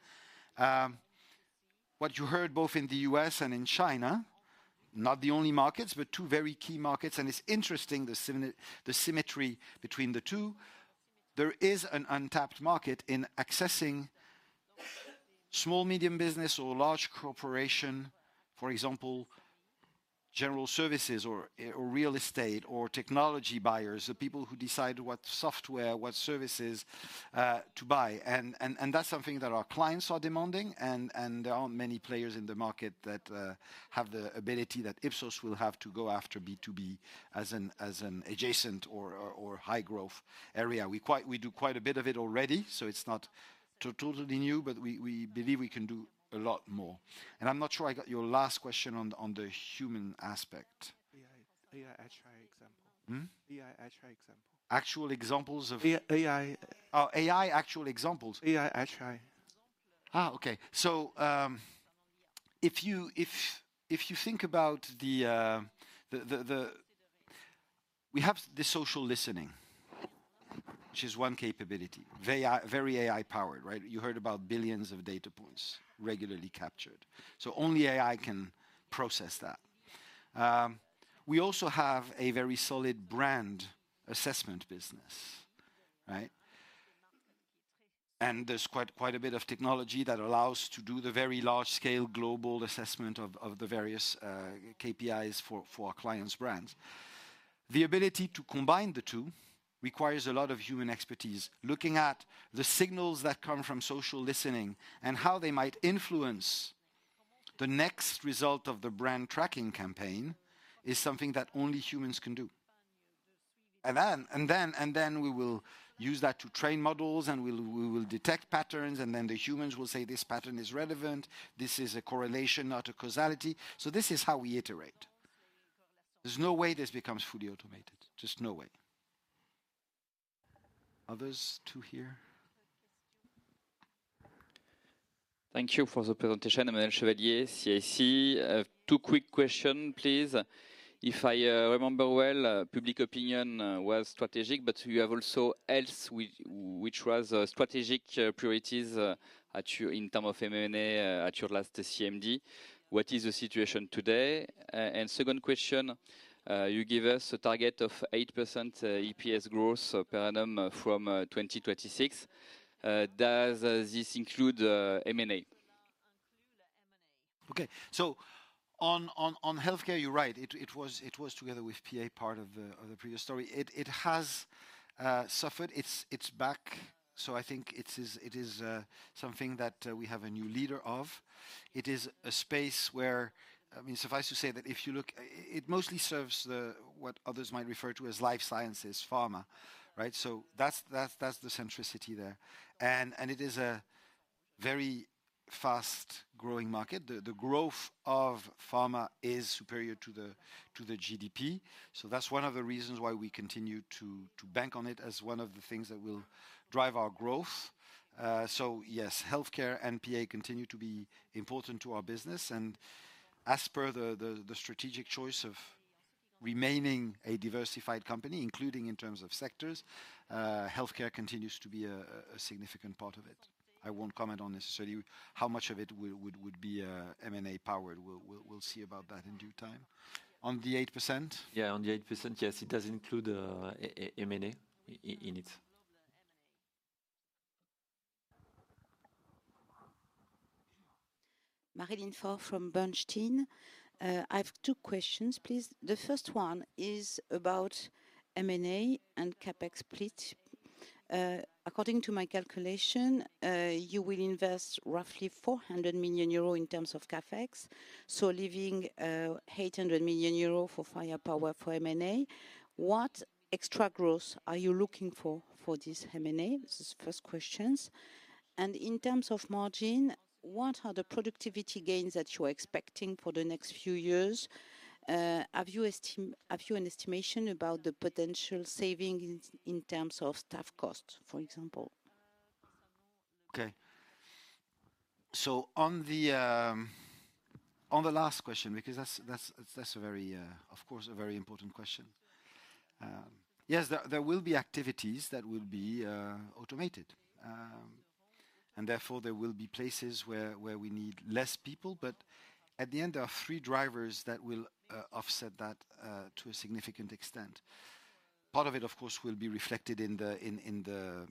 What you heard both in the U.S. and in China, not the only markets, but two very key markets. And it's interesting, the symmetry between the two. There is an untapped market in accessing small, medium business or large corporation, for example, general services or real estate or technology buyers, the people who decide what software, what services to buy. And that's something that our clients are demanding, and there aren't many players in the market that have the ability that Ipsos will have to go after B2B as an adjacent or high-growth area. We do quite a bit of it already, so it's not totally new, but we believe we can do a lot more. And I'm not sure I got your last question on the human aspect. AI, actual examples of AI. Actual examples of AI. Okay. So if you think about, we have the social listening, which is one capability, very AI-powered, right? You heard about billions of data points regularly captured. So only AI can process that. We also have a very solid brand assessment business, right? And there's quite a bit of technology that allows us to do the very large-scale global assessment of the various KPIs for our clients' brands. The ability to combine the two requires a lot of human expertise. Looking at the signals that come from social listening and how they might influence the next result of the brand tracking campaign is something that only humans can do. And then we will use that to train models, and we will detect patterns, and then the humans will say, "This pattern is relevant. This is a correlation, not a causality." So this is how we iterate. There's no way this becomes fully automated, just no way. Others too here? Thank you for the presentation, Emmanuel Chevalier, CIC. Two quick questions, please. If I remember well, public opinion was strategic, but you have also health, which was strategic priorities in terms of M&A at your last CMD. What is the situation today? And second question, you gave us a target of 8% EPS growth per annum from 2026. Does this include M&A? Okay, so on healthcare, you're right. It was together with PA part of the previous story. It has suffered. It's back. So I think it is something that we have a new leader of. It is a space where, I mean, suffice to say that if you look, it mostly serves what others might refer to as life sciences, pharma, right? So that's the centricity there. And it is a very fast-growing market. The growth of pharma is superior to the GDP, so that's one of the reasons why we continue to bank on it as one of the things that will drive our growth, so yes, healthcare and PA continue to be important to our business, and as per the strategic choice of remaining a diversified company, including in terms of sectors, healthcare continues to be a significant part of it. I won't comment on necessarily how much of it would be M&A powered. We'll see about that in due time. On the 8%? Yeah, on the 8%, yes. It does include M&A in it. [Marlene Faure] from Bernstein. I have two questions, please. The first one is about M&A and CapEx split. According to my calculation, you will invest roughly 400 million euro in terms of CapEx, so leaving 800 million euro for firepower for M&A. What extra growth are you looking for for this M&A? This is the first question. And in terms of margin, what are the productivity gains that you are expecting for the next few years? Have you an estimation about the potential savings in terms of staff costs, for example? Okay. So on the last question, because that's a very, of course, a very important question. Yes, there will be activities that will be automated. And therefore, there will be places where we need less people. But at the end, there are three drivers that will offset that to a significant extent. Part of it, of course, will be reflected in the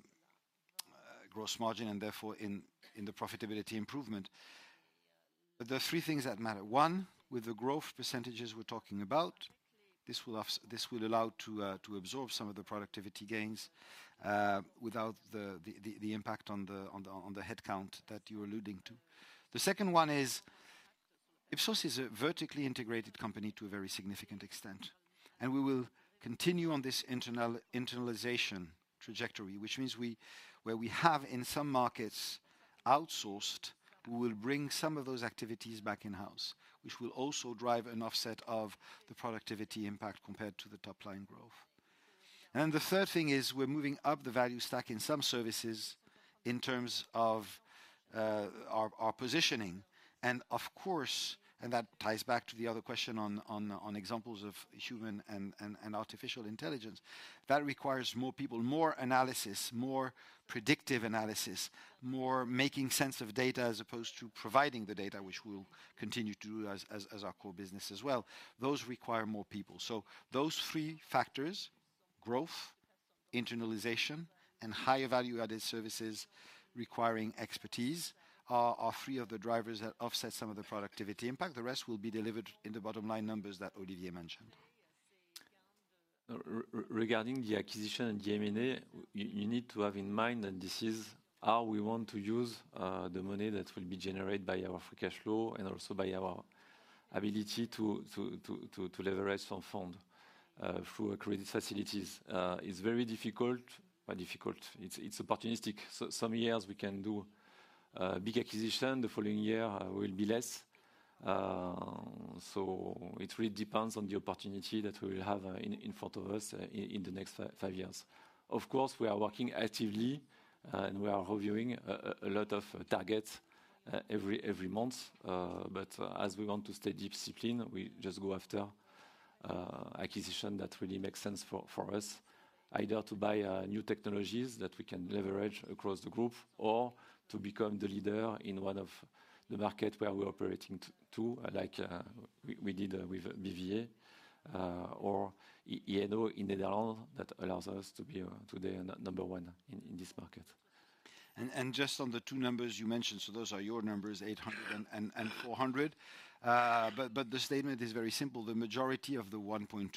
gross margin and therefore in the profitability improvement. But there are three things that matter. One, with the growth percentages we're talking about, this will allow to absorb some of the productivity gains without the impact on the headcount that you're alluding to. The second one is Ipsos is a vertically integrated company to a very significant extent. And we will continue on this internalization trajectory, which means where we have in some markets outsourced, we will bring some of those activities back in-house, which will also drive an offset of the productivity impact compared to the top-line growth. And the third thing is we're moving up the value stack in some services in terms of our positioning. And of course, and that ties back to the other question on examples of human and artificial intelligence, that requires more people, more analysis, more predictive analysis, more making sense of data as opposed to providing the data, which we'll continue to do as our core business as well. Those require more people. So those three factors, growth, internalization, and higher value-added services requiring expertise are three of the drivers that offset some of the productivity impact. The rest will be delivered in the bottom-line numbers that Olivier mentioned. Regarding the acquisition and the M&A, you need to have in mind that this is how we want to use the money that will be generated by our free cash flow and also by our ability to leverage some funds through credit facilities. It's very difficult, but difficult. It's opportunistic. Some years we can do big acquisition. The following year, we'll be less. So it really depends on the opportunity that we will have in front of us in the next five years. Of course, we are working actively and we are reviewing a lot of targets every month. But as we want to stay disciplined, we just go after acquisition that really makes sense for us, either to buy new technologies that we can leverage across the group or to become the leader in one of the markets where we're operating too, like we did with BVA or I&O in the Netherlands that allows us to be today number one in this market. And just on the two numbers you mentioned, so those are your numbers, 800 and 400. But the statement is very simple. The majority of the 1.2 billion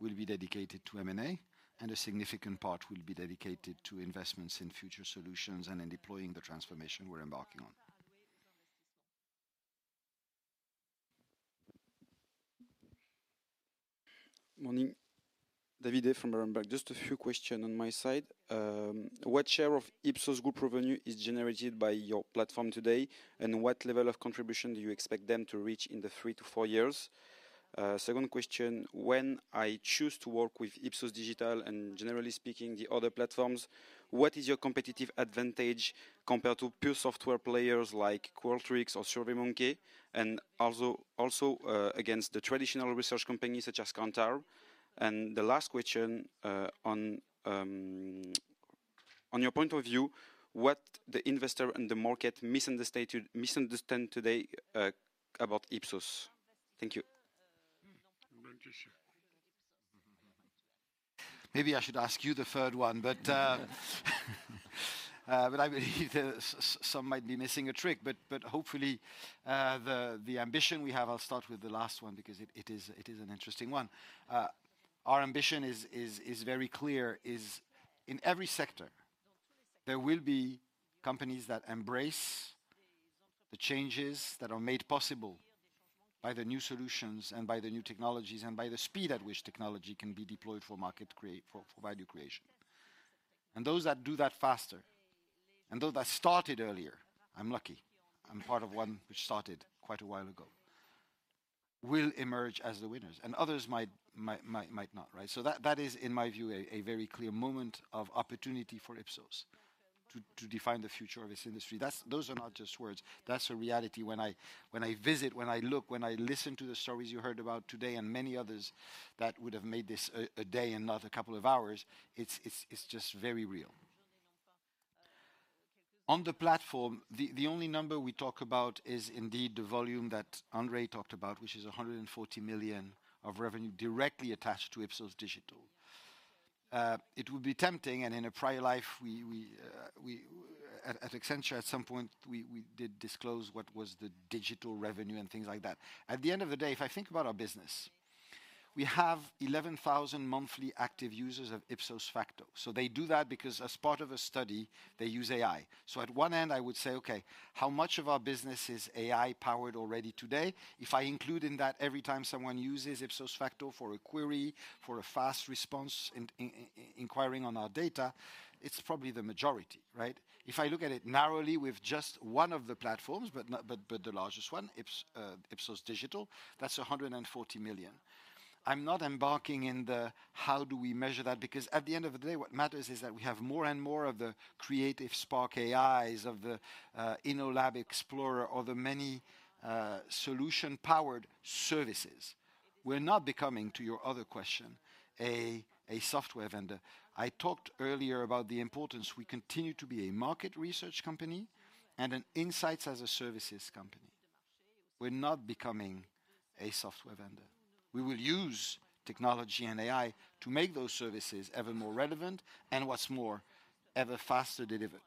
will be dedicated to M&A and a significant part will be dedicated to investments in future solutions and in deploying the transformation we're embarking on. Morning. David from Berenberg, just a few questions on my side. What share of Ipsos Group revenue is generated by your platform today and what level of contribution do you expect them to reach in the three-to-four years? Second question, when I choose to work with Ipsos Digital and generally speaking, the other platforms, what is your competitive advantage compared to pure software players like Qualtrics or SurveyMonkey and also against the traditional research companies such as Kantar? And the last question, on your point of view, what do the investors and the market misunderstand today about Ipsos? Thank you. Maybe I should ask you the third one, but some might be missing a trick. But hopefully, the ambition we have. I'll start with the last one because it is an interesting one. Our ambition is very clear: in every sector, there will be companies that embrace the changes that are made possible by the new solutions and by the new technologies and by the speed at which technology can be deployed for value creation. And those that do that faster, and those that started earlier, I'm lucky. I'm part of one which started quite a while ago, will emerge as the winners. And others might not, right? So that is, in my view, a very clear moment of opportunity for Ipsos to define the future of its industry. Those are not just words. That's a reality when I visit, when I look, when I listen to the stories you heard about today and many others that would have made this a day and not a couple of hours. It's just very real. On the platform, the only number we talk about is indeed the volume that Andrei talked about, which is 140 million of revenue directly attached to Ipsos Digital. It would be tempting, and in a prior life, at Accenture, at some point, we did disclose what was the digital revenue and things like that. At the end of the day, if I think about our business, we have 11,000 monthly active users of Ipsos Facto. So they do that because as part of a study, they use AI. So at one end, I would say, okay, how much of our business is AI-powered already today? If I include in that every time someone uses Ipsos Facto for a query, for a fast response inquiry on our data, it's probably the majority, right? If I look at it narrowly with just one of the platforms, but the largest one, Ipsos Digital, that's 140 million. I'm not embarking in the how do we measure that? Because at the end of the day, what matters is that we have more and more of the Creative Spark AIs, of the InnoLab Explorer, or the many solution-powered services. We're not becoming, to your other question, a software vendor. I talked earlier about the importance we continue to be a market research company and an insights as a services company. We're not becoming a software vendor. We will use technology and AI to make those services ever more relevant and, what's more, ever faster delivered.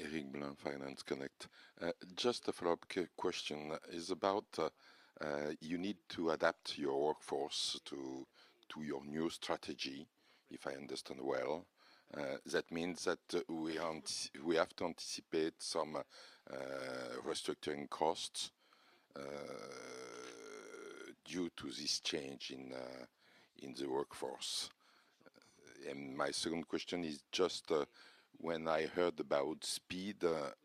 [Eric Blanc, Finance Connect.] Just a follow-up question. It's about you need to adapt your workforce to your new strategy, if I understand well. That means that we have to anticipate some restructuring costs due to this change in the workforce. And my second question is just when I heard about speed,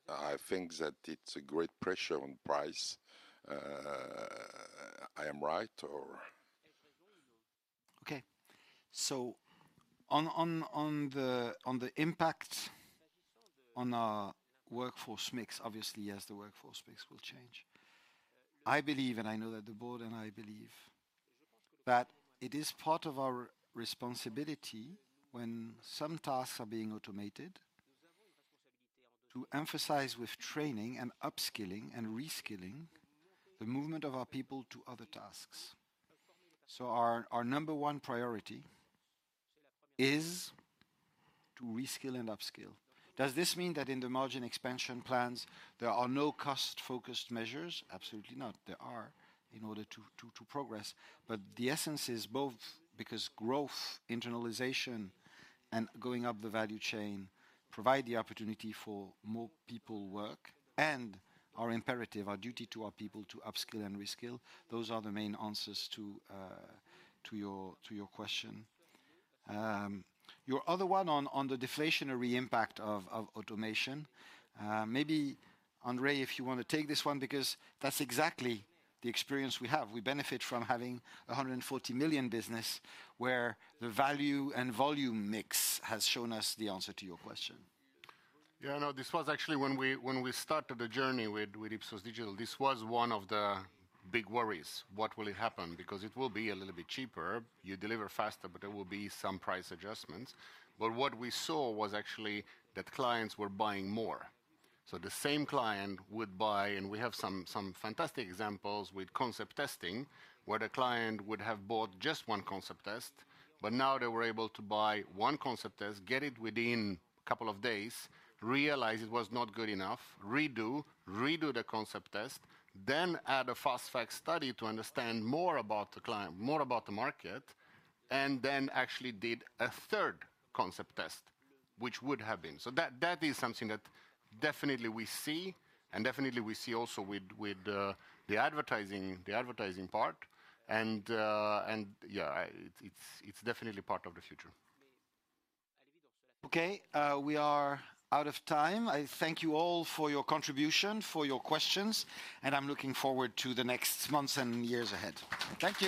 I think that it's a great pressure on price. I am right, or? Okay. So on the impact on our workforce mix, obviously, yes, the workforce mix will change. I believe, and I know that the board and I believe that it is part of our responsibility when some tasks are being automated to accompany with training and upskilling and reskilling the movement of our people to other tasks. So our number one priority is to reskill and upskill. Does this mean that in the margin expansion plans, there are no cost-focused measures? Absolutely not. There are in order to progress. But the essence is both because growth, internalization, and going up the value chain provide the opportunity for more people to work and our imperative, our duty to our people to upskill and reskill. Those are the main answers to your question. Your other one on the deflationary impact of automation, maybe Andrei, if you want to take this one because that's exactly the experience we have. We benefit from having a 140 million business where the value and volume mix has shown us the answer to your question. Yeah, no, this was actually when we started the journey with Ipsos Digital. This was one of the big worries. What will happen? Because it will be a little bit cheaper. You deliver faster, but there will be some price adjustments. But what we saw was actually that clients were buying more. So the same client would buy, and we have some fantastic examples with concept testing where the client would have bought just one concept test, but now they were able to buy one concept test, get it within a couple of days, realize it was not good enough, redo, redo the concept test, then add a fast-fact study to understand more about the client, more about the market, and then actually did a third concept test, which would have been. So that is something that definitely we see, and definitely we see also with the advertising part. And yeah, it's definitely part of the future. Okay. We are out of time. I thank you all for your contribution, for your questions, and I'm looking forward to the next months and years ahead. Thank you.